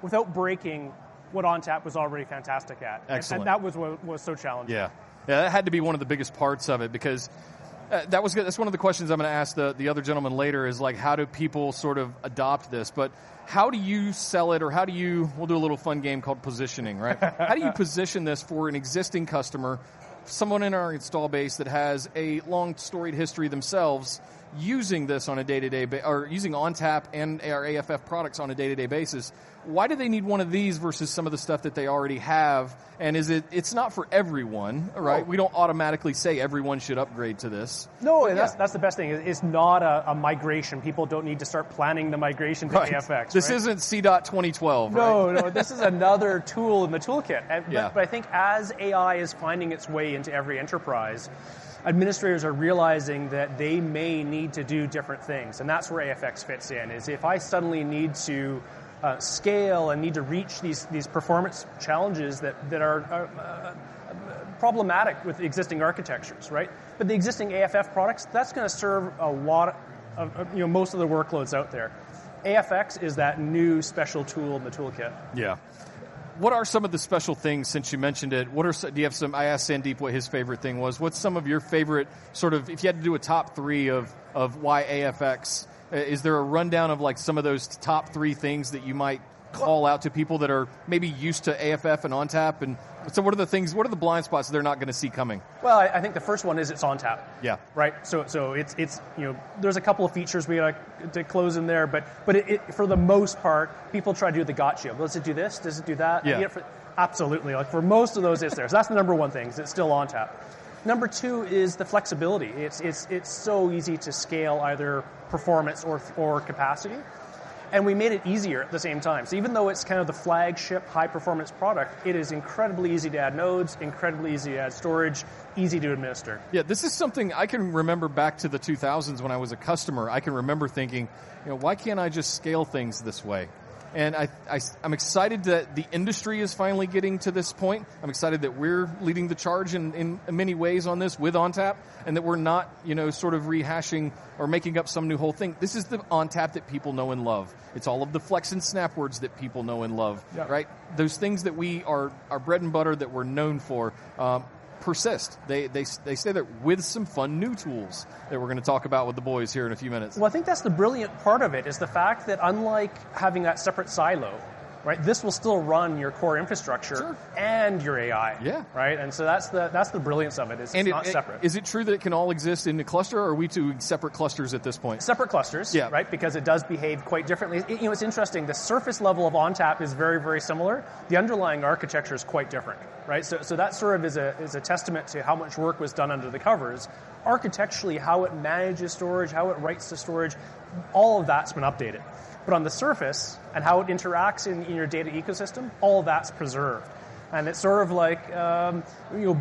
without breaking what ONTAP was already fantastic at. That was what was so challenging. Yeah, that had to be one of the biggest parts of it because that was good. That's one of the questions I'm going to ask the other gentleman later, like, how do people sort of adopt this? How do you sell it? Or what you do, do a little fun game called positioning, right? How do you position this for an existing customer, someone in our install base that has a long storied history themselves using this on a day-to-day, or using ONTAP and our AFF products on a day-to-day basis? Why do they need one of these versus some of the stuff that they already have? It's not for everyone, right? We don't automatically say everyone should upgrade to this. No, that's the best thing. It's not a migration. People need to start planning the migration to NetApp AFX. This isn't CDOT 2012, right? No, no. This is another tool in the toolkit. I think as AI is finding its way into every enterprise, administrators are realizing that they may need to do different things. That's where NetApp AFX fits in, if I suddenly need to scale and need to reach these performance challenges that are problematic with existing architectures. Right. The existing NetApp AFF products are going to serve most of the workloads out there. AFX is that new special tool in the toolkit. Yeah. What are some of the special things? Since you mentioned it, what are. Do you have some. I asked Sandeep what his favorite thing was. What's some of your favorite sort of. If you had to do a top three of why AFX? Is there a rundown of like some of those top three things that you might call out to people that are maybe used to AFF and all ONTAP. What are the things? What are the blind spots they're not going to see coming? I think the first one is it's ONTAP. Yeah. Right. There are a couple of features we like to close in there, but for the most part people try to do the gotcha. Does it do this, does it do that? Absolutely. For most of those, it's there. That's the number one thing. It's still ONTAP. Number two is the flexibility. It's so easy to scale either performance or capacity, and we made it easier at the same time. Even though it's kind of the flagship high performance product, it is incredibly easy to add nodes, incredibly easy to add storage, easy to administer. Yeah. This is something I can remember back to the 2000s when I was a customer. I can remember thinking, why can't I just scale things this way? I'm excited that the industry is finally getting to this point. I'm excited that we're leading the charge in many ways on this with ONTAP, and that we're not rehashing or making up some new whole thing. This is the ONTAP that people know and love. It's all of the Flex and Snap words that people know and love. Right. Those things that we are, our bread and butter, that we're known for, persist, they stay there with some fun new tools that we're going to talk about with the boys here in a few minutes. I think that's the brilliant part of it, is the fact that unlike having that separate silo, this will still run your core infrastructure and your AI. Yeah. Right. That is the brilliance of it. It's not separate. Is it true that it can all exist in a cluster, or are we two separate clusters at this point? Separate clusters, right. Because it does behave quite differently. It's interesting. The surface level of ONTAP is very, very similar. The underlying architecture is quite different, right. That is a testament to how much work was done under the covers architecturally, how it manages storage, how it writes to storage. All of that's been updated. On the surface and how it interacts within your data ecosystem, all that's preserved. It's sort of like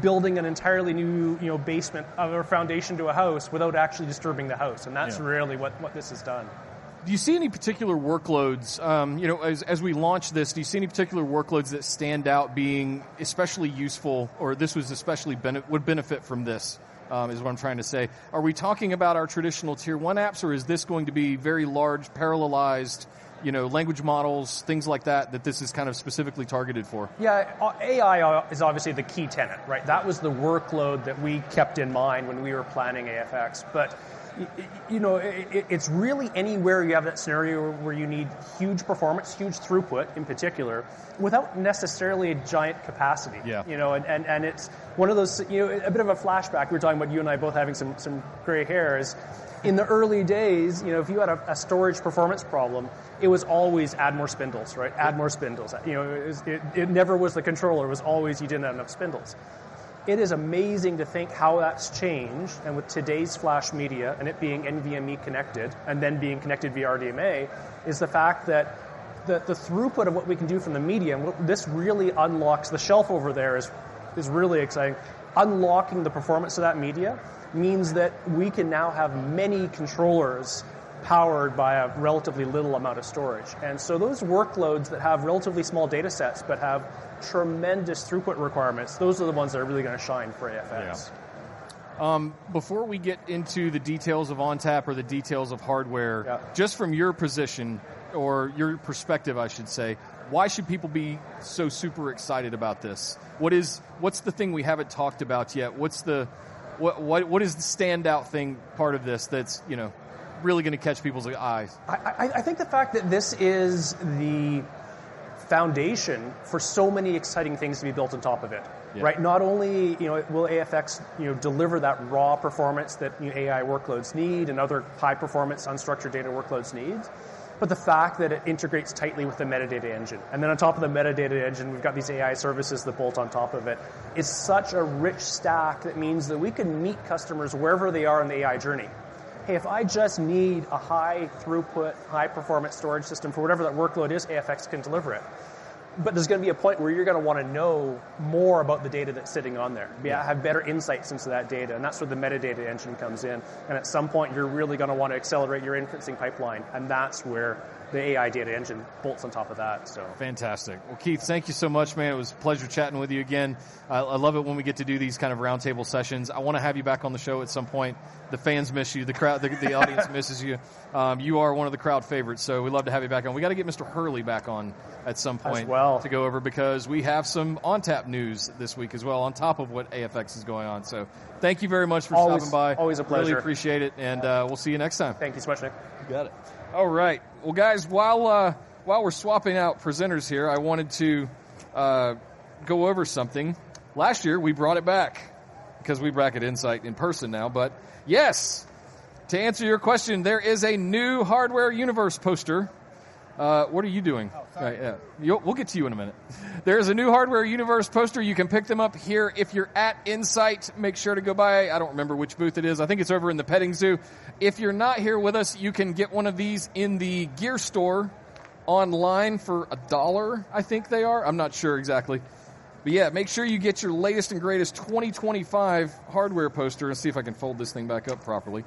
building an entirely new basement or foundation to a house without actually disturbing the house. That's really what this has done. Do you see any particular workloads as we launch this? Do you see any particular workloads that stand out being especially useful or would benefit from this, is what I'm trying to say. Are we talking about our traditional Tier one apps, or is this going to be very large, parallelized, you know, language models, things like that, that this is kind of specifically targeted for? Yeah, AI is obviously the key tenet. That was the workload that we kept in mind when we were planning NetApp AFX. You know, it's really anywhere you have that scenario where you need huge performance, huge throughput in particular, without necessarily a giant capacity. Yeah. You know, it's one of those, a bit of a flashback. We were talking about you and I both having some gray hairs in the early days. You know, if you had a storage performance problem, it was always add more spindles. Right? Add more spindles. You know, it never was the controller, it was always, you didn't have enough spindles. It is amazing to think how that's changed. With today's Flash media and it being NVMe connected and then being connected via RDMA, the fact that the throughput of what we can do from the media, this really unlocks the shelf over there, is really exciting. Unlocking the performance of that media means that we can now have many controllers powered by a relatively little amount of storage. Those workloads that have relatively small data sets but have tremendous throughput requirements, those are the ones that are really going to shine for AFX. Before we get into the details of ONTAP or the details of hardware, just from your position or your perspective, I should say, why should people be so super excited about this? What is, what's the thing we haven't talked about yet? What's the, what is the standout thing part of this that's really going to catch people's eyes? I think the fact that this is the foundation for so many exciting things to be built on top of it is important. Not only will NetApp AFX deliver that raw performance that AI workloads need and other high performance, unstructured data workloads need, but the fact that it integrates tightly with the metadata engine and then on top of the metadata engine we've got these AI services that bolt on top of it. It's such a rich stack that means that we can meet customers wherever they are in the AI journey. Hey, if I just need a high throughput, high performance storage system for whatever that workload is, NetApp AFX can deliver it. There is going to be a point where you're going to want to know more about the data that's sitting on there, have better insights into that data, and that's where the metadata engine comes in. At some point you're really going to want to accelerate your inferencing pipeline, and that's where the NetApp AI Data Engine comes in. Bolts on top of that. Fantastic. Keith, thank you so much, man. It was a pleasure chatting with you again. I love it when we get to do these kind of roundtable sessions. I want to have you back on the show at some point. The fans miss you, the crowd. The audience misses you. You are one of the crowd favorites. We'd love to have you back on. We got to get Mr. Hurley back on at some point to go over because we have some ONTAP news this week as well on top of what AFX is going on. Thank you very much for stopping by. Always a pleasure. Appreciate it and we'll see you next time. Thank you so much, Nick. You got it. All right. While we're swapping out presenters here, I wanted to go over something. Last year we brought it back because we bracket Insight in person now. Yes, to answer your question, there is a new Hardware Universe poster. What are you doing? Right. We'll get to you in a minute. There's a new Hardware Universe poster. You can pick them up here. If you're at Insight, make sure to go by. I don't remember which booth it is. I think it's over in the petting zoo. If you're not here with us, you can get one of these in the gear store online for $1. I think they are. I'm not sure exactly, but make sure you get your latest and greatest 2025 hardware poster and see if I can fold this thing back up properly.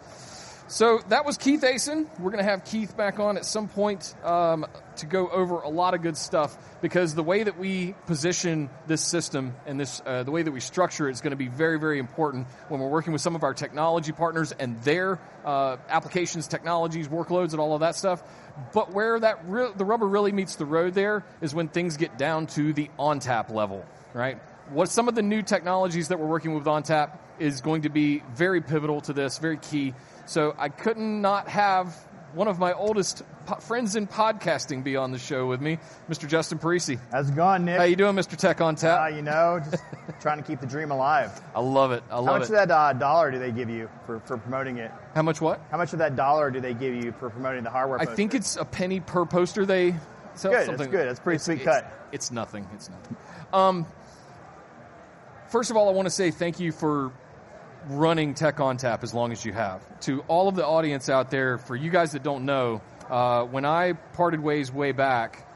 That was Keith Aasen. We're going to have Keith back on at some point to go over a lot of good stuff because the way that we position this system and the way that we structure it is going to be very, very important when we're working with some of our technology partners and their applications, technologies, workloads, and all of that stuff. Where the rubber really meets the road there is when things get down to the ONTAP level. Right. What some of the new technology that we're working with ONTAP is going to be very pivotal to this, very key. I couldn't not have one of my oldest friends in podcasting be on the show with me, Mr. Justin Parisi. How's it going, Nick? How you doing, Mr. Tech ONTAP? You know, just trying to keep the dream alive. I love it. How much of that dollar do they give you for promoting it? How much what? How much of that dollar do they give you for promoting the hardware? I think it's $0.01 per poster. They're pretty seat custom. It's nothing. First of all, I want to say thank you for running Tech ONTAP as long as you have to. All of the audience out there, for you guys that don't know, when I parted ways way back,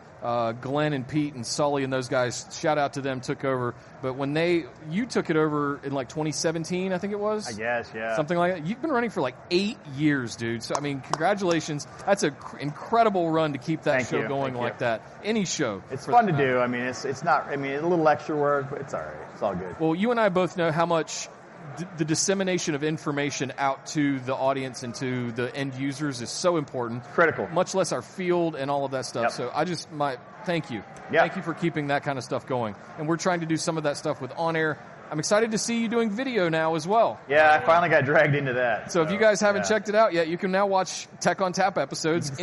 Glenn and Pete and Sully and those guys, shout out to them, took over. You took it over in 2017, I think it was. Yes. Yeah, something like that. You've been running for like eight years, dude. I mean, congratulations. That's an incredible run to keep that show going like that. Any show. It's fun to do. I mean, it's not, a little extra work, but it's all right. It's all good. You and I both know how much the dissemination of information out to the audience and to the end users is so important, critical, much less our field and all of that stuff. I just might thank you. Thank you for keeping that kind of stuff going. We're trying to do some of that stuff with On Air. I'm excited to see you doing video now as well. Yeah. Finally got dragged into that. If you guys haven't checked it out yet, you can now watch Tech ONTAP episodes on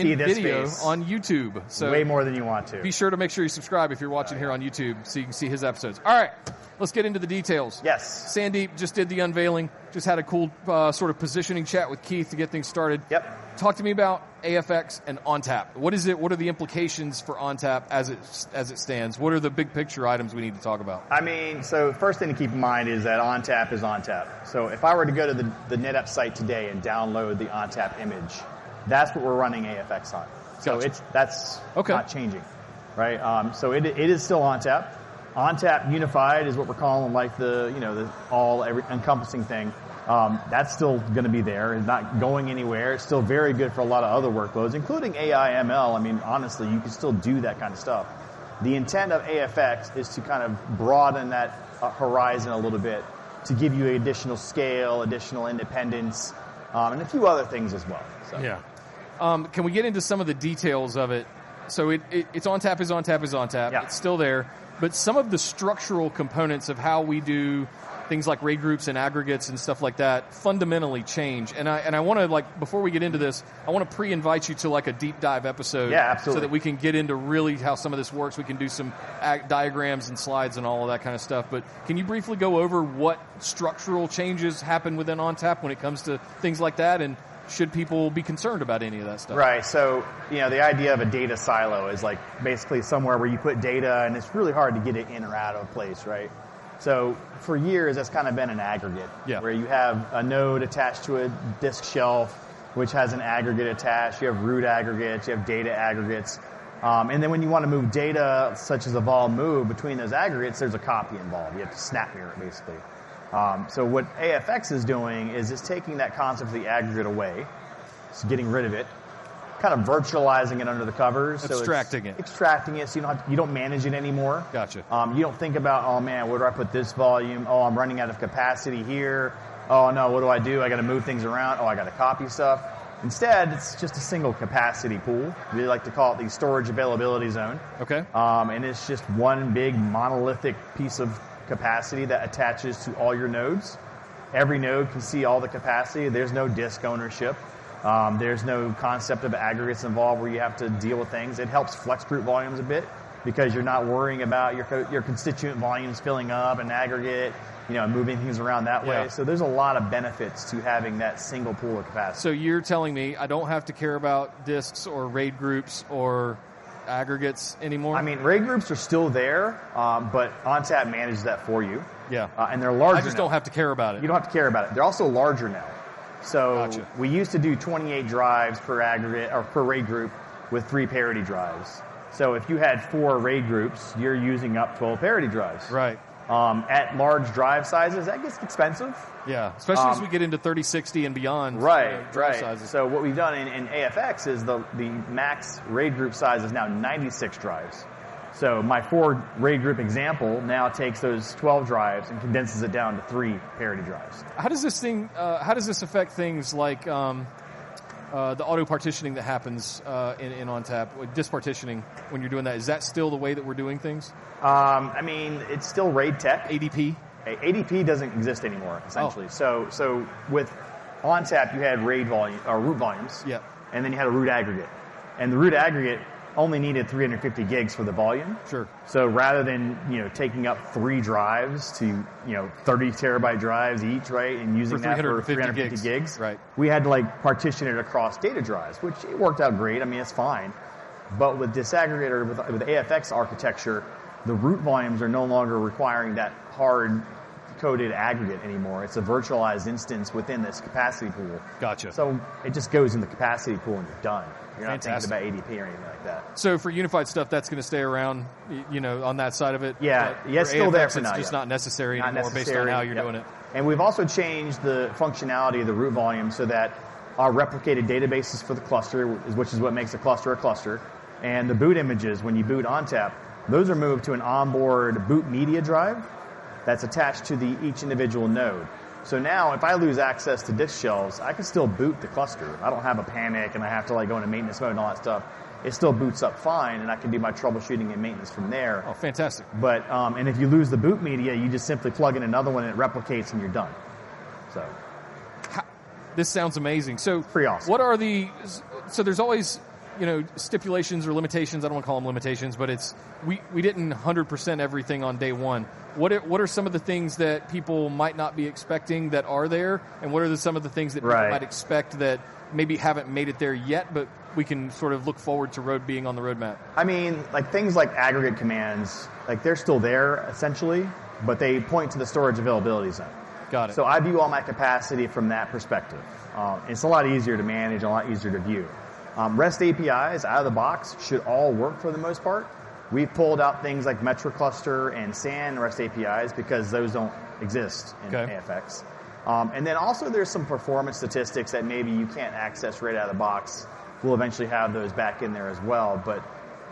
YouTube. Way more than you want to. Be sure to make sure you subscribe if you're watching here on YouTube so you can see his episodes. All right, let's get into the details. Yes. Sandeep just did the unveiling, just had a cool sort of positioning chat with Keith to get things started. Yep. Talk to me about NetApp AFX and ONTAP. What is it? What are the implications for ONTAP as it stands? What are the big picture items we need to talk about? I mean, the first thing to keep in mind is that ONTAP is ONTAP. If I were to go to the NetApp site today and download the ONTAP image, that's what we're running AFX on. So it's. That's not changing. Right. It is still ONTAP. ONTAP Unified is what we're calling the, you know, the all-encompassing thing that's still going to be there. It's not going anywhere. It's still very good for a lot of other workloads, including AI ML. I mean, honestly, you can still do that kind of stuff. The intent of AFX is to broaden that horizon a little bit, to give you additional scale, additional independence, and a few other things as well. Yeah. Can we get into some of the details of it? It's ONTAP. It's ONTAP. It's ONTAP. It's still there, but some of the structural components of how we do things like RAID groups and aggregates and stuff like that fundamentally change. I want to, before we get into this, pre-invite you to a Deep Dive episode. Yeah, absolutely. We can get into really how some of this works. We can do some diagrams and slides and all of that kind of stuff. Can you briefly go over what structural changes happen within ONTAP when it comes to things like that, and should people be concerned about any of that stuff? Right. The idea of a data silo is basically somewhere where you put data and it's really hard to get it in or out of place, right. For years that's kind of been an aggregate where you have a node attached to a disk shelf which has an aggregate attached. You have root aggregates, you have data aggregates. When you want to move data such as evolve, move between those aggregates, there's a copy involved. You have to SnapMirror, basically. What NetApp AFX is doing is it's taking that concept of the aggregate away, it's getting rid of it, kind of virtualizing it under the covers. Extracting it. You don't manage it anymore. Gotcha. You don't think about, oh man, where do I put this volume? Oh, I'm running out of capacity here. Oh no, what do I do? I got to move things around. Oh, I got to copy stuff instead. It's just a single capacity pool. We like to call it the storage availability zone. Okay. It is just one big monolithic piece of capacity that attaches to all your nodes. Every node can see all the capacity. There is no disk ownership, there is no concept of aggregates involved where you have to deal with things. It helps flex proof volumes a bit because you are not worrying about your constituent volumes filling up an aggregate, moving things around that way. There are a lot of benefits to having that single pool of capacity. You're telling me I don't have to care about disks or RAID groups or aggregates anymore? I mean, RAID groups are still there, but ONTAP manages that for you. Yeah, and they're large. I just don't have to care about it. You don't have to care about it. They're also larger now. We used to do 28 drives per aggregate or per RAID group with three parity drives. If you had four RAID groups, you're using up 12 parity drives. Right. At large drive sizes, that gets expensive. Yeah, especially as we get into 3060 and beyond. What we've done in NetApp AFX is the max RAID group size is now 96 drives. My 4 RAID group example now takes those 12 drives and condenses it down to 3 parity drives. How does this affect things like the auto partitioning that happens in ONTAP disk partitioning when you're doing that? Is that still the way that we're doing things? I mean it's still RAID tech. Adp. ADP doesn't exist anymore essentially. With ONTAP you had RAID volume or root volumes, and then you had a root aggregate. The root aggregate only needed 350 GB for the volume. Sure. Rather than, you know, taking up three drives, you know, 30 terabyte drives each, right, and using that for 350 gigs. Right. We had to partition it across data drives, which worked out great. I mean it's fine. With disaggregated, with AFX architecture, the root volumes are no longer requiring that hard coded aggregate anymore. It's a virtualized instance within this capacity pool. Gotcha. It just goes in the capacity. Pool and you're done. You're not talking about ADP or anything like that. For unified stuff that's going to stay around, you know, on that side of it. Yeah, yeah. Still there for now. It's just not necessary based on how you're doing it. We have also changed the functionality of the root volume so that our replicated databases for the cluster, which is what makes a cluster a cluster, and the boot images, when you boot ONTAP, are moved to an onboard boot media drive that's attached to each individual node. Now if I lose access to disk shelves, I can still boot the cluster. I don't have a panic and I have to go into maintenance mode. All that stuff. It still boots up fine, and I can do my troubleshooting and maintenance from there. Oh, fantastic. If you lose the boot media, you just simply plug in another one and it replicates and you're done. This sounds amazing, pretty awesome. There are always, you know, stipulations or limitations. I don't call them limitations, but we didn't 100% everything on day one. What are some of the things that people might not be expecting that are there, and what are some of the things that you might expect that maybe haven't made it there yet, but we can sort of look forward to being on the roadmap. I mean, things like aggregate commands, they're still there essentially, but they point to the storage availability zone. Got it. I view all my capacity from that perspective. It's a lot easier to manage. Lot easier to view. REST APIs out of the box should all work for the most part. We've pulled out things like MetroCluster and SAN REST APIs because those don't exist in AFX. Also, there's some performance statistics that maybe you can't access right out of the box. We'll eventually have those back in there as well.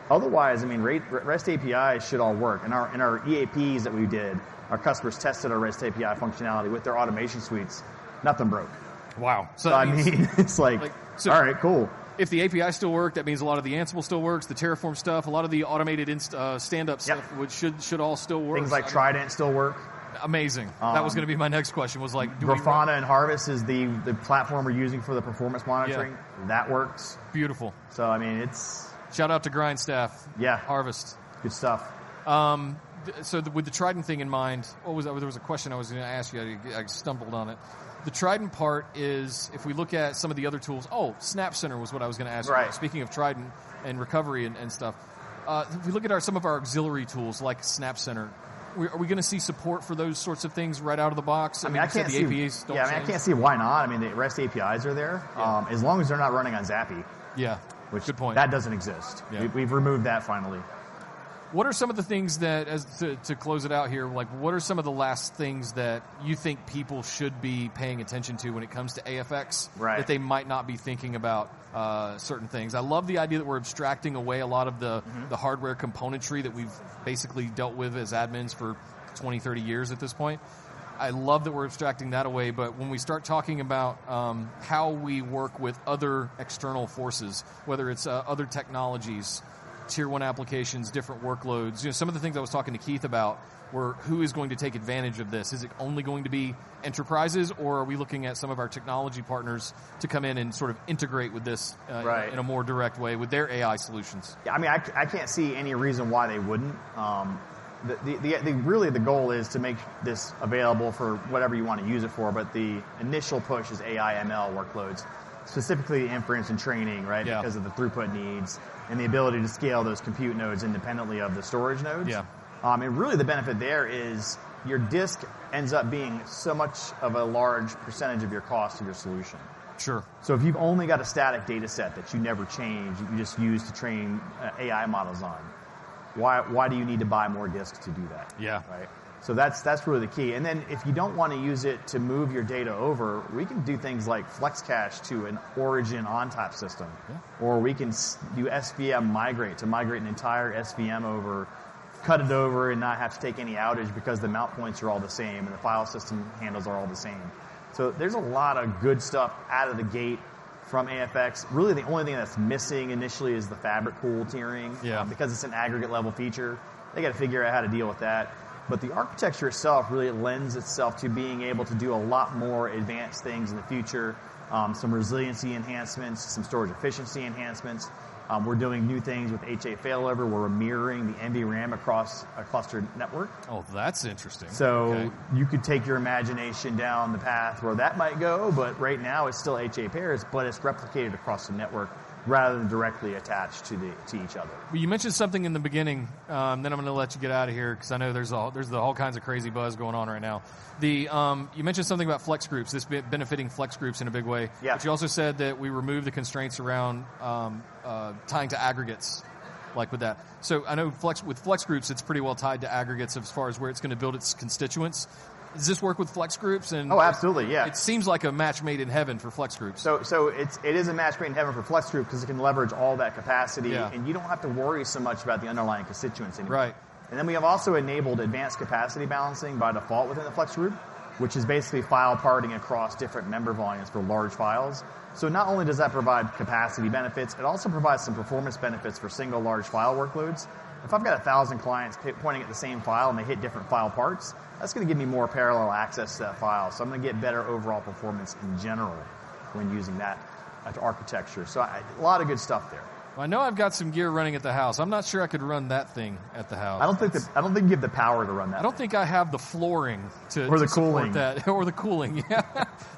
Otherwise, REST APIs should all work. In our EAPs that we did, our customers tested our REST API functionality with their automation suites. Nothing broke. Wow. I mean, it's like, all right, cool. If the API still worked, that means a lot of the Ansible still works. The Terraform stuff, a lot of the automated insta stand up stuff, should all still work. Things like Trident still work. Amazing. That was going to be my next question, was like Grafana and. Harvest is the platform we're using for the performance monitoring. That works. Beautiful. I mean, it's shout out to Grindstaff. Yeah, Harvest. Good stuff. With the Trident thing in mind, there was a question I was going to ask you. I stumbled on it. The Trident part is if we look at some of the other tools. Oh, SnapCenter was what I was going to ask. Speaking of Trident and recovery and stuff, if you look at some of our auxiliary tools like SnapCenter, are we going to see support for those sorts of things right out of the box? Yeah, I mean, I can't see why not. I mean, the REST APIs are there as long as they're not running on ZAPI. Yeah, good point. That doesn't exist. Yeah, we've removed that. Finally. What are some of the things that, to close it out here, what are some of the last things that you think people should be paying attention to when it comes to NetApp AFX, that they might not be thinking about? Certain things. I love the idea that we're abstracting away a lot of the hardware componentry that we've basically dealt with as admins for 20, 30 years at this point. I love that we're abstracting that away, but when we start talking about how we work with other external forces, whether it's other technologies, tier one applications, different workloads, some of the things I was talking to Keith about were who is going to take advantage of this. Is it only going to be enterprises, or are we looking at some of our technology partners to come in and sort of integrate with this in a more direct way with their AI solutions? I can't see any reason why they wouldn't. The goal is to make this available for whatever you want to use it for. The initial push is AIML workloads, specifically inference and training, because of the throughput needs and the ability to scale those compute nodes independently of the storage nodes. The benefit there is your disk ends up being so much of a large percentage of your cost to your solution. Sure. If you've only got a static data set that you never change, you just use to train AI models on, why do you need to buy more disks to do that? Yeah. Right. That's really the key. If you don't want to use it to move your data over, we can do things like FlexCache to an origin ONTAP system, or we can do SVM migrate to migrate an entire SVM over, cut it over and not have to take any outage because the mount points are all the same and the file system handles are all the same. There's a lot of good stuff out of the gate from AFX. Really, the only thing that's missing initially is the FabricPool tiering. Yeah. Because it's an aggregate level feature, they got to figure out how to deal with that. The architecture itself really lends itself to being able to do a lot more advanced things in the future. Some resiliency enhancements, some storage efficiency enhancements. We're doing new things with HA failover where we're mirroring the NVRAM across a clustered network. Oh, that's interesting. You could take your imagination down the path where that might go. Right now it's still HA pairs, but it's replicated across the network rather than directly attached to each other. You mentioned something in the beginning. I'm going to let you get out of here because I know there's all kinds of crazy buzz going on right now. You mentioned something about FlexGroups, this benefiting FlexGroups in a big way. You also said that we removed the constraints around tying to aggregates, like with that. I know with FlexGroups it's pretty well tied to aggregates as far as where it's going to build its constituents. Does this work with FlexGroups? Oh, absolutely. Yeah, it seems like a match made in heaven for FlexGroups. It is a match made in heaven for FlexGroup because it can leverage all that capacity, and you don't have to worry so much about the underlying constituency. Right. We have also enabled advanced capacity balancing by default within the FlexGroup, which is basically file parting across different member volumes for large files. Not only does that provide capacity benefits, it also provides some performance benefits for single large file workloads. If I've got a thousand clients pointing at the same file and they hit different file parts, that's going to give me more parallel access to that file. I'm going to get better overall performance in general when using that architecture. A lot of good stuff there. I know I've got some gear running at the house. I'm not sure I could run that thing at the house. I don't think that. You have the power to run that. I don't think I have the flooring to do that or the cooling.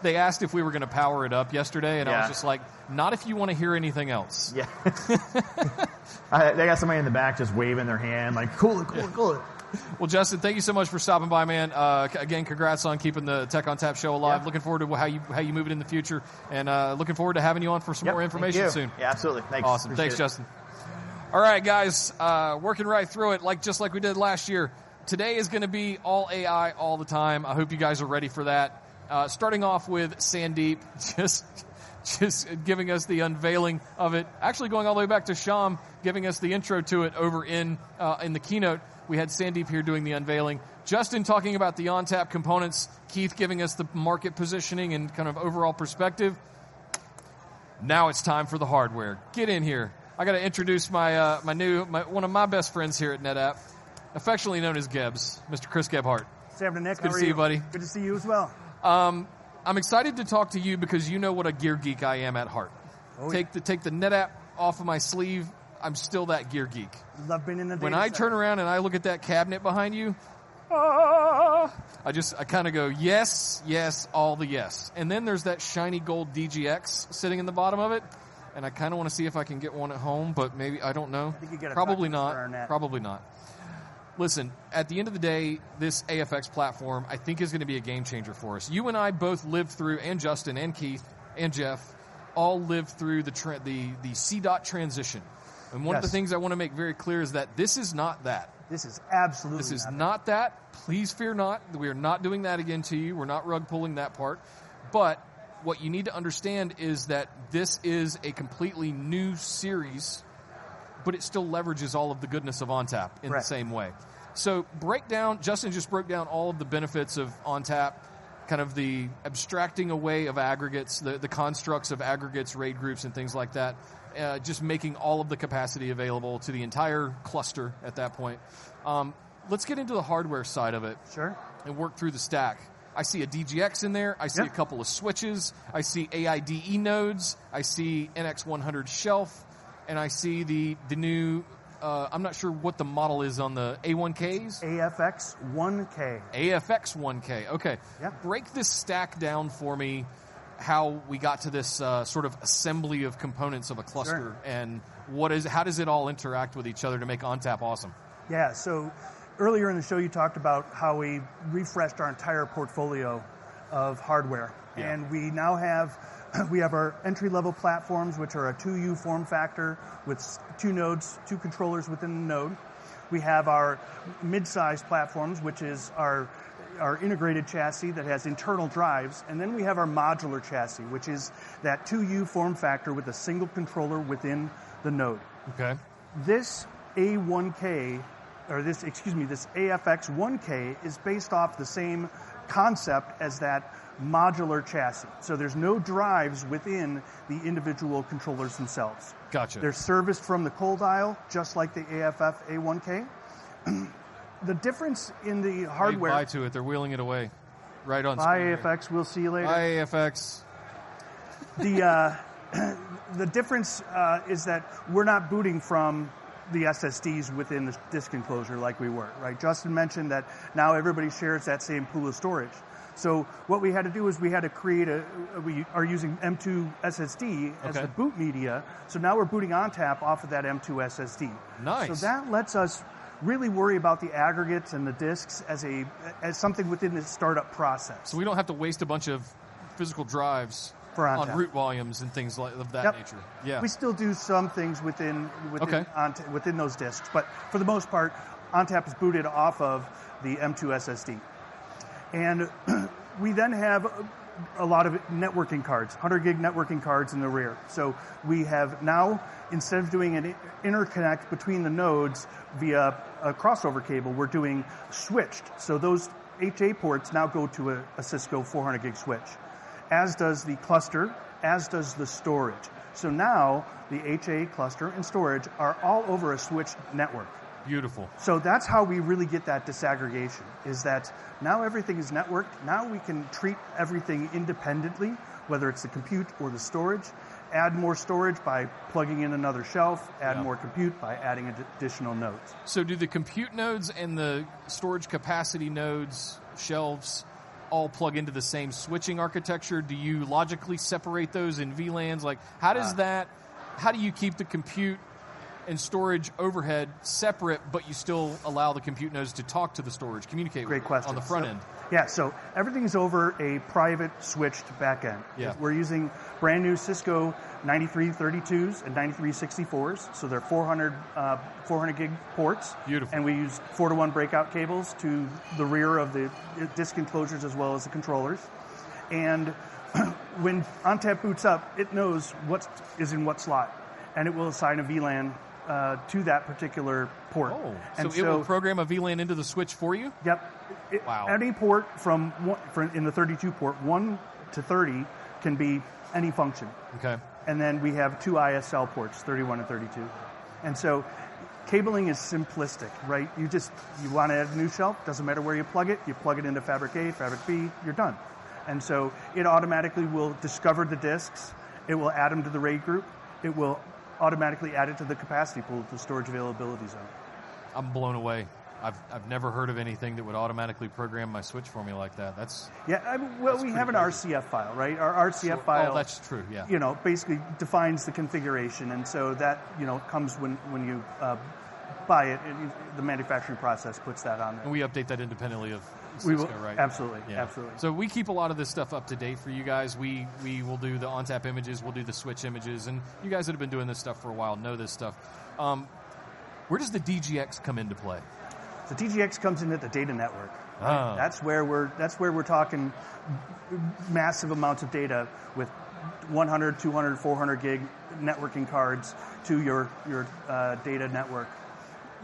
They asked if we were going to power it up yesterday, and I was just like, not if you want to hear anything else. Yeah, they got somebody in the back just waving their hand like, cool, cool, cool. Justin, thank you so much for stopping by, man. Again, congrats on keeping the Tech ONTAP show alive. Looking forward to how you move it in the future and looking forward to having you on for some more information soon. Yeah, absolutely. Thanks. Awesome. Thanks, Justin. All right, guys. Working right through it just like we did last year. Today is going to be all AI, all the time. I hope you guys are ready for that. Starting off with Sandeep giving us the unveiling of it, actually going all the way back to Syam, giving us the intro to it over in the keynote. We had Sandeep here doing the unveiling, Justin talking about the ONTAP components, Keith giving us the market positioning and kind of overall perspective. Now it's time for the hardware. Get in here. I got to introduce my new, my one of my best friends here at NetApp, affectionately known as Gebs, Mr. Chris Gebhardt. Good to see you, buddy. Good to see you as well. I'm excited to talk to you because you know what a gear geek I am at heart. Take the NetApp off of my sleeve. I'm still that gear geek. When I turn around and I look at that cabinet behind you, I just, I kind of go, yes, yes, all the yes. There's that shiny gold DGX sitting in the bottom of it. I kind of want to see if I can get one at home, but maybe. I don't know. Probably not. Probably not. Listen, at the end of the day, this AFX platform I think is going to be a game changer for us. You and I both lived through, and Justin and Keith and Jeff all lived through the trend, the C dot transition. One of the things I want to make very clear is that this is not that. This is absolutely. This is not that. Please fear not. We are not doing that again to you. We're not. Not rug pulling that part. What you need to understand is that this is a completely new series, but it still leverages all of the goodness of ONTAP in the same way. Justin just broke down all of the benefits of ONTAP, kind of the abstracting away of aggregates, the constructs of aggregates, RAID groups, and things like that, just making all of the capacity available to the entire cluster at that point. Let's get into the hardware side of it. Sure. I see a DGX in there. I see a couple of switches, I see eight nodes, I see NX224 shelf and I see the new. I'm not sure what the model is. On the AFX, AFX1K. AFX1K. Okay. Yeah. Break this stack down for me. How we got to this sort of assembly of components of a cluster and what it is. How does it all interact with each other to make ONTAP awesome? Earlier in the show you talked about how we refreshed our entire portfolio of hardware, and we now have our entry level platforms, which are a 2U form factor with two nodes, two controllers within the node. We have our mid sized platforms, which is our integrated chassis that has internal drives. Then we have our modular chassis, which is that 2U form factor with a single controller within the node. Okay. This AFX1K is based off the same concept as that modular chassis. There's no drives within the individual controllers themselves. Gotcha. They're serviced from the cold aisle, just like the AFF A1K. The difference in the hardware to it. They're wheeling it away right on screen. High AFX. We'll see you later. Iafx the. The difference is that we're not booting from the SSDs within the disk enclosure like we were. Right. Justin mentioned that. Now everybody shares that same pool of storage. What we had to do is we had to create a. We are using M.2 SSD as the boot media. Now we're booting ONTAP off of that M.2 SSD. Nice. That lets us really worry about the aggregates and the disks as something within the startup process. We don't have to waste a bunch of physical drives on root volumes and things of that nature. Yeah, we still do some things within. Okay. Within those disks. For the most part, ONTAP is booted off of the M.2 SSD and we then have a lot of networking cards, 100 gig networking cards in the rear. We have now, instead of doing an interconnect between the nodes via a crossover cable, we're doing switched. Those HA ports now go to a Cisco 400 gig switch, as does the cluster, as does the storage. Now the HA, cluster, and storage are all over a switch network. Beautiful. That's how we really get that disaggregation, is that now everything is network, network. Now we can treat everything independently, whether it's the compute or the storage. Add more storage by plugging in another shelf. Add more compute by adding additional nodes. Do the compute nodes and the storage capacity nodes, shelves, all plug into the same switching architecture? Do you logically separate those in VLANs? How does that, how do you keep the compute and storage overhead separate, but you still allow the compute nodes to talk to the storage, communicate with. Great question on the front end. Everything's over a private switched back end. We're using brand new Cisco 9332s and 9364s. They're 400. 400 gig ports. Beautiful. We use four-to-one breakout cables to the rear of the DIS enclosures as well as the controllers. When ONTAP boots up, it knows what is in what slot, and it will assign a VLAN to that particular port. It will program a VLAN into the switch for you? Yep. Any port from one through the 32 port, 1-30 can be any function. Okay. We have two ISL ports, 31 and 32, so cabling is simplistic. Right. You just want to add a new shelf. Doesn't matter where you plug it, you plug it into fabric A, fabric B, you're done. It automatically will discover the disks, it will add them to the RAID group, it will automatically add it to the capacity pool, the storage availability zone. I'm blown away. I've never heard of anything that would automatically program my switch for me like that. Yeah, we have an RCF file, right? Our RCF file. That's true, yeah. You know, basically defines the configuration. That comes when you buy it, the manufacturing process puts. That on and we update that independently of. Absolutely, absolutely. We keep a lot of this stuff up to date for you guys. We will do the ONTAP images, we'll do the switch images. You guys that have been doing this stuff for a while know this stuff. Where does the DGX come into play? The DGX comes into the data network. That's where we're talking massive amounts of data with 100, 200, 400 gig networking cards to your data network.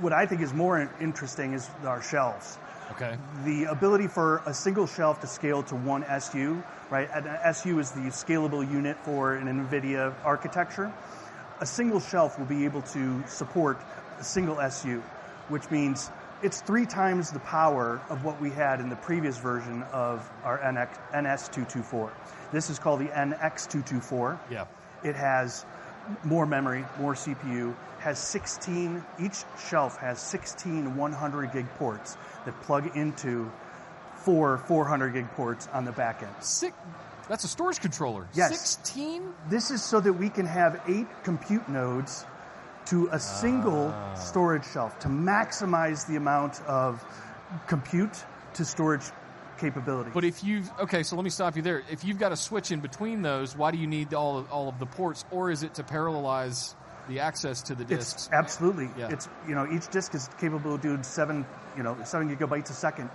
What I think is more interesting is our shelves. Okay. The ability for a single NX224 shelf to scale to 1 SU. Right. SU is the scalable unit for an NVIDIA architecture. A single shelf will be able to support a single SU, which means it's three times the power of what we had in the previous version of our NX224. This is called the NX224. Yeah. It has more memory, more CPU, has 16. Each shelf has 16 100 gig ports that plug into four 400 gig ports on the back end. Sick. That's a storage controller. 16? This is so that we can have eight compute nodes to a single storage shelf to maximize the amount of compute to storage capability. If you've got a switch in between those, why do you need all of the ports? Or is it to parallelize the access to the disks? Absolutely. Each disk is capable of doing 7 GB a second.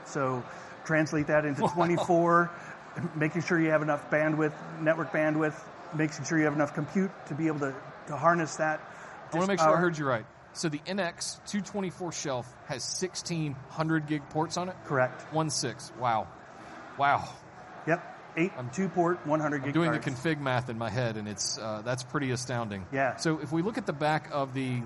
Translate that into 24 GB. Making sure you have enough bandwidth, network bandwidth. Making sure you have enough compute to be able to harness that. I want to make sure I heard you right. The NX224 shelf has 1,600 gig ports on it. Correct. Wow. Wow. Yep. I'm two-port 100 gigs doing the. Config math in my head, and it's pretty astounding. Yeah. If we look at the back of the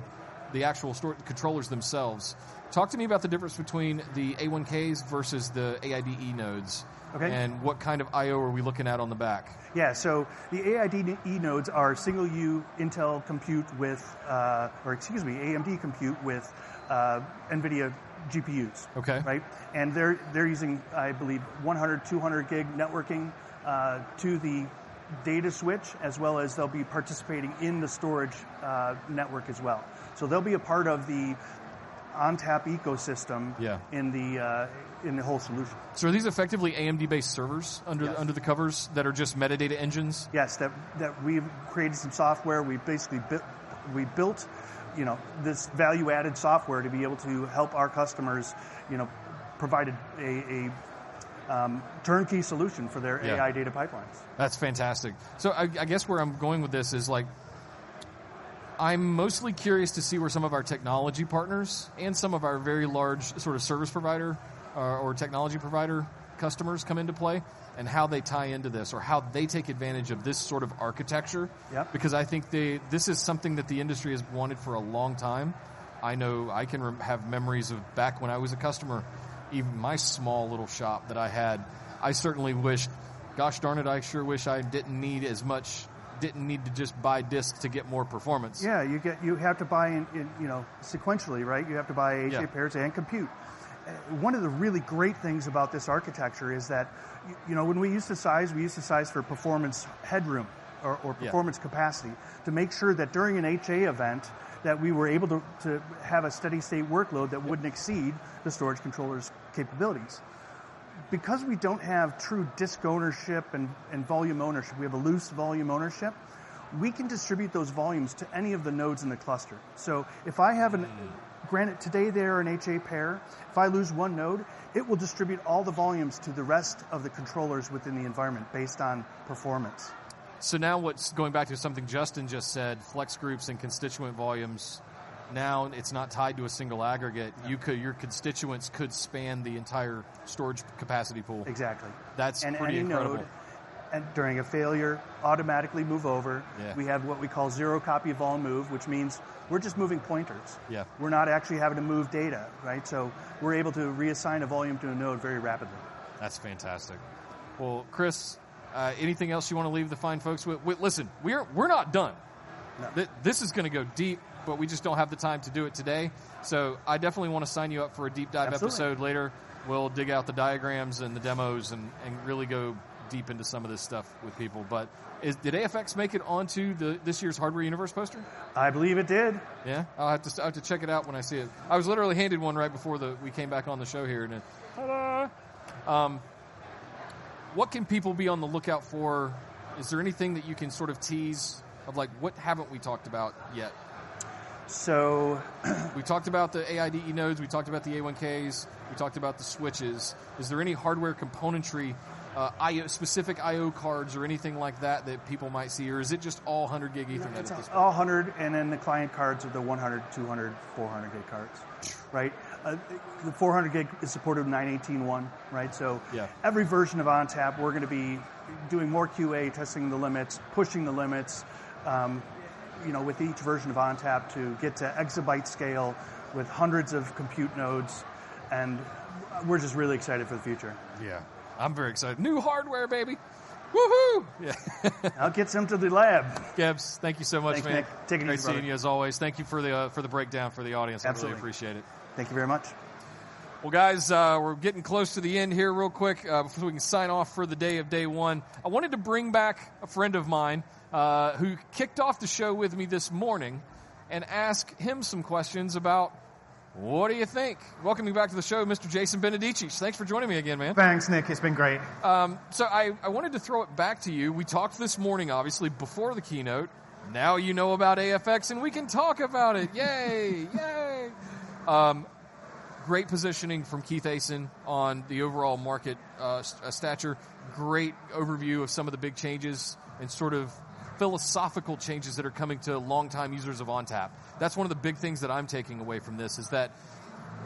actual storage controllers themselves, talk to me about the difference between the A1Ks versus the AIDE nodes. Okay, and what kind of IO are we looking at on the back? Yeah. The AIDE nodes are single U AMD compute with NVIDIA GPUs. Okay. Right. They're using, I believe, 100, 200 gig networking to the data switch, as well as they'll be participating in the storage network as well. They'll be a part of the ONTAP ecosystem in the whole solution. Are these effectively AMD-based servers under the covers that are just metadata engines? Yes, we've created some software. We basically built this value-added software to be able to help our customers provide a turnkey solution for their AI data pipelines. That's fantastic. I guess where I'm going with this is I'm mostly curious to see where some of our technology partners and some of our very large sort of service provider or technology provider customers come into play, how they tie into this, or how they take advantage of this sort of architecture. I think this is something that the industry has wanted for a long time. I know I can have memories of back when I was a customer, even my small little shop that I had. I certainly wish, gosh darn it, I sure wish I didn't need as much, didn't need to just buy disk to get more performance. You have to buy sequentially. You have to buy pairs and compute. One of the really great things about this architecture is that when we used to size, we used to size for performance headroom or performance capacity to make sure that during an HA event we were able to have a steady state workload that wouldn't exceed the storage controller's capabilities. Because we don't have true disk ownership and volume ownership, we have a loose volume ownership. We can distribute those volumes to any of the nodes in the cluster. If I have a granite today, they're an HA pair. If I lose one node, it will distribute all the volumes to the rest of the controllers within the environment based on performance. Going back to something Justin just said. FlexGroups and constituent volumes, now it's not tied to a single aggregate. Your constituents could span the entire storage capacity pool. Exactly. That's. Any node during a failure automatically moves over. We have what we call zero-copy volume move, which means we're just moving pointers. Yeah. We're not actually having to move data. Right. We're able to reassign a volume to a node very rapidly. That's fantastic. Chris, anything else you want to leave the fine folks with? Listen, we're not done. This is going to go deep, but we just don't have the time to do it today. I definitely want to sign you up for a deep dive episode later. We'll dig out the diagrams and the demos and really go deep into some of this stuff with people. Did NetApp AFX make it onto this year's Hardware Universe poster? I believe it did, yeah. I'll have to check it out when I see it. I was literally handed one right before we came back on the show here. What can people be on the lookout for? Is there anything that you can sort of tease? Like what haven't we talked about yet? We talked about the AI nodes, we talked about the A1KS, we talked about the switches. Is there any hardware componentry, IO-specific I/O cards or anything like that that people might see? Or is it just all 100 gig Ethernet? 100, and then the client cards are the 100, 200, 400 gig cards. Right. The 400 gig is supported 9.18.1. Right. Every version of ONTAP, we're going to be doing more QA, testing the limits, pushing the limits with each version of ONTAP to get to exabyte scale with hundreds of compute nodes. We're just really excited for the future. Yeah, I'm very excited. New hardware, baby. Woohoo. I'll get some to the lab. Gebs, thank you so much. Great seeing you as always. Thank you for the breakdown for the audience. Appreciate it. Thank you very much. We're getting close to the end here. Real quick, before we can sign off for the day of day one, I wanted to bring back a friend of mine who kicked off the show with me this morning and ask him some questions about what do you think? Welcome you back to the show, Mr. Jason Benedicic. Thanks for joining me again, man. Thanks, Nick. It's been great. I wanted to throw it back to you. We talked this morning obviously before the keynote. Now you know about NetApp AFX and we can talk about it. Yay. Yay. Great positioning from Keith Asen on the overall market stature. Great overview of some of the big changes and sort of philosophical changes that are coming to longtime users of NetApp ONTAP. That's one of the big things that I'm taking away from this, is that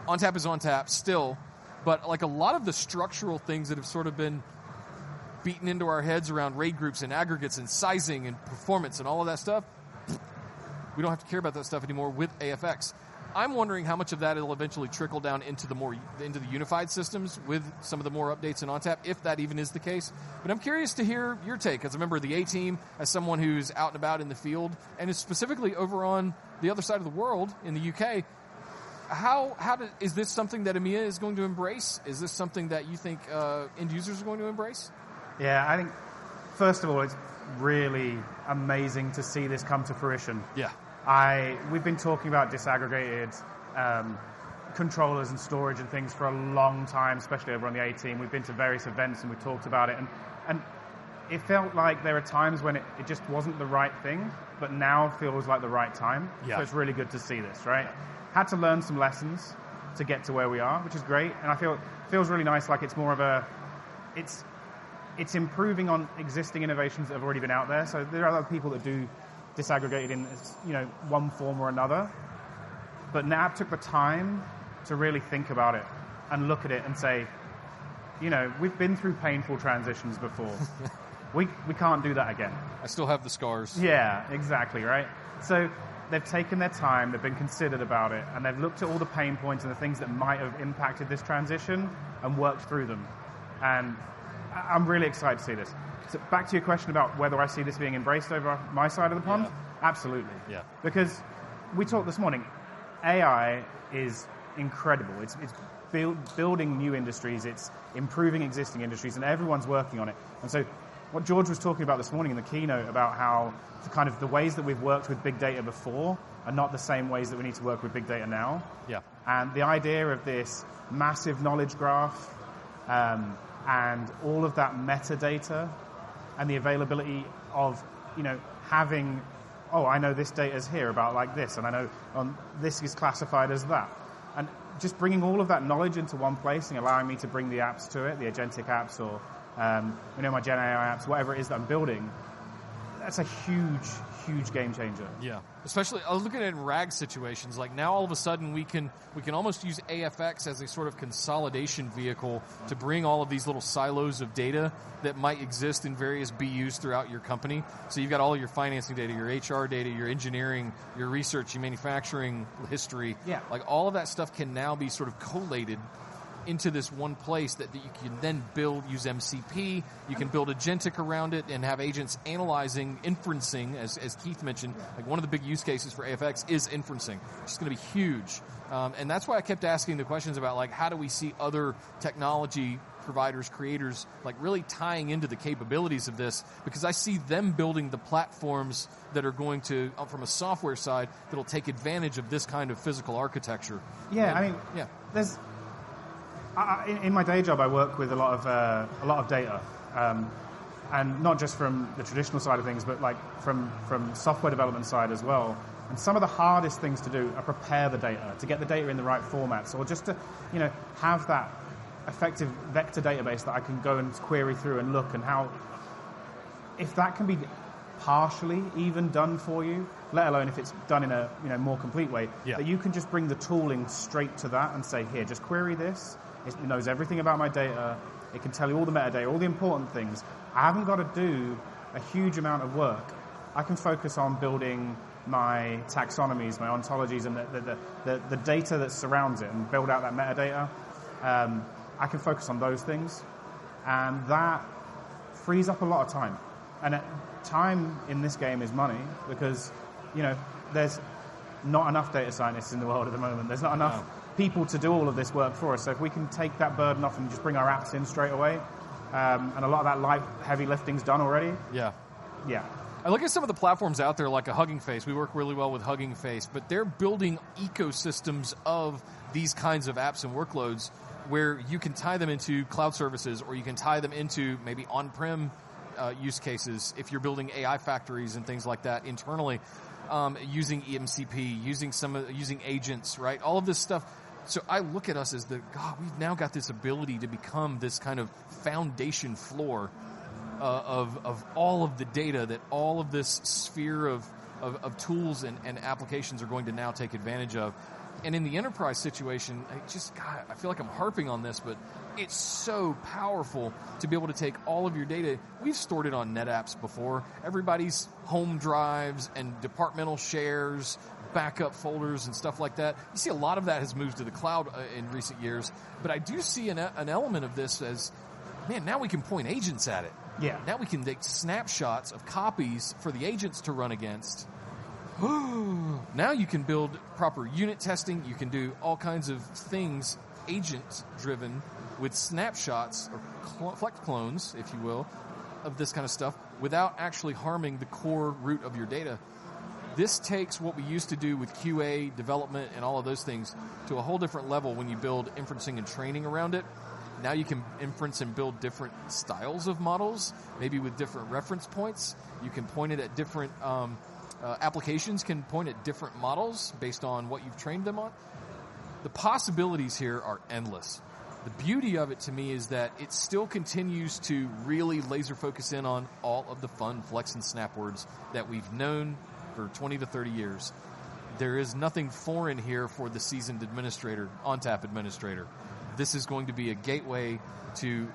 ONTAP is ONTAP still. Like a lot of the structural things that have sort of been beaten into our heads around RAID group and aggregates and sizing and performance and all of that stuff, we don't have to care about that stuff anymore. With NetApp AFX, I'm wondering how much of that it'll eventually trickle down into the unified systems with some of the more updates in ONTAP, if that even is the case. I'm curious to hear your take as a member of the A Team, as someone who's out and about in the field and is specifically over on the other side of the world in the UK. How is this something that EMEA is going to embrace? Is this something that you think end users are going to embrace? Yeah, I think, first of all, it's really amazing to see this come to fruition. We've been talking about disaggregated controllers and storage and things for a long time, especially over on the A team. We've been to various events and we talked about it and it felt like there are times when it just wasn't the right thing, but now feels like the right time. It's really good to see this. Had to learn some lessons to get to where we are, which is great and I feel feels really nice. Like it's more of a. It's. It's improving on existing innovations that have already been out there. There are other people that do disaggregated in, you know, one form or another. NetApp took the time to really think about it and look at it and say, you know, we've been through painful transitions before, we can't do that again. I still have the scope. Yeah, exactly right. They've taken their time, they've been considered about it, and they've looked at all the pain points and the things that might have impacted this transition and worked through them. I'm really excited to see this. Back to your question about whether I see this being embraced over my side of the pond. Absolutely, yeah. We talked this morning, AI is incredible. It's building new industries, it's improving existing industries, and everyone's working on it. What George was talking about this morning in the keynote, about how the ways that we've worked with Big Data before are not the same ways that we need to work with Big Data now. The idea of this massive knowledge graph and all of that metadata and the availability of having, oh, I know this data is here about, like this, and I know this is classified as that, and just bringing all of that knowledge into one place and allowing me to bring the apps to it, the agentic apps or my gen AI apps, whatever it is that I'm building, that's a huge, huge game changer. Yeah. Especially looking at RAG situations, like now all of a sudden we can almost use NetApp AFX as a sort of consolidation vehicle to bring all of these little silos of data that might exist in various business units throughout your company. You've got all your financing data, your HR data, your data engineering, your research, your manufacturing history. All of that stuff can now be sort of collated into this one place that you can then build, use MCP. You can build agentic around it and have agents analyzing, inferencing. As Keith mentioned, one of the big use cases for NetApp AFX is inferencing. It's going to be huge. That's why I kept asking the questions about how do we see other technology providers, creators, really tying into the capabilities of this. I see them building the platforms that are going to, from a software side, take advantage of this kind of physical architecture. Yeah, I mean, there's, in my day job, I work with a lot of data and not just from the traditional side of things, but from the software development side as well. Some of the hardest things to do are prepare the data, to get the data in the right formats or just to have that effective vector database that I can go and query through and look and how, if that can be partially even done for you, let alone if it's done in a more complete way that you can just bring the tooling straight to that and say here, just query this. It knows everything about my data. It can tell you all the metadata, all the important things. I haven't got to do a huge amount of work. I can focus on building my taxonomies, my ontologies and the data that surrounds it and build out that metadata. I can focus on those things and that frees up a lot of time, and time in this game is money. Because there's not enough data scientists in. The world at the moment. are not enough people to do all of this work for us. If we can take that burden off and just bring our apps in straight away, a lot of that light heavy lifting is done already. Yeah, I look at some of the platforms out there like Hugging Face. We work really well with Hugging Face. They're building ecosystems of these kinds of apps and workloads where you can tie them into cloud services or you can tie them into maybe on-prem use cases. If you're building AI factories and things like that internally using EMCP, using some of using agents, right? All of this stuff. I look at us as the, we've now got this ability to become this kind of foundation floor of all of the data that all of this sphere of tools and applications are going to now take advantage of. In the enterprise situation, I feel like I'm harping on this, but it's so powerful to be able to take all of your data. We've stored it on NetApp's before, everybody's home drives and departmental shares, backup folders and stuff like that. You see a lot of that has moved to the cloud in recent years. I do see an element of this as, man, now we can point agents at it. Yeah. Now we can take snapshots of copies for the agents to run against. Now you can build proper unit testing, you can do all kinds of things agent driven with snapshots or collect clones, if you will, of this kind of stuff without actually harming the core root of your data. This takes what we used to do with QA development and all of those things to a whole different level when you build inferencing and training around it. Now you can inference and build different styles of models, maybe with different reference points. You can point it at different applications, can point at different models based on what you've trained them on. The possibilities here are endless. The beauty of it to me is that it still continues to really laser focus in on all of the fun Flex and Snap words that we've known for 20 to 30 years. There is nothing foreign here. For the seasoned ONTAP administrator, this is going to be a gateway to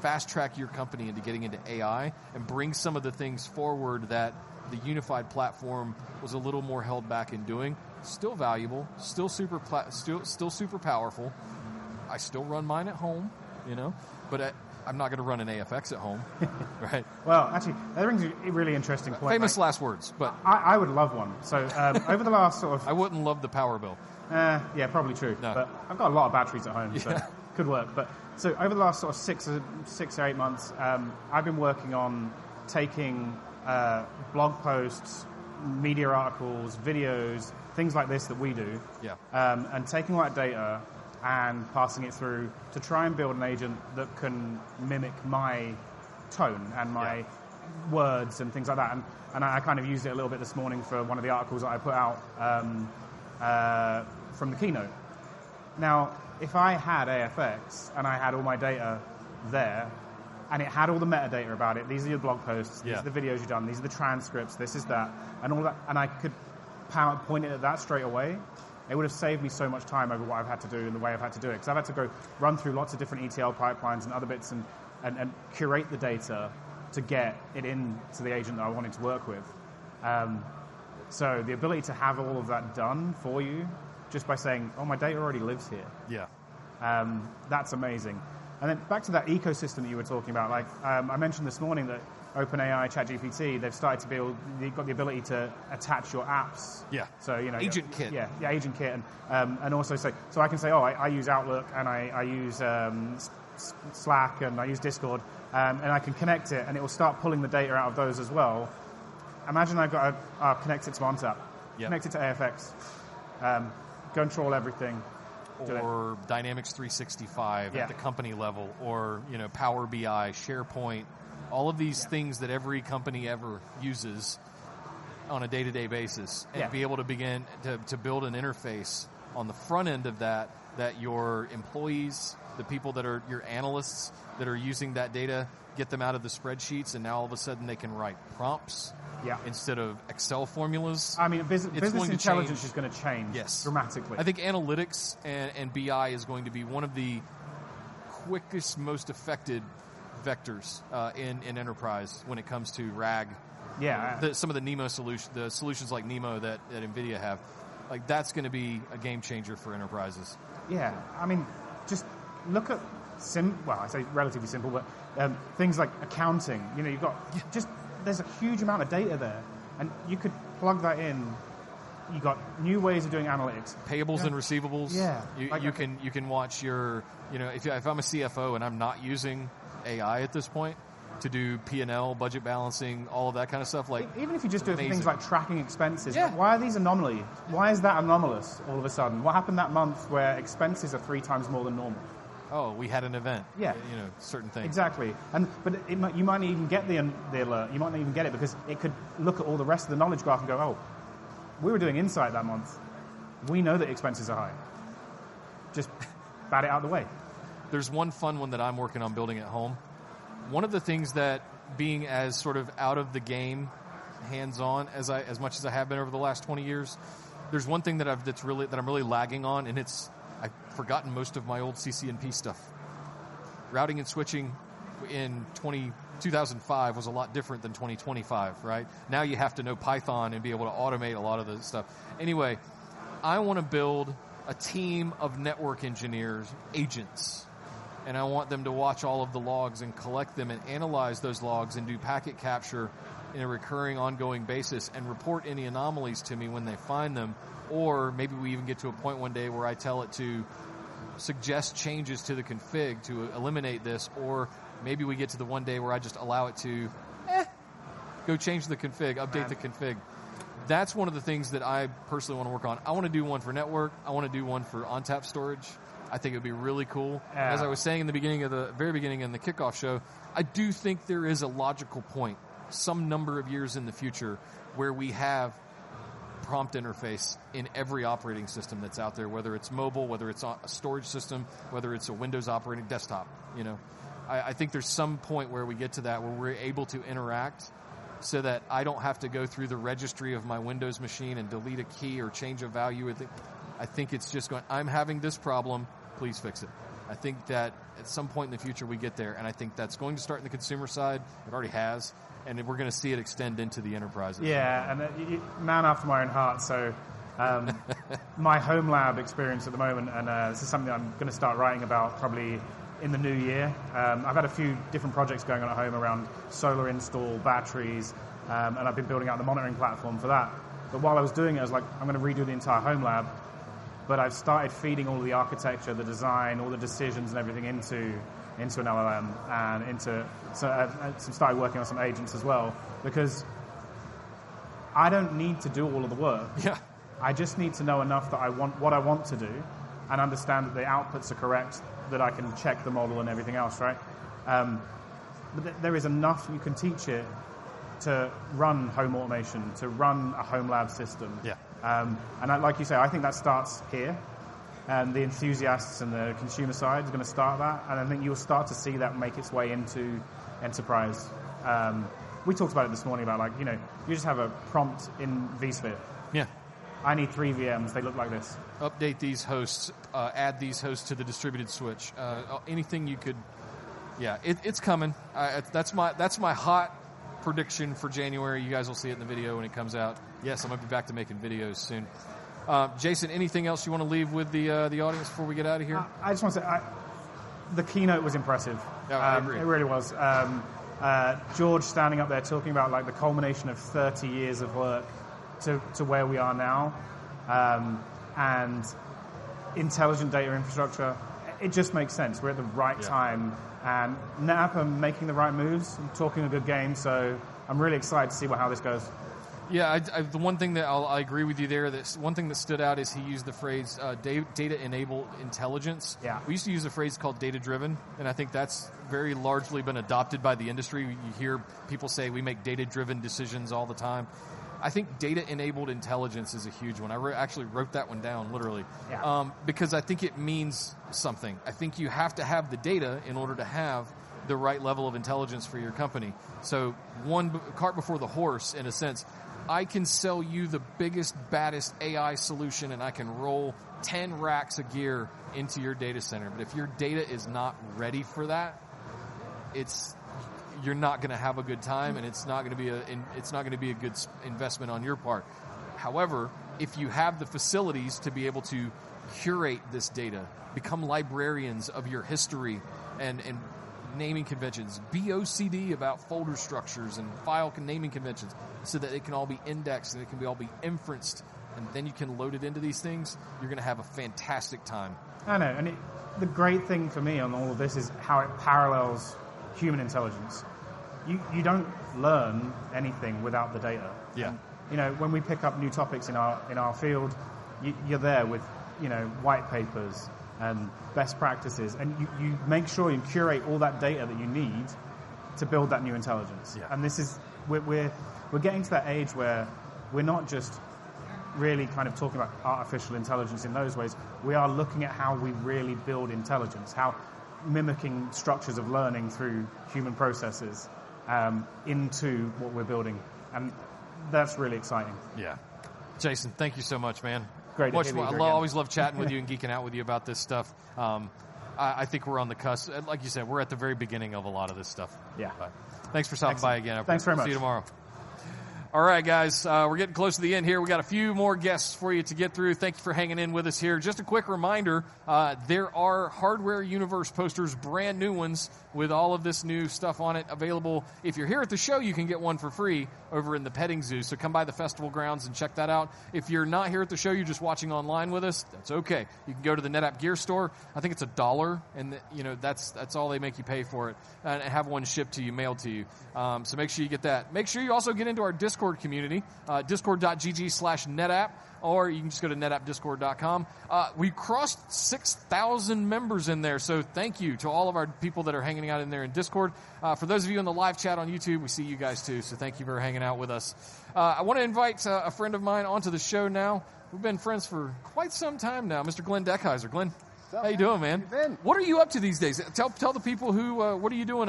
fast track your company into getting into AI and bring some of the things forward that the unified platform was a little more held back in doing. Still valuable, still super plat, still super powerful. I still run mine at home, you know, but I'm not going to run an AFX at home. Right. That brings a really interesting point. Famous last words. I would love one. Over the last sort of. I wouldn't love the power bill. Yeah, probably true, but I've got a lot of batteries at home, so could work. Over the last sort of six, six or eight months I've been working on taking blog posts, media articles, videos, things like this that we do, and taking that data and passing it through to try and build an agent that can mimic my tone and my words and things like that. I kind of used it a little bit this morning for one of the articles that I put out from the keynote. Now, if I had NetApp AFX and I had all my data there and it had all the metadata about it, these are your blog posts, these are the videos you've done, these are the transcripts, this is that and all that, and I could point it at that straight away, it would have saved me so much time over what I've had to do and the way I've had to do it because I've had to go run through lots of different ETL pipelines and other bits and curate the data to get it in to the agent that I wanted to work with. The ability to have all of that done for you just by saying, oh my data already lives here, that's amazing. Amazing. Back to that ecosystem that you were talking about, like I mentioned this morning, that OpenAI ChatGPT, they've started to build. You've got the ability to attach your apps. Yeah. You know Agent kit. Yeah, Agent kit. I can say, oh I use Outlook and I use Slack and I use Discord and I can connect it and it will start pulling the data out of those as well. Imagine I've got a Connect 6 monitor connected to NetApp AFX Control Everything or Dynamics. 365 at the company level or, you know, Power BI, SharePoint, all of these things that every company ever uses on a day-to-day basis, and be able to begin to build an interface on the front end of that, that your employees, the people that are your analysts that are using that data, get them out of the spreadsheets, and now all of a sudden they can write prompts. Yeah. Instead of Excel formulas. Business intelligence is going to change. Yes, dramatically. I think analytics and BI is going to be one of the quickest, most affected vectors in enterprise when it comes to RAG. Yeah. Some of the Nemo solutions, the solutions like Nemo that NVIDIA have, like that's going to be a game changer for enterprises. I mean just look at, I say relatively simple, but things like accounting, you know, you've got just, there's a huge amount of data there and you could plug that in. You got new ways of doing analytics, payables and receivables. Yeah. If I'm a CFO and I'm not using AI at this point to do P&L budget balancing, all of that kind of stuff. Like even if you just do things like tracking expenses. Yeah. Why are these anomaly? Why is that anomalous all of a sudden? What happened that month where expenses are three times more than normal? Oh, we had an event. Yeah, you know, certain things. Exactly. You might even get the alert. You might not even get it because it could look at all the rest of the knowledge graph and go, oh, we were doing Insight that month. We know that expenses are high. Just bat it out of the way. There's one fun one that I'm working on building at home. One of the things that, being as sort of out of the game, hands on as I have been over the last 20 years, there's one thing that I'm really lagging on and it's I forgotten most of my old CCNP stuff. Routing and switching in 2005 was a lot different than 2025. Right now you have to know Python and be able to automate a lot of the stuff. Anyway, I want to build a team of network engineers, agents, and I want them to watch all of the logs and collect them and analyze those logs and do packet capture in a recurring ongoing basis and report any anomalies to me when they find them. Maybe we even get to a point one day where I tell it to suggest changes to the config to eliminate this. Maybe we get to the one day where I just allow it to go change the config, update the config. That's one of the things that I personally want to work on. I want to do one for network, I want to do one for ONTAP storage. I think it would be really cool. As I was saying in the very beginning, in the kickoff show, I do think there is a logical point, some number of years in the future where we have prompt interface in every operating system that's out there, whether it's mobile, whether it's a storage system, whether it's a Windows operating desktop. I think there's some point where we get to that, where we're able to interact so that I don't have to go through the registry of my Windows machine and delete a key or change a value. I think it's just going, I'm having this problem, please fix it. I think that at some point in the future we get there and I think that's going to start in the consumer side, it already has, and then we're going to see it extend into the enterprises. Yeah, a man after my own heart. My home lab experience at the moment, and this is something I'm going to start writing about probably in the new year, I've had a few different projects going on at home around solar install battery, and I've been building out the monitoring platform for that. While I was doing it, I was like, I'm going to redo the entire home lab. I've started feeding all the architecture, the design, all the decisions and everything into an LLM and started working on some agents as well. I don't need to do all of the work. I just need to know enough that I want what I want to do and understand that the outputs are correct, that I can check the model and everything else. Right. There is enough, you can teach it to run home automation, to run a home lab system. Like you say, I think that starts here and the enthusiasts and the consumer side is going to start that, and I think you'll start to see that make its way into enterprise. We talked about it this morning, about like, you know, you just have a prompt in vSphere. Yeah, I need three VMs, they look like this. Update these hosts, add these hosts to the distributed switch. Anything you could. Yeah, it's coming. That's my hot prediction for January. You guys will see it in the video when it comes out. Yes. I'm going to be back to making videos soon. Jason, anything else you want to leave with the audience before we get out of here? I just want to say the keynote was impressive. It really was. George standing up there talking about the culmination of 30 years of work to where we are now and intelligent data infrastructure. It just makes sense. We're at the right time, and NetApp are making the right moves, talking a good game. I'm really excited to see how this goes. Yeah, the one thing that I agree with you there, one thing that stood out is he used the phrase data enabled intelligence. We used to use a phrase called data driven and I think that's very largely been adopted by the industry. You hear people say we make data driven decisions all the time. I think data enabled intelligence is a huge one. I actually wrote that one down literally because I think it means something. I think you have to have the data in order to have the right level of intelligence for your company. One cart before the horse. In a sense, I can sell you the biggest, baddest AI solution and I can roll 10 racks of gear into your data center. If your data is not ready for that, you're not going to have a good time and it's not going to be a good investment on your part. However, if you have the facilities to be able to curate this data, become librarians of your history and naming conventions, be OCD about folder structures and file naming conventions so that it can all be indexed and it can all be inferenced and then you can load it into these things, you're going to have a fantastic time. I know. The great thing for me on all of this is how it parallels human intelligence. You don't learn anything without the data. You know, when we pick up new topics in our field, you're there with, you know, white papers and best practices, and you make sure you curate all that data that you need to build that new interaction intelligence. This is, we're getting to that age where we're not just really kind of talking about artificial intelligence in those ways. We are looking at how we really build intelligence, how mimicking structures of learning through human processes into what we're building. That's really exciting. Yeah, Jason, thank you so much, man. Great. I always love chatting with you and geeking out with you about this stuff. I think we're on the cusp. Like you said, we're at the very beginning of a lot of this stuff. Thanks for stopping by again. Thanks very much. See you tomorrow. All right, guys, we're getting close to the end here. We got a few more guests for you to get through. Thank you for hanging in with us here. Just a quick reminder. There are Hardware Universe posters, brand new ones with all of this new stuff on it available. If you're here at the show, you can get one for free over in the petting zoo. Come by the festival grounds and check that out. If you're not here at the show, you just want to watch online with us. That's okay. You can go to the NetApp gear store. I think it's $1, and you know, that's all they make you pay for it and have one shipped to you, mailed to you. Make sure you get that. Make sure you also get into our Discord community. Discord.gg/NetApp. Or you can just go to netappdiscord.com. We crossed 6,000 members in there. Thank you to all of our people that are hanging out in there in Discord. For those of you in the live chat on YouTube, we see you guys too. Thank you for hanging out with us. I want to invite a friend of mine onto the show now. We've been friends for quite some time now, Mr. Glenn Dyer. Glenn, how you doing? Man, what are you up to these days? Tell the people who, what are. You doing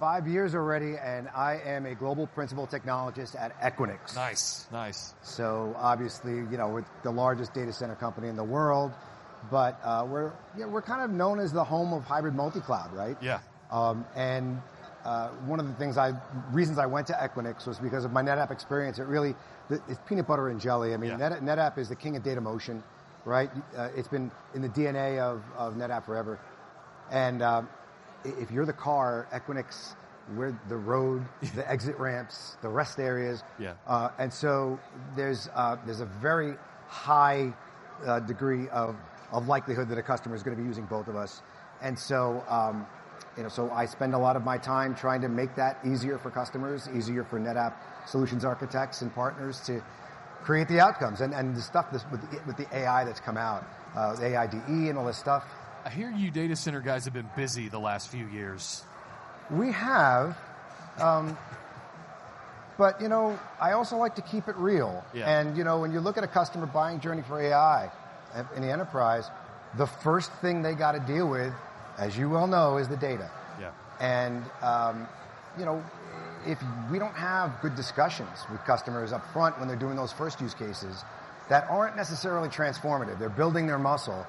five years already, and I am a Global Principal Technologist at Equinix. Nice, nice. Obviously, you know, with the largest data center company in the world, we're kind of known as the home of hybrid, multi cloud, right? Yeah. One of the reasons I went to Equinix was because of my NetApp experience. It really, it's peanut butter and jelly. I mean, NetApp is the king of data motion. Right. It's been in the DNA of NetApp forever. If you're the car, Equinix, we're the road, the exit ramps, the rest areas. There's a very high degree of likelihood that a customer is going to be using both of us. I spend a lot of my time trying to make that easier for customers, easier for NetApp solutions architects and partners to create the outcomes and the stuff with the AI that's come out, AIDE and all this stuff. I hear you data center guys have been busy the last few years. We have, you know, I also like to keep it real, and you know, when you look at a customer buying journey for AI in the enterprise, the first thing they got to deal with, as you well know, is the data. Yeah. If we don't have good discussions with customers up front when they're doing those first use cases that aren't necessarily transformative, they're building their muscle.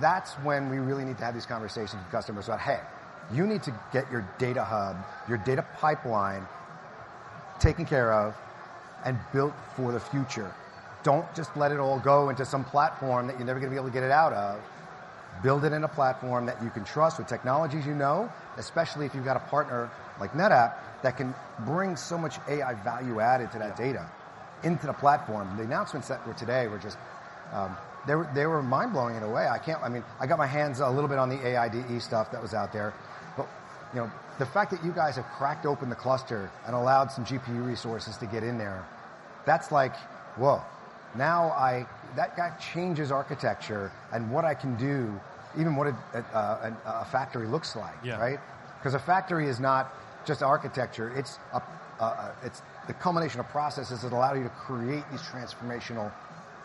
That's when we really need to have these conversations with customers about, hey, you need to get your data hub, your data pipeline taken care of and built for the future. Don't just let it all go into some platform that you're never going to be able to get it out of. Build it in a platform that you can trust with technologies, especially if you've got a partner like NetApp that can bring so much AI value added to that data into the platform. The announcements that were today were just, they were mind blowing in a way. I can't. I mean, I got my hands up a little bit on the AI stuff that was out there. The fact that you guys have cracked open the cluster and allowed some GPU resources to get in there, that's like, whoa, now that changes architecture and what I can do, even what a factory looks like. Right. Because a factory is not just architecture. It's the culmination of processes that allow you to create these transformational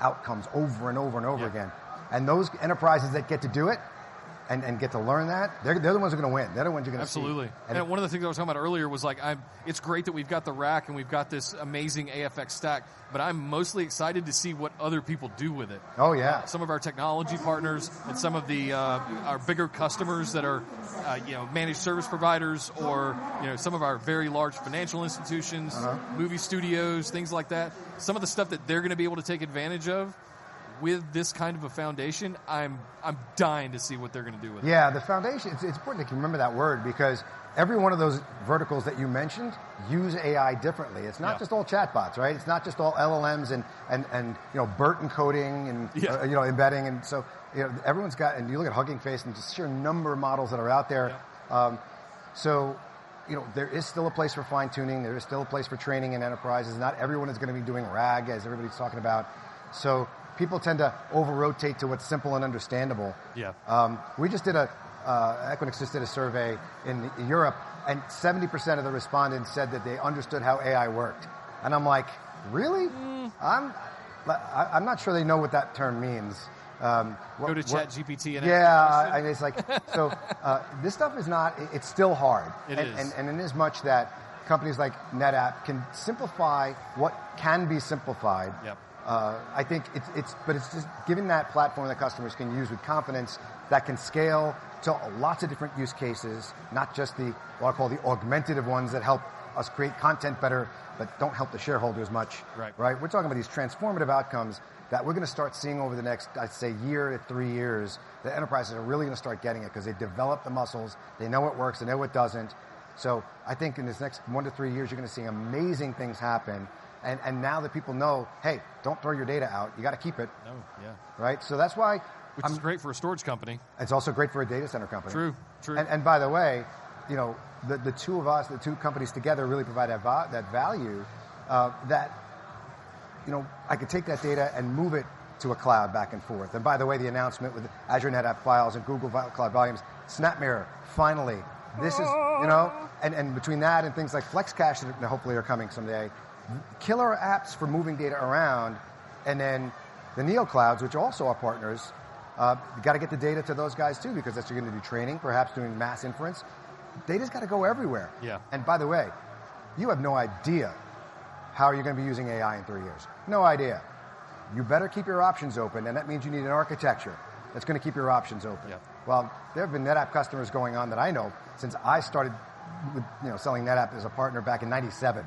outcomes over and over and over again. Those enterprises that get to do it and get to learn that, they're the ones who are going to win. They're the ones who are going to win. Absolutely. One of the things I was talking about earlier was it's great that we've got the rack and we've got this amazing NetApp AFX stack, but I'm mostly excited to see what other people do with it. Some of our technology partners and some of our bigger customers that are managed service providers or some of our very large financial institutions, movie studios, things like that, some of the stuff that they're going to be able to take advantage of with this kind of a foundation, I'm dying to see what they're going to do with it. Yeah, the foundation. It's important that you remember that word because every one of those verticals that you mentioned use AI differently. It's not just all chatbots. It's not just all LLMs and, you know, Burton coding and, you know, embedding, and so, you know, everyone's got, and you look at Hugging Face and just the sheer number of models that are out there. There is still a place for fine tuning, there is still a place for training in enterprises. Not everyone is going to be doing RAG as everybody's talking about. People tend to over rotate to what's simple and understandable. Equinix just did a survey in Europe and 70% of the respondents said that they understood how AI worked. I'm like, really? I'm not sure they know what that term means. Go to ChatGPT. Yeah, and it's like, this stuff is not, it's still hard in as much that companies like NetApp can simplify what can be simplified. I think it's just giving that platform that customers can use with confidence, that can scale to lots of different use cases, not just the, what I call the augmentative ones that help us create content better but don't help the shareholders do as much. We're talking about these transformative outcomes that we're going to start seeing over the next, I'd say, year to three years. The enterprises are really going to start getting it because they develop the muscles, they know it works, they know it doesn't. I think in this next 1-3 years you're going to see amazing things happen. Now that people know, hey, don't throw your data out, you got to keep it. Right. That is why. Which is great for a storage company. It's also great for a data center company. True, true. By the way, the two of us, the two companies together really provide that value that, you know, I could take that data and move it to a cloud back and forth. By the way, the announcement with Azure NetApp Files and Google Cloud NetApp Volumes, SnapMirror, finally, this is, you know, and between that and things like FlexCache, hopefully are coming someday, killer apps for moving data around and then the NEO clouds, which are also our partners, the Galaxy, to get the data to those guys too, because that's. You're going to do training, perhaps doing mass inference. Data's got to go everywhere. Yeah. By the way, you have no idea how you're going to be using AI in three years. No idea. You better keep your options open. That means you need an architecture that's going to keep your options open. There have been NetApp customers going on that I know since I started selling NetApp as a partner back in 1997,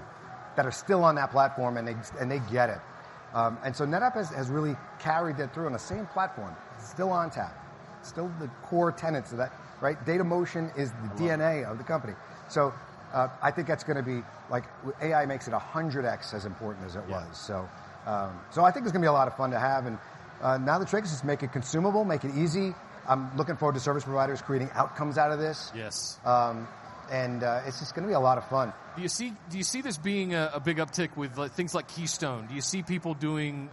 that are still on that platform and they get it. NetApp has really carried that through on the same platform, still ONTAP. Still the core tenets of that. Right. Data Motion is the DNA of the company. I think that's going to be like AI makes it 100x as important as it was. I think it's going to be a lot of fun to have. The trick is make it consumable, make it easy. I'm looking forward to service providers creating outcomes out of this and it's just going to be a lot of fun. Do you see this being a big uptick with things like Keystone? Do you see people doing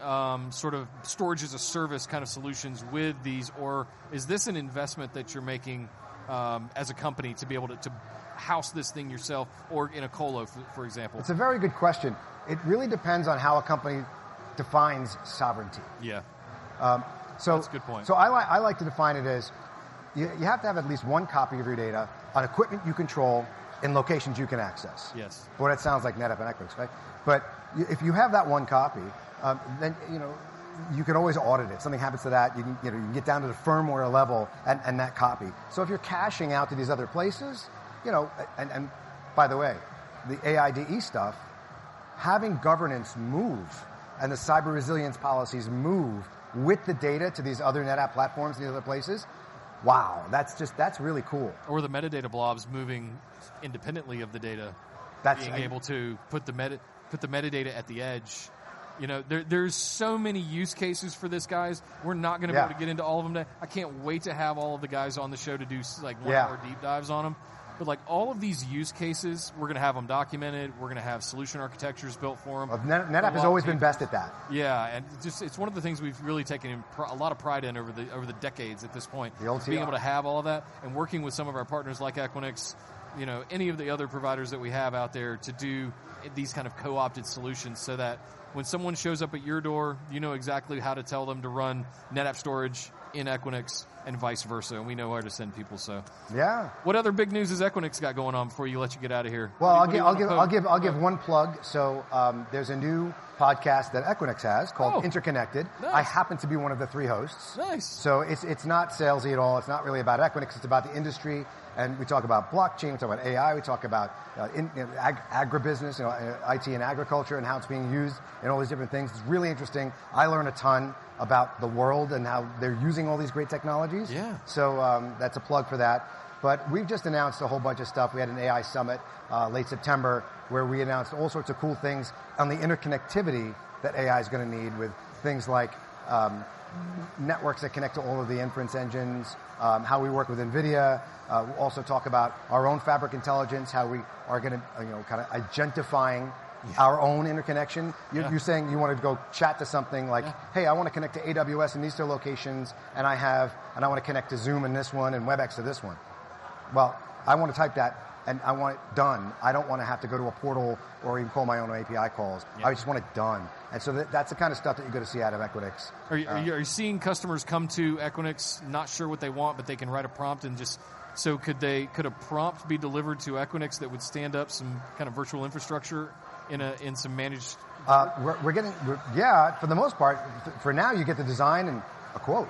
sort of storage as-a-service kind of solutions with these? Is this an investment that you're making as a company to be able to house this thing yourself or in a colo, for example? It's a very good question. It really depends on how a company defines sovereignty. Yeah, that's a good point. I like to define it as you have to have at least one copy of your data on equipment you control, in locations you can access. Yes. That sounds like Netflix, right? If you have that one copy, then you know you can always audit it. If something happens to that, you can get down to the firmware level and that copy. If you're caching out to these other places, by the way, the IDE stuff, having governance move and the cyber resilience policies move with the data to these other NetApp platforms in the other places, that's just, that's really cool. Or the metadata blobs moving independently of the data, that's being able to put the metadata at the edge. There are so many use cases for this, guys, we're not going to be able to get into all of them. I can't wait to have all of the guys on the show to do like one hour deep dives on them. All of these use cases, we're going to have them documented, we're going to have solution architecture, architectures built for them. NetApp has always been best at that. It's one of the things we've really taken a lot of pride in over the decades at this point, being able to have all that and working with some of our partners like Equinix, any of the other providers that we have out there to do these kind of co-opted solutions so that when someone shows up at your door you know exactly how to tell them to run NetApp storage in Equinix and vice versa, and we know where to send people. What other big news is Equinix got going on before I let you get out of here? I'll give. One plug. There's a new podcast that Equinix has called Interconnected. I happen to be one of the three hosts. Nice. It's not salesy at all. It's not really about Equinix, it's about the industry, and we talk about blockchain, talk about AI, we talk about in agribusiness, you know, it and agriculture and how it's being used and all these different things. It's really interesting. I learned a ton about the world and how they're using all these great technologies. Yeah. That's a plug for that. We've just announced a whole bunch of stuff. We had an AI summit late September where we announced all sorts of cool things on the interconnectivity that AI is going to need with things like networks that connect to all of the inference engines, how we work with NVIDIA. We'll also talk about our own fabric intelligence, how we are going to, you know, kind of identifying our own interconnection. You're saying you want to go, go chat to something like, hey, I want to connect to AWS in these two locations. I want to connect to Zoom in this one and Webex to this one. I want to type that and I want it done. I don't want to have to go to a portal or even call my own API calls. I just want it done. That's the kind of stuff that you're going to see out of Equinix. Are you seeing customers come to Equinix? Not sure what they want, but they can write a prompt and just so could they. Could a prompt be delivered to Equinix that would stand up some kind of virtual infrastructure in a, in some managed. For the most part, for now, you get the design and a quote,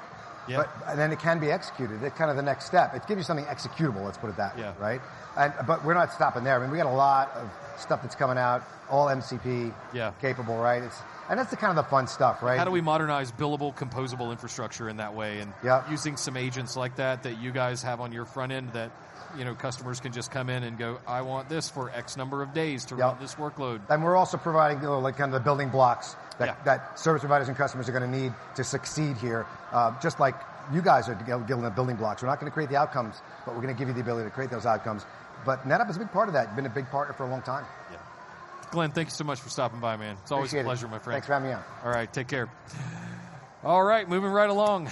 but then it can be executed. It's kind of the next step. It gives you something executable, let's put it that way. Right. We're not stopping there. I mean, we got a lot of stuff that's coming out, all MCP. Yeah. Capable. Right. That's the kind of the fun stuff, right. How do we modernize billable, composable infrastructure in that way? Using some agents like that that you guys have on your front end, customers can just come in and go, I want this for X number of days to run this workload. We're also providing kind of the building blocks that service providers and customers are going to need to succeed here. Just like you guys are giving the building blocks, we're not going to create the outcomes, but we're going to give you the ability to create those outcomes. NetApp has been part of that, been a big partner for a long time. Yeah, Glenn, thank you so much for stopping by, man. It's always a pleasure, my friend. Thanks for having me on. All right, take care. All right, moving right along.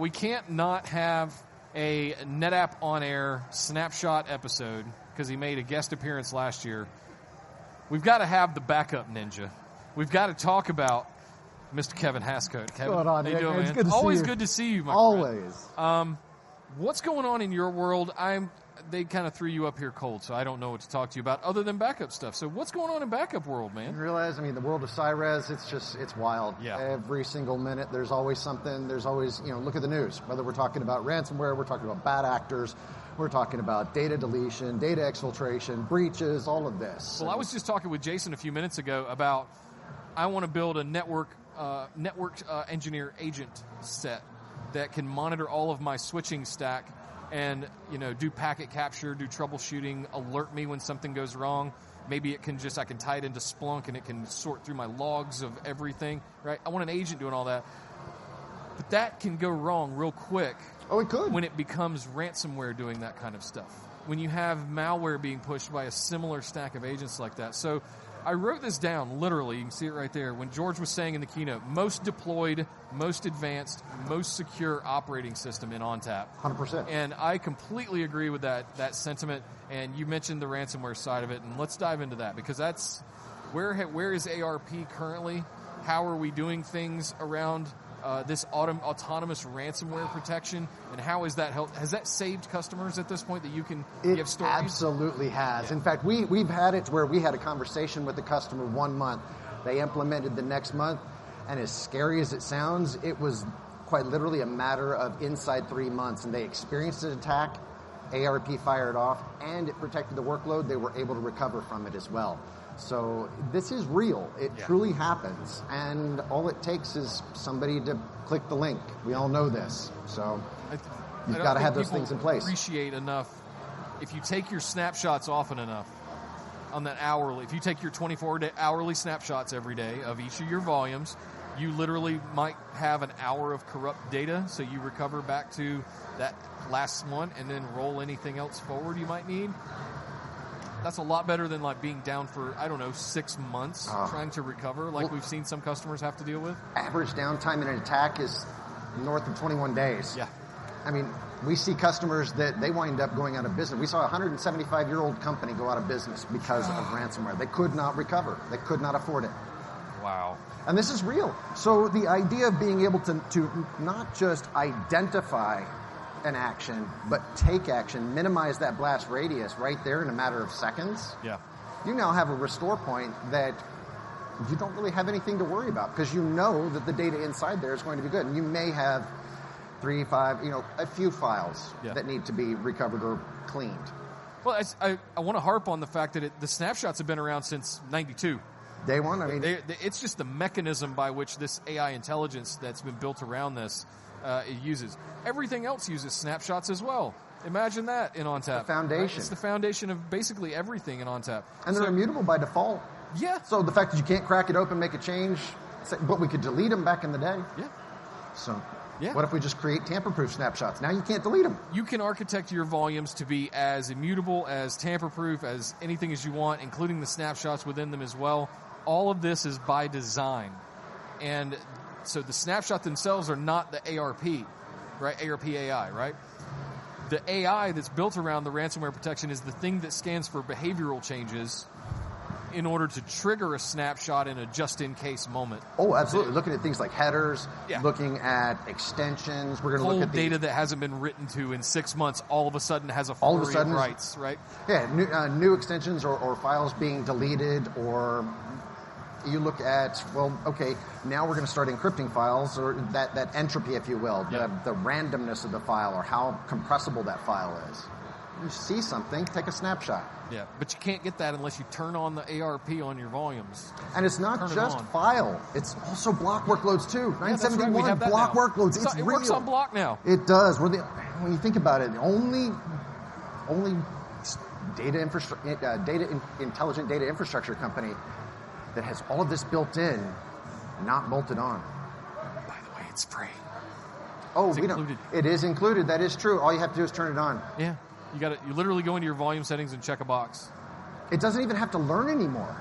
We can't not have a NetApp on air snapshot episode because he made a guest appearance last year. We've got to have the backup ninja. We've got to talk about Mr. Kevin Hastcoat. Kevin, always good to see you. Always. What's going on in your world? They kind of threw you up here cold. I don't know what to talk to you about other than backup stuff. What's going on in backup world, man. Realize, I mean, the world of Cyrus, it's just wild. Yeah. Every single minute, there's always something. There's always, you know, look at the news. Whether we're talking about ransomware, we're talking about bad actors, we're talking about data deletion, data exfiltration, breaches, all of this. I was just talking with Jason a few minutes ago about I want to build a network, network engineer agent set that can monitor all of my switching stack and, you know, do packet capture, do troubleshooting, alert me when something goes wrong. Maybe I can tie it into Splunk and it can sort through my logs of everything. I want an agent doing all that, but that can go wrong real quick. It could when it becomes ransomware, doing that kind of stuff, when you have malware being pushed by a similar stack of agents like that. I wrote this down. Literally you can see it right there when George was saying in the keynote, most deployed, most advanced, most secure operating system in ONTAP 100. I completely agree with that sentiment. You mentioned the ransomware side of it, and let's dive into that because that's where is ARP currently? How are we doing things around this autonomous ransomware protection? How has that helped? Has that saved customers at this point that you can. Absolutely has. In fact, we've had it where we had a conversation with the customer one month, they implemented the next month. As scary as it sounds, it was quite literally a matter of inside three months and they experienced an attack. ARP fired off, and it protected the workload. They were able to recover from it as well. This is real, it truly happens. All it takes is somebody to click the link. We all know this. You've got to have those things. In place, appreciate enough. If you take your snapshots often enough on that hourly, if you take your 24 hourly snapshots every day of each of your volumes, you literally might have an hour of corrupt data. You recover back to that last one and then roll anything else forward you might need. That's a lot better than being down for, I don't know, six months trying to recover, like we've seen some customers have to. Deal with, average downtime in an attack is north of 21 days. Yeah, I mean we see customers that they wind up going out of business. We saw a 175-year-old company go out of business because of ransomware. They could not recover, they could not afford it. Wow. This is real. The idea of being able to not just identify an action, but take action, minimize that blast radius right there in a matter of seconds, you now have a restore point that you don't really have anything to worry about because you know that the data inside there is going to be good and you may have three, five, you know, a few files that need to be recovered or cleaned. I want to harp on the fact that the snapshots have been around since 1992, day one. I mean it's just the mechanism by which this AI intelligence that's been built around this, it uses everything else, uses snapshots as well. Imagine that in ONTAP. The foundation, it's the foundation of basically everything in ONTAP. They're immutable by default. Default? Yeah. The fact that you can't crack it open, make a change, we could delete them back in the day. Yeah. So yeah. What if we just create tamper-proof snapshots now? You can't delete them. You can architect your volumes to be as immutable, as tamper-proof as anything as you want, including the snapshots within them as well. All of this is by design. The snapshots themselves are not the ARP, right. ARP, AI, right. The AI that's built around the ransomware protection is the thing that scans for behavioral changes in order to trigger a snapshot in a just-in-case moment. Oh, absolutely. Looking at things like headers, looking at extensions. We're going to look at data that hasn't been written to in six months, all of a sudden has a false write, right? New extensions or files being deleted, or you look at, okay, now we're going to start encrypting files. Or that entropy, if you will, the randomness of the file or how compressible that file is. You see something, take a snapshot. Yeah, but you can't get that unless you turn on the NetApp ONTAP Autonomous Ransomware Protection on your volumes. It is not just file, it is also block workloads too. We have block workloads on block now. It does when you think about it. The only data infrastructure, data intelligent data infrastructure company that has all of this built in, not bolted on by the way. It's free. It is included. That is true. All you have to do is turn it on. Yeah, you got it. You literally go into your volume settings and check a box. It doesn't even have to learn anymore.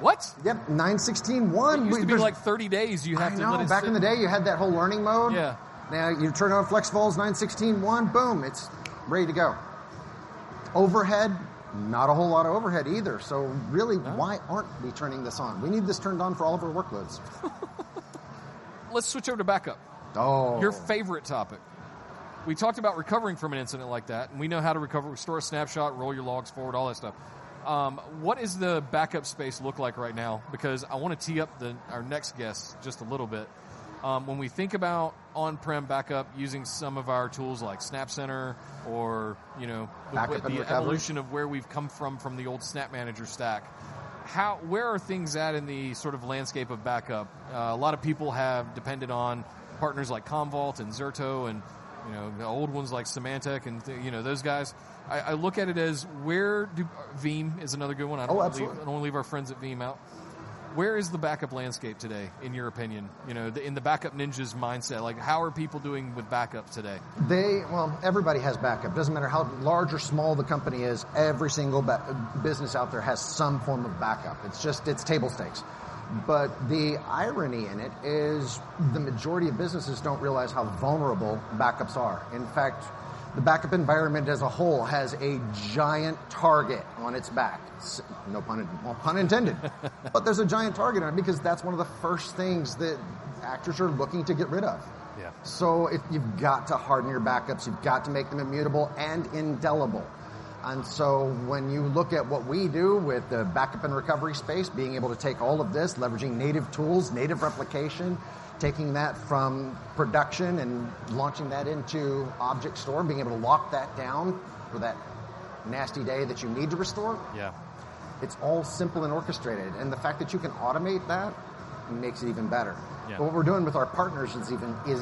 What? Yep. One needs to be like 30 days. You have to. Back in the day, you had that whole learning mode. Yeah. Now you turn on FlexVol 9:16 1, boom, it's ready to go overhead. Not a whole lot of overhead either. Really, why aren't we turning this on? We need this turned on for all of our workloads. Let's switch over to backup. Your favorite topic. We talked about recovering from an incident like that, and we know how to recover. We store a snapshot, roll your logs forward, all that stuff. What does the backup space look like right now? I want to tee up our next guest just a little bit. When we think about on-prem backup using some of our tools like SnapCenter or the evolution of where we've come from, from the old SnapManager stack, where are things at in the landscape of backup? A lot of people have depended on partners like Commvault and Zerto, and the old ones like Symantec and those guys. I look at it as, where do Veeam is another good one. Oh, absolutely. I don't leave our friends at Veeam out. Where is the backup landscape today in your opinion? You know, in the backup ninjas mindset, how are people doing with backup today? They. Everybody has backup. It doesn't matter how large or small the company is. Every single business out there has some form of backup. It's just, it's table stakes. The irony in it is the majority of businesses don't realize how vulnerable backups are. In fact, the backup environment as a whole has a giant target on its back. No pun intended. There's a giant target on it because that's one of the first things that actors are looking to get rid of. You've got to harden your backups, you've got to make them immutable and indelible. When you look at what we do with the backup and recovery space, being able to take all of this, leveraging native tools, native replication, taking that from production and launching that into Object Store, being able to lock that down for that nasty day that you need to restore, it's all simple and orchestrated, and the fact that you can automate that makes it even better. What we're doing with our partners is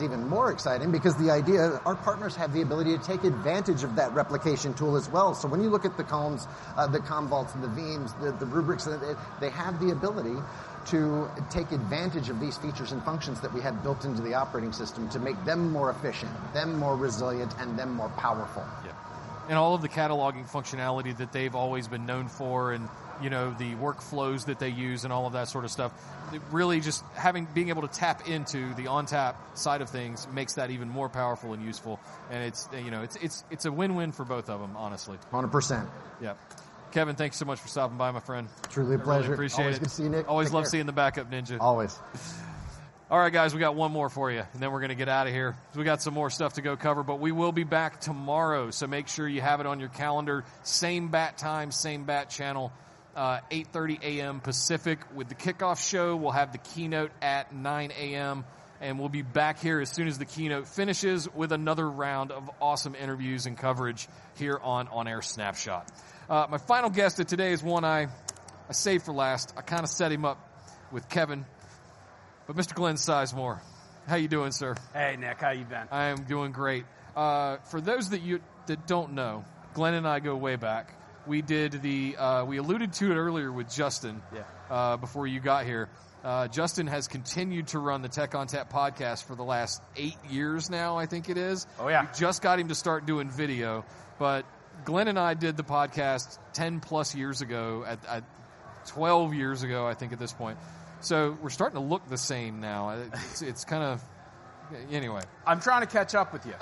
even more exciting because the idea our partners have the ability to take advantage of that replication tool as well. When you look at the Commvaults and the VMs, the Rubriks, they have the ability to take advantage of these features and functions that we have built into the operating system to make them more efficient, more resilient, and more powerful. All of the cataloging functionality that they've always been known for, and the workflows that they use and all of that sort of stuff, really just having being able to tap into the ONTAP side of things makes that even more powerful and useful. It's a win-win for both of them, honestly. 100%. Yeah, Kevin, thanks so much for stopping by, my friend. Truly a pleasure. Appreciate it. Always good to see you, Nick. Always love seeing the backup ninja. Always. All right guys, we got one more for you and then we're going to get out of here. We got some more stuff to go cover, but we will be back tomorrow, so make sure you have it on your calendar. Same bat time, same bat channel. 8:30 A.M. Pacific with the kickoff show. We'll have the keynote at 9:00 A.M. and we'll be back here as soon as the keynote finishes with another round of awesome interviews and coverage here on On Air Snapshot. My final guest of today is one I saved for last. I kind of set him up with Kevin, but Mr. Glenn Sizemore. How you doing, sir? Hey, Nick, how you been? I am doing great. For those of you that don't know, Glenn and I go way back. We did the, we alluded to it earlier with Justin before you got here. Justin has continued to run the Tech ONTAP podcast for the last eight years now. I think it is. Oh yeah. Just got him to start doing video. Glenn and I did the podcast 10+ years ago, at 12 years ago I think at this point. We're starting to look the same now. It's kind of, anyway, I'm trying to catch up with you.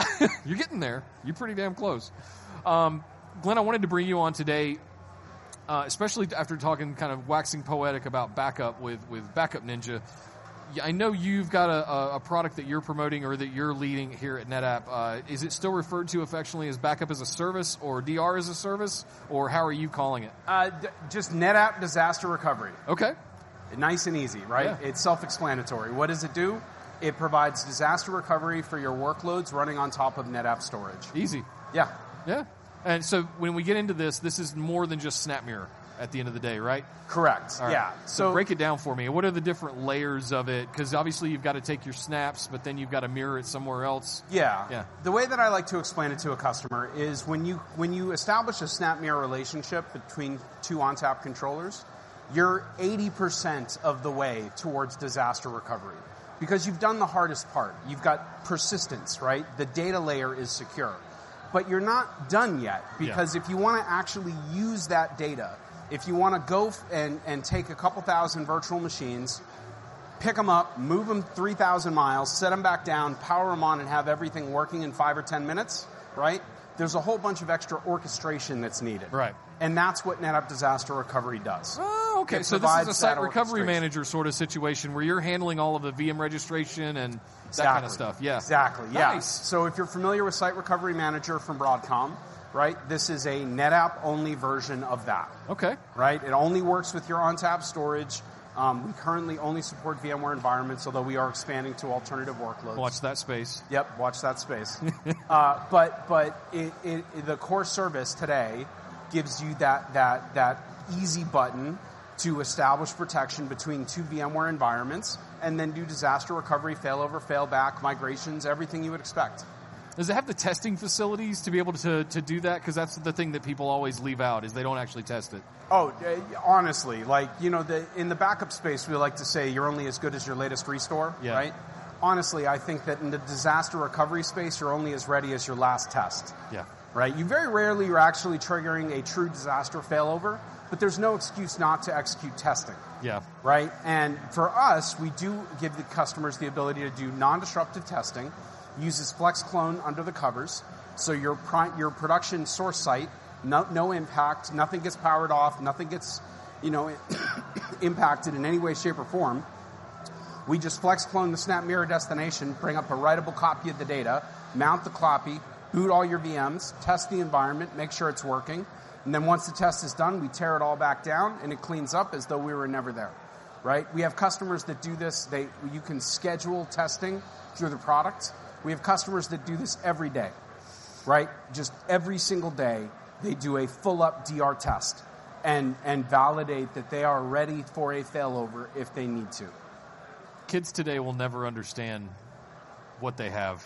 You're getting there. You're pretty damn close. Glenn, I wanted to bring you on today, especially after talking, kind of waxing poetic about backup with Backup Ninja. I know you've got a product that you're promoting or that you're leading here at NetApp. Is it still referred to affectionately as backup as a service or doctor as a service, or how are you calling it? Just NetApp Disaster Recovery. Okay, nice and easy, right? It's self explanatory. What does it do? It provides disaster recovery for your workloads running on top of NetApp storage. Easy. Yeah, yeah. When we get into this, this is more than just SnapMirror at the end of the day, right? Correct. Yeah. Break it down for me. What are the different layers of it? Because obviously you've got to take your snaps, but then you've got to mirror it somewhere else. Yeah, yeah. The way that I like to explain it to a customer is when you establish a SnapMirror relationship between two ONTAP controllers, you're 80% of the way towards disaster recovery because you've done the hardest part. You've got persistence. Right. The data layer is secure, but you're not done yet because if you want to actually use that data, if you want to go and take a couple thousand virtual machines, pick them up, move them 3,000 miles, set them back down, power them on, and have everything working in five or 10 minutes, there's a whole bunch of extra orchestration that's needed. Right. That is what NetApp Disaster Recovery does. Okay. Recovery manager sort of situation where you're handling all of the VM registration and that kind of stuff. Yeah, exactly. Yes. If you're familiar with Site Recovery Manager from Broadcom, right, this is a NetApp only version of that. Okay, Right. It only works with your ONTAP storage. We currently only support VMware environments, although we are expanding to alternative workloads. Watch that space. Watch that space. The core service today gives you that easy button to establish protection between two VMware environments and then do disaster recovery failover, fail back migrations, everything you would expect. Does it have the testing facilities to be able to do that? Because that's the thing that people always leave out, they don't actually test it. Honestly, like you know, in the backup space we like to say you're only as good as your latest restore. Right. Honestly, I think that in the disaster recovery space you're only as ready as your last test. Yeah, right. You very rarely actually trigger a true disaster failover, but there's no excuse not to execute testing. Yeah, right. We do give the customers the ability to do non-disruptive testing. Uses FlexClone under the covers. Your prime, your production source site, no impact, nothing gets powered off, nothing gets, you know, impacted in any way, shape or form. We just FlexClone the SnapMirror destination, bring up a writable copy of the data, mount the copy, boot all your VMs, test the environment, make sure it's working, and then once the test is done, we tear it all back down and it cleans up as though we were never there. Right. We have customers that do this. You can schedule testing through the product. We have customers that do this every day, just every single day. They do a full up doctor test and validate that they are ready for a failover if they need to. Kids today will never understand what they have.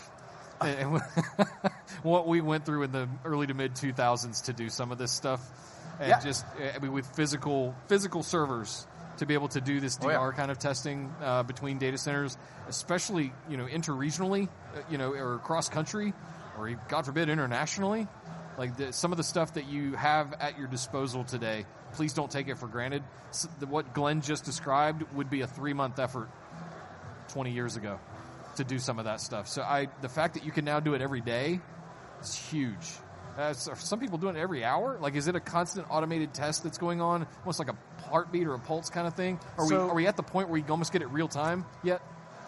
What we went through in the early to mid 2000s to do some of this stuff with physical servers to be able to do this doctor kind of testing between data centers, especially inter regionally, or cross country or, God forbid, internationally. Some of the stuff that you have at your disposal today, please don't take it for granted. What Glenn just described would be a three month effort 20 years ago to do some of that stuff. The fact that you can now do it every day is huge. Some people doing it every hour. Is it a constant automated test that's going on almost like a heartbeat or a pulse kind of thing? Are we at the point where you almost get it real time yet?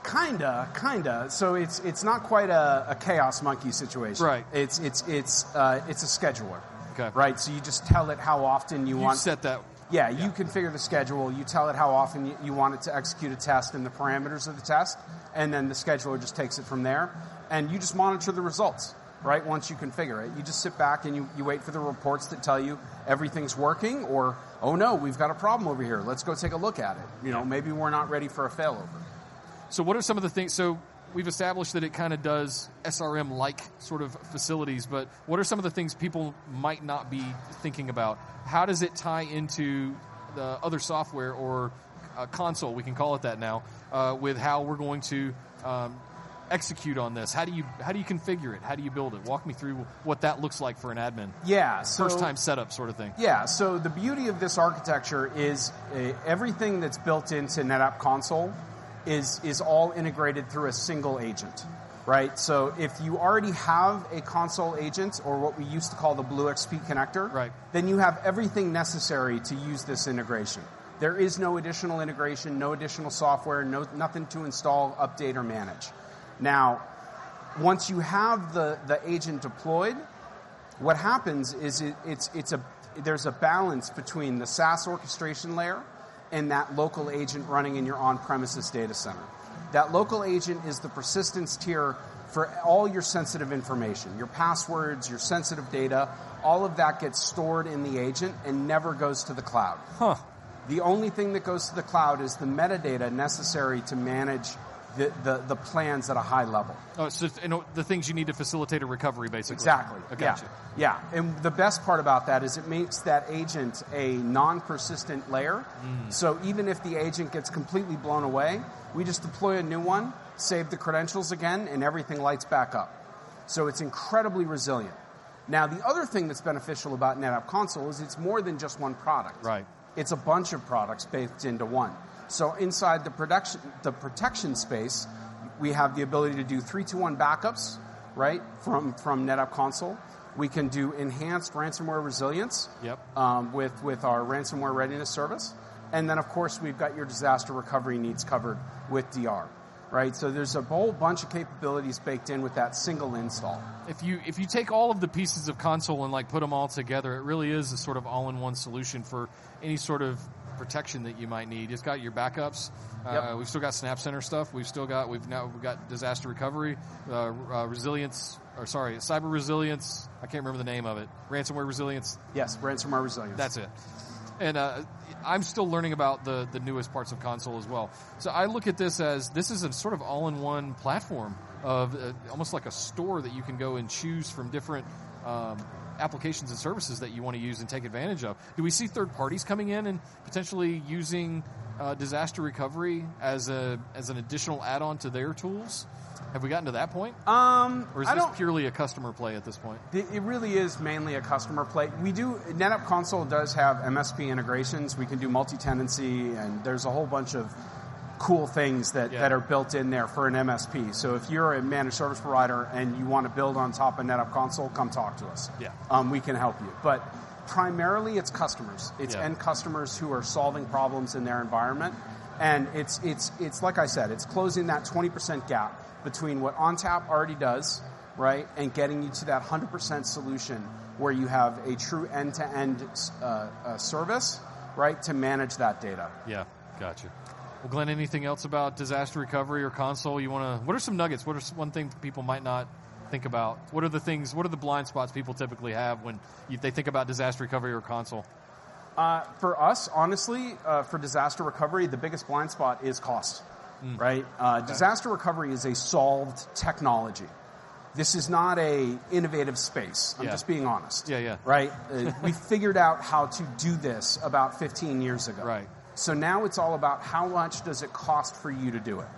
It's not quite a chaos monkey situation. Right. It's a scheduler. Right. You just tell it how often you want to set that. You configure the schedule, you tell it how often you want it to execute a test and the parameters of the test, and then the scheduler just takes it from there and you just monitor the results. Once you configure it, you just sit back and you wait for the reports that tell you everything's working or oh no, we've got a problem over here, let's go take a look at it. Maybe we're not ready for a failover. What are some of the things? We've established that it kind of does SRM-like sort of facilities. What are some of the things people might not be thinking about? How does it tie into the other software or console? We can call it that. Now with how we're going to execute on this, how do you configure it, how do you build it? Walk me through what that looks like for an admin. Yeah, first time setup sort of thing. The beauty of this architecture is everything that's built into NetApp Console is all integrated through a single agent. Right. If you already have a console agent or what we used to call the BlueXP connector, then you have everything necessary to use this integration. There is no additional integration, no additional software, nothing to install, update, or manage. Once you have the agent deployed, what happens is there's a balance between the SaaS orchestration layer and that local agent running in your on-premises data center. That local agent is the persistence tier for all your sensitive information, your passwords, your sensitive data. All of that gets stored in the agent and never goes to the cloud. Huh. The only thing that goes to the cloud is the metadata necessary to manage the plans at a high level. The things you need to facilitate a recovery, basically. Exactly, yeah. The best part about that is it makes that agent a non-persistent layer. Even if the agent gets completely blown away, we just deploy a new one, save the credentials again, and everything lights back up. It's incredibly resilient. Another thing that's beneficial about NetApp Console is it's more than just one product. Right. It's a bunch of products baked into one. Inside the protection space, we have the ability to do 3-2-1 backups, right from the NetApp Console. We can do enhanced Ransomware Resilience with our ransomware readiness service. Of course, we've got your disaster recovery needs covered with DR, right. There's a whole bunch of capabilities baked in with that single install. If you take all of the pieces of Console and put them all together, it really is a sort of all-in-one solution for any sort of protection that you might need. It's got your backups, we've still got SnapCenter stuff, we've still got, we've now got disaster recovery resilience or sorry, cyber resilience, I can't remember the name of it. Ransomware Resilience, yes, Ransomware Resilience, that's it. I'm still learning about the newest parts of Console as well. I look at this as this is a sort of all-in-one platform, almost like a store that you can go and choose from different applications and services that you want to use and take advantage of. Do we see third parties coming in and potentially using disaster recovery as an additional add-on to their tools? Have we gotten to that point or is this purely a customer play? At this point, it really is mainly a customer play. We do, NetApp Console does have MSP integrations. We can do multi-tenancy, and there's a whole bunch of cool things that are built in there for an MSP. If you're a managed service provider and you want to build on top of NetApp Console, come talk to us, we can help you. Primarily, it's customers, it's end customers who are solving problems in their environment. Like I said, it's closing that 20% gap between what ONTAP already does and getting you to that 100% solution where you have a true end-to-end service. Right. To manage that data. Gotcha. Glenn, anything else about disaster recovery or console you want to share? What are some nuggets? What is one thing people might not think about? What are the things, what are the blind spots people typically have when they think about disaster recovery or console? For us, honestly, for disaster recovery, the biggest blind spot is cost. Right. Disaster recovery is a solved technology. This is not an innovative space. Just being honest. Yeah, yeah. Right. We figured out how to do this about 15 years ago. Right. Now it's all about how much does it cost for you to do it.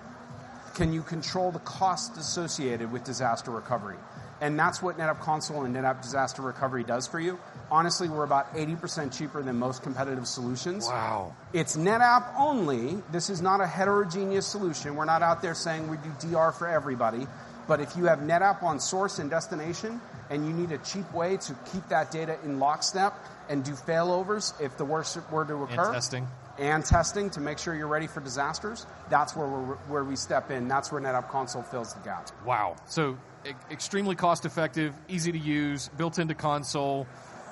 Can you control the cost associated with disaster recovery? That's what NetApp Console and NetApp Disaster Recovery does for you. Honestly, we're about 80% cheaper than most competitive solutions. Wow. It's NetApp only. This is not a heterogeneous solution. We're not out there saying we do DR for everybody. If you have NetApp on source and destination and you need a cheap way to keep that data in lockstep and do failovers if the worst were to occur and testing to make sure you're ready for disasters, that's where we step in. That's where NetApp Console fills the gaps. Wow. Extremely cost effective, easy to use, built into console.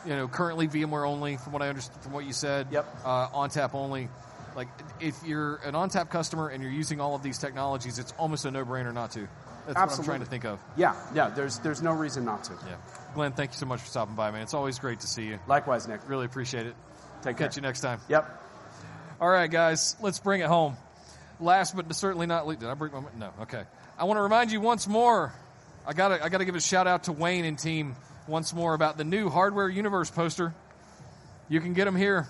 You know, currently VMware only from what I understand, from what you said. Yep. ONTAP only, like if you're an ONTAP customer and you're using all of these technologies, it's almost a no brainer not to. That's what I'm trying to think of. Yeah, yeah. There's no reason not to. Yeah, Glenn, thank you so much for stopping by, man. It's always great to see you. Likewise, Nick. Really appreciate it. Take. Catch you next time. Yep. All right, guys, let's bring it home. Last but certainly not least. Did I bring my—no. Okay. I want to remind you once more, I gotta give a shout out to Wayne and team once more about the new hardware universe poster. You can get them here.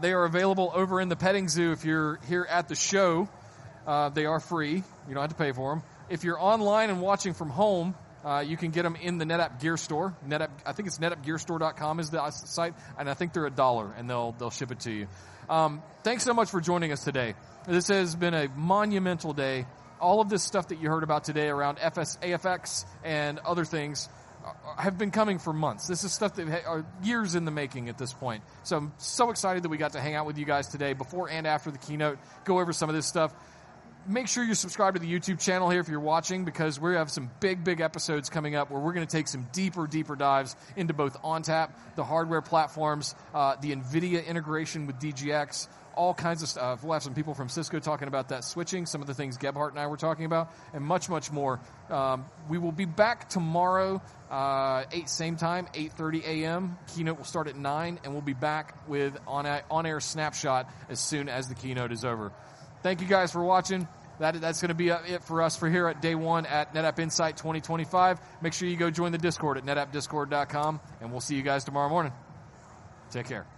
They are available over in the petting zoo. If you're here at the show, they are free. You don't have to pay for them. If you're online and watching from home, you can get them in the NetApp gear store. I think it's netapp.gearstore.com is the site and I think they're a dollar and they'll ship it to you. Thanks so much for joining us today. This has been a monumental day. All of this stuff that you heard about today around FSx for ONTAP and other things have been coming for months. This is stuff that are years in the making at this point. I'm so excited that we got to hang out with you guys today before and after the keynote, go over some of this stuff. Make sure you subscribe to the YouTube channel here if you're watching because we have some big, big episodes coming up where we're going to take some deeper, deeper dives into both ONTAP, the hardware platforms, the NVIDIA integration with DGX, all kinds of stuff. We'll have some people from Cisco talking about that, switching some of the things Gebhardt and I were talking about, and much, much more. We will be back tomorrow, same time, 8:30 A.M. Keynote will start at 9:00 A.M. and we'll be back with On Air Snapshot as soon as the keynote is over. Thank you guys for watching. That's going to be it for us here at day one at NetApp Insight 2025. Make sure you go join the Discord at netappdiscord.com and we'll see you guys tomorrow morning. Take care.